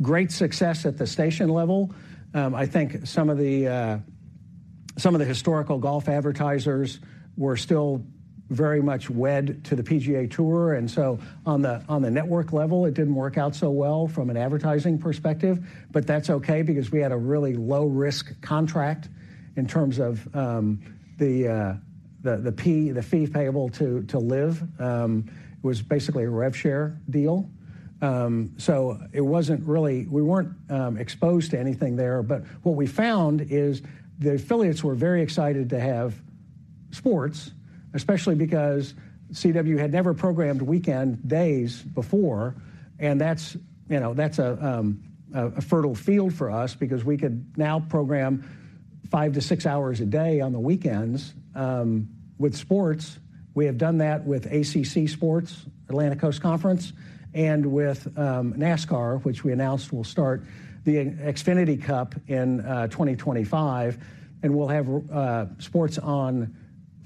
great success at the station level. I think some of the historical golf advertisers were still very much wed to the PGA Tour, and so on the network level, it didn't work out so well from an advertising perspective, but that's okay because we had a really low-risk contract in terms of the fee payable to LIV. It was basically a rev share deal. So it wasn't really. We weren't exposed to anything there. But what we found is the affiliates were very excited to have sports, especially because CW had never programmed weekend days before, and that's, you know, that's a fertile field for us because we could now program five to six hours a day on the weekends with sports. We have done that with ACC Sports, Atlantic Coast Conference, and with NASCAR, which we announced we'll start the Xfinity Cup in 2025, and we'll have sports on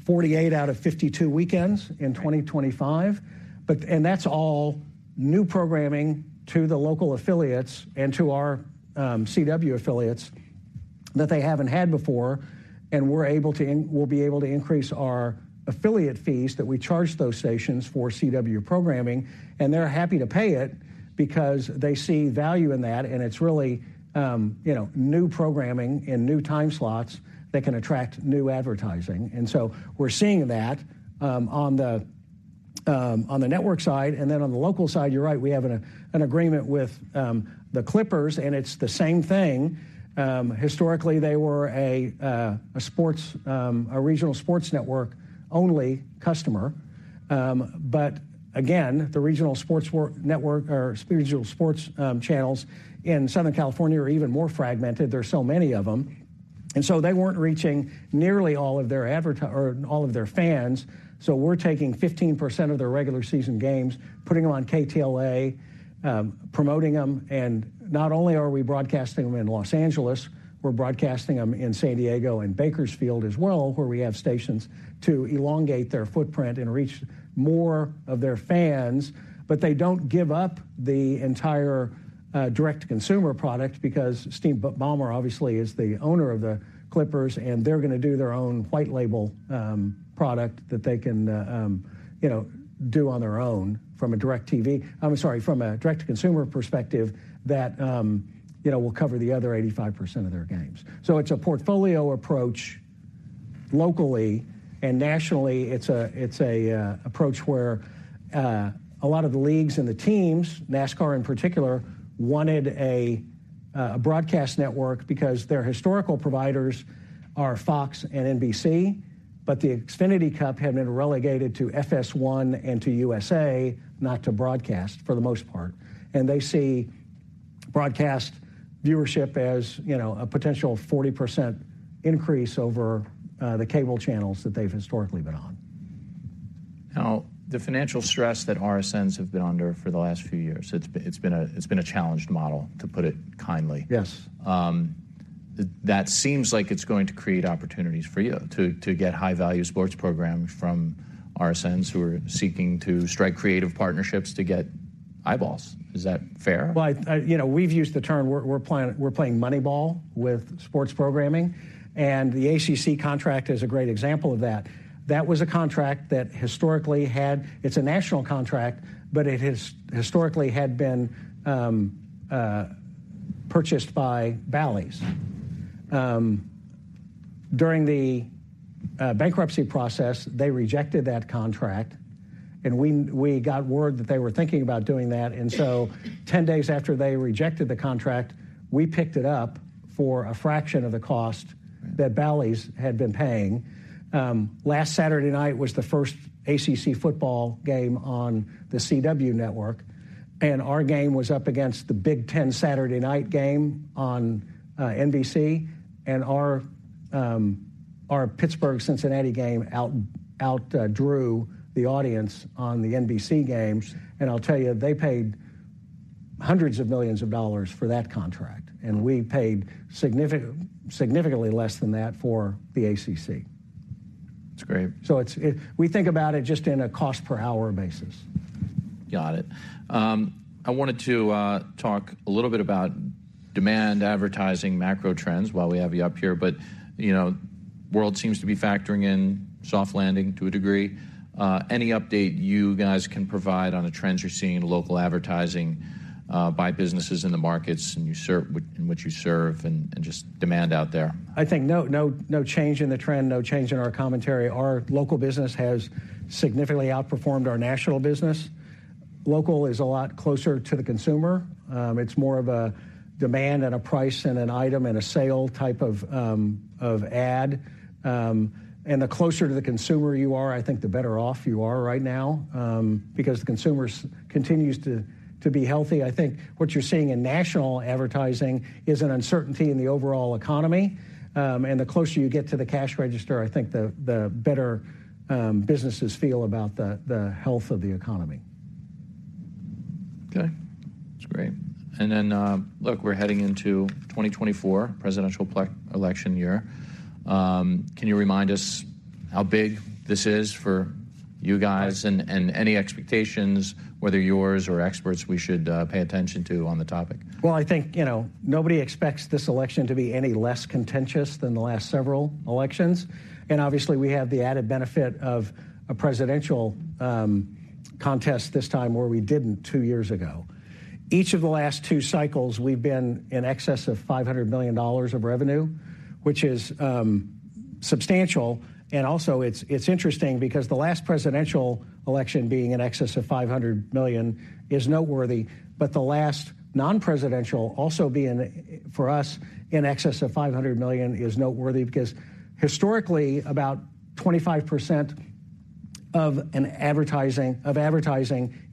48 out of 52 weekends in 2025. But that's all new programming to the local affiliates and to our CW affiliates. that they haven't had before, and we're able to—we'll be able to increase our affiliate fees that we charge those stations for CW programming, and they're happy to pay it because they see value in that, and it's really, you know, new programming and new time slots that can attract new advertising. So we're seeing that on the network side, and then on the local side, you're right, we have an agreement with the Clippers, and it's the same thing. Historically, they were a sports regional sports network-only customer. But again, the regional sports network or regional sports channels in Southern California are even more fragmented. There are so many of them, and so they weren't reaching nearly all of their or all of their fans. So we're taking 15% of their regular season games, putting them on KTLA, promoting them, and not only are we broadcasting them in Los Angeles, we're broadcasting them in San Diego and Bakersfield as well, where we have stations to elongate their footprint and reach more of their fans. But they don't give up the entire, direct-to-consumer product because Steve Ballmer obviously is the owner of the Clippers, and they're gonna do their own white label, product that they can, you know, do on their own from a direct-to-consumer perspective, that, you know, will cover the other 85% of their games. So it's a portfolio approach locally and nationally. It's an approach where a lot of the leagues and the teams, NASCAR in particular, wanted a broadcast network because their historical providers are Fox and NBC, but the Xfinity Cup had been relegated to FS1 and to USA Network, not to broadcast for the most part, and they see broadcast viewership as, you know, a potential 40% increase over the cable channels that they've historically been on. Now, the financial stress that RSNs have been under for the last few years, it's been a challenged model, to put it kindly. Yes. That seems like it's going to create opportunities for you to, to get high-value sports programs from RSNs who are seeking to strike creative partnerships to get eyeballs. Is that fair? Well, you know, we've used the term we're playing Moneyball with sports programming, and the ACC contract is a great example of that. That was a contract that historically had been purchased by Bally's. During the bankruptcy process, they rejected that contract, and we got word that they were thinking about doing that, and so 10 days after they rejected the contract, we picked it up for a fraction of the cost that Bally's had been paying. Last Saturday night was the first ACC football game on The CW Network, and our game was up against the Big Ten Saturday night game on NBC, and our Pittsburgh-Cincinnati game outdrew the audience on the NBC games, and I'll tell you, they paid hundreds of millions for that contract, and we paid significantly less than that for the ACC. That's great. So it's. We think about it just in a cost-per-hour basis. Got it. I wanted to talk a little bit about demand, advertising, macro trends while we have you up here, but, you know, world seems to be factoring in soft landing to a degree. Any update you guys can provide on the trends you're seeing in local advertising by businesses in the markets in which you serve and just demand out there? I think no, no, no change in the trend, no change in our commentary. Our local business has significantly outperformed our national business. Local is a lot closer to the consumer. It's more of a demand and a price and an item and a sale type of ad, and the closer to the consumer you are, I think the better off you are right now, because the consumer continues to be healthy. I think what you're seeing in national advertising is an uncertainty in the overall economy, and the closer you get to the cash register, I think the better businesses feel about the health of the economy. Okay. That's great. Then, look, we're heading into 2024, presidential election year. Can you remind us how big this is for you guys and any expectations, whether yours or experts, we should pay attention to on the topic? Well, I think, you know, nobody expects this election to be any less contentious than the last several elections, and obviously, we have the added benefit of a presidential contest this time, where we didn't two years ago. Each of the last two cycles, we've been in excess of $500 million of revenue, which is substantial, and also it's interesting because the last presidential election being in excess of $500 million is noteworthy, but the last non-presidential also being, for us, in excess of $500 million is noteworthy because historically, about 25% of advertising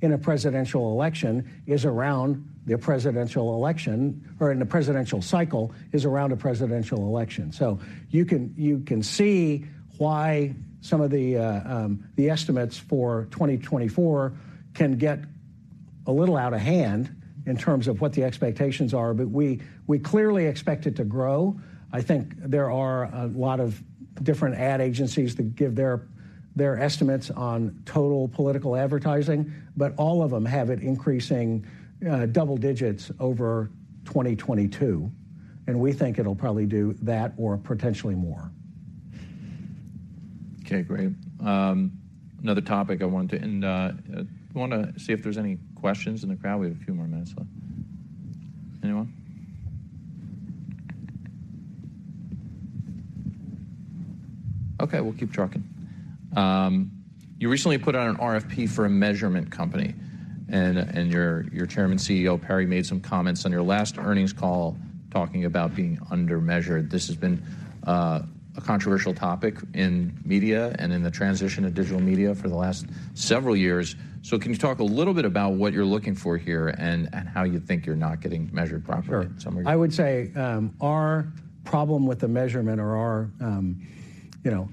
in a presidential election is around the presidential election or in the presidential cycle. So you can, you can see why some of the, the estimates for 2024 can get a little out of hand in terms of what the expectations are, but we, we clearly expect it to grow. I think there are a lot of different ad agencies that give their, their estimates on total political advertising, but all of them have it increasing double digits over 2022, and we think it'll probably do that or potentially more. Okay, great. Another topic I wanted to end, I want to see if there's any questions in the crowd. We have a few more minutes left. Anyone? Okay, we'll keep trucking. You recently put out an RFP for a measurement company, and and your Chairman, CEO, Perry, made some comments on your last earnings call, talking about being undermeasured. This has been a controversial topic in media and in the transition to digital media for the last several years. So can you talk a little bit about what you're looking for here and how you think you're not getting measured properly in some ways? Sure. I would say, our problem with the measurement or our, you know,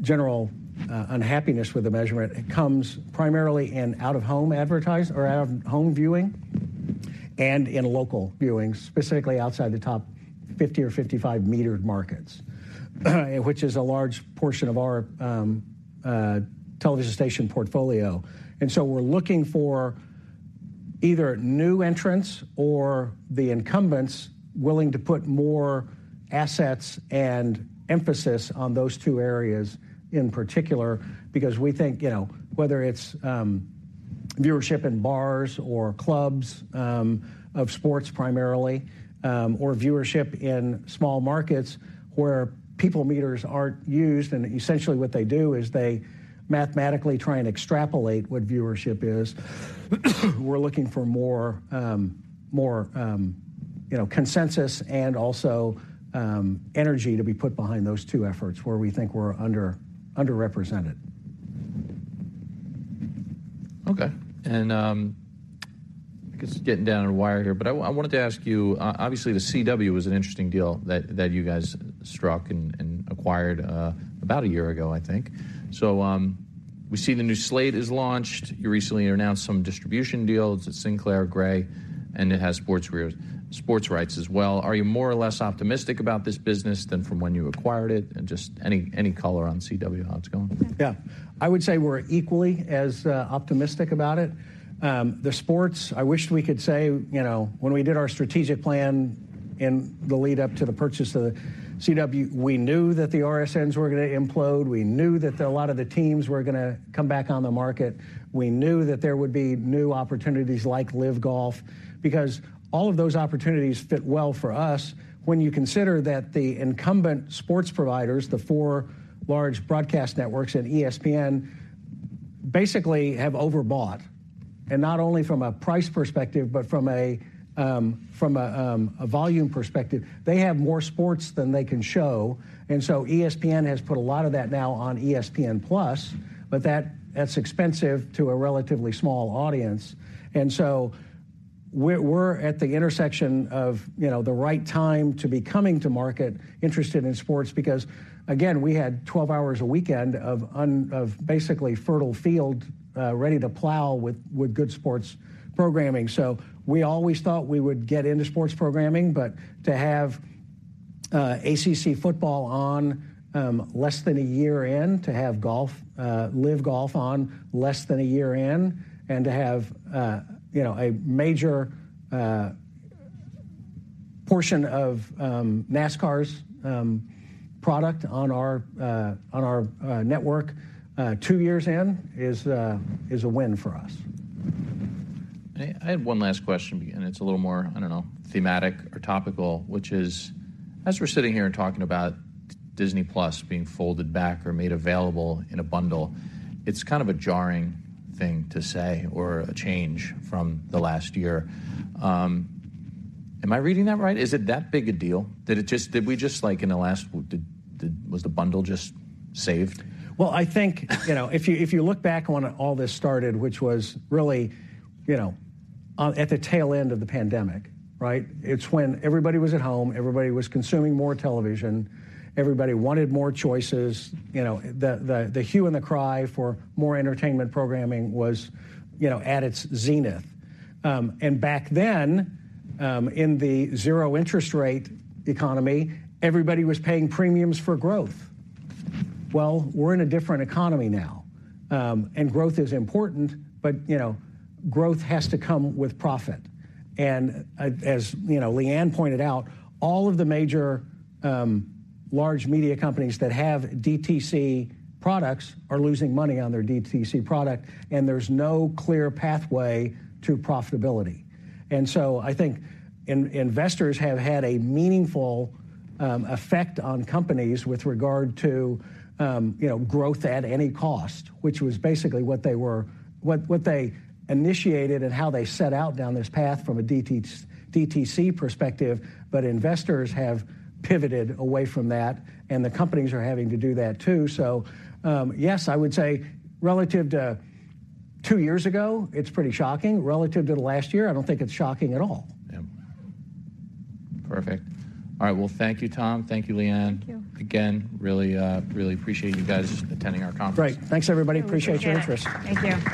general unhappiness with the measurement comes primarily in out-of-home viewing, and in local viewing, specifically outside the top 50 or 55 metered markets, which is a large portion of our television station portfolio. And so we're looking for either new entrants or the incumbents willing to put more assets and emphasis on those two areas in particular, because we think, you know, whether it's viewership in bars or clubs of sports primarily, or viewership in small markets where people meters aren't used, and essentially what they do is they mathematically try and extrapolate what viewership is. We're looking for more, you know, consensus and also energy to be put behind those two efforts where we think we're underrepresented. Okay, and I guess getting down to the wire here, but I wanted to ask you, obviously, The CW was an interesting deal that you guys struck and acquired about a year ago, I think. So, we see the new slate is launched. You recently announced some distribution deals with Sinclair, Gray, and it has sports rights as well. Are you more or less optimistic about this business than from when you acquired it? And just any color on The CW, how it's going? Yeah. I would say we're equally as optimistic about it. The sports, I wish we could say, you know, when we did our strategic plan in the lead up to the purchase of the CW, we knew that the RSNs were gonna implode. We knew that a lot of the teams were gonna come back on the market. We knew that there would be new opportunities like LIV Golf, because all of those opportunities fit well for us when you consider that the incumbent sports providers, the four large broadcast networks and ESPN, basically have overbought, and not only from a price perspective, but from a volume perspective. They have more sports than they can show, and so ESPN has put a lot of that now on ESPN+, but that, that's expensive to a relatively small audience. We're at the intersection of, you know, the right time to be coming to market, interested in sports, because, again, we had 12 hours a weekend of basically fertile field ready to plow with good sports programming. We always thought we would get into sports programming, but to have ACC football on less than a year in, to have golf, LIV Golf on less than a year in, and to have, you know, a major portion of NASCAR's product on our network two years in, is a win for us. I have one last question, and it's a little more, I don't know, thematic or topical, which is: as we're sitting here and talking about Disney+ being folded back or made available in a bundle, it's kind of a jarring thing to say, or a change from the last year. Am I reading that right? Is it that big a deal? Did it just—Did we just, like, in the last week, did—was the bundle just saved? Well, I think, you know, if you, if you look back on when all this started, which was really, you know, at the tail end of the pandemic, right? It's when everybody was at home, everybody was consuming more television, everybody wanted more choices. You know, the hue and the cry for more entertainment programming was, you know, at its zenith. And back then, in the zero interest rate economy, everybody was paying premiums for growth. Well, we're in a different economy now. And growth is important, but, you know, growth has to come with profit. And as you know, Lee Ann pointed out, all of the major, large media companies that have DTC products are losing money on their DTC product, and there's no clear pathway to profitability. And so I think investors have had a meaningful effect on companies with regard to, you know, growth at any cost, which was basically what they initiated and how they set out down this path from a DTC perspective. But investors have pivoted away from that, and the companies are having to do that, too. So, yes, I would say relative to two years ago, it's pretty shocking. Relative to last year, I don't think it's shocking at all. Yeah. Perfect. All right, well, thank you, Tom. Thank you, Lee Ann. Thank you. Again, really, really appreciate you guys attending our conference. Great. Thanks, everybody. Yeah. Appreciate your interest. Thank you.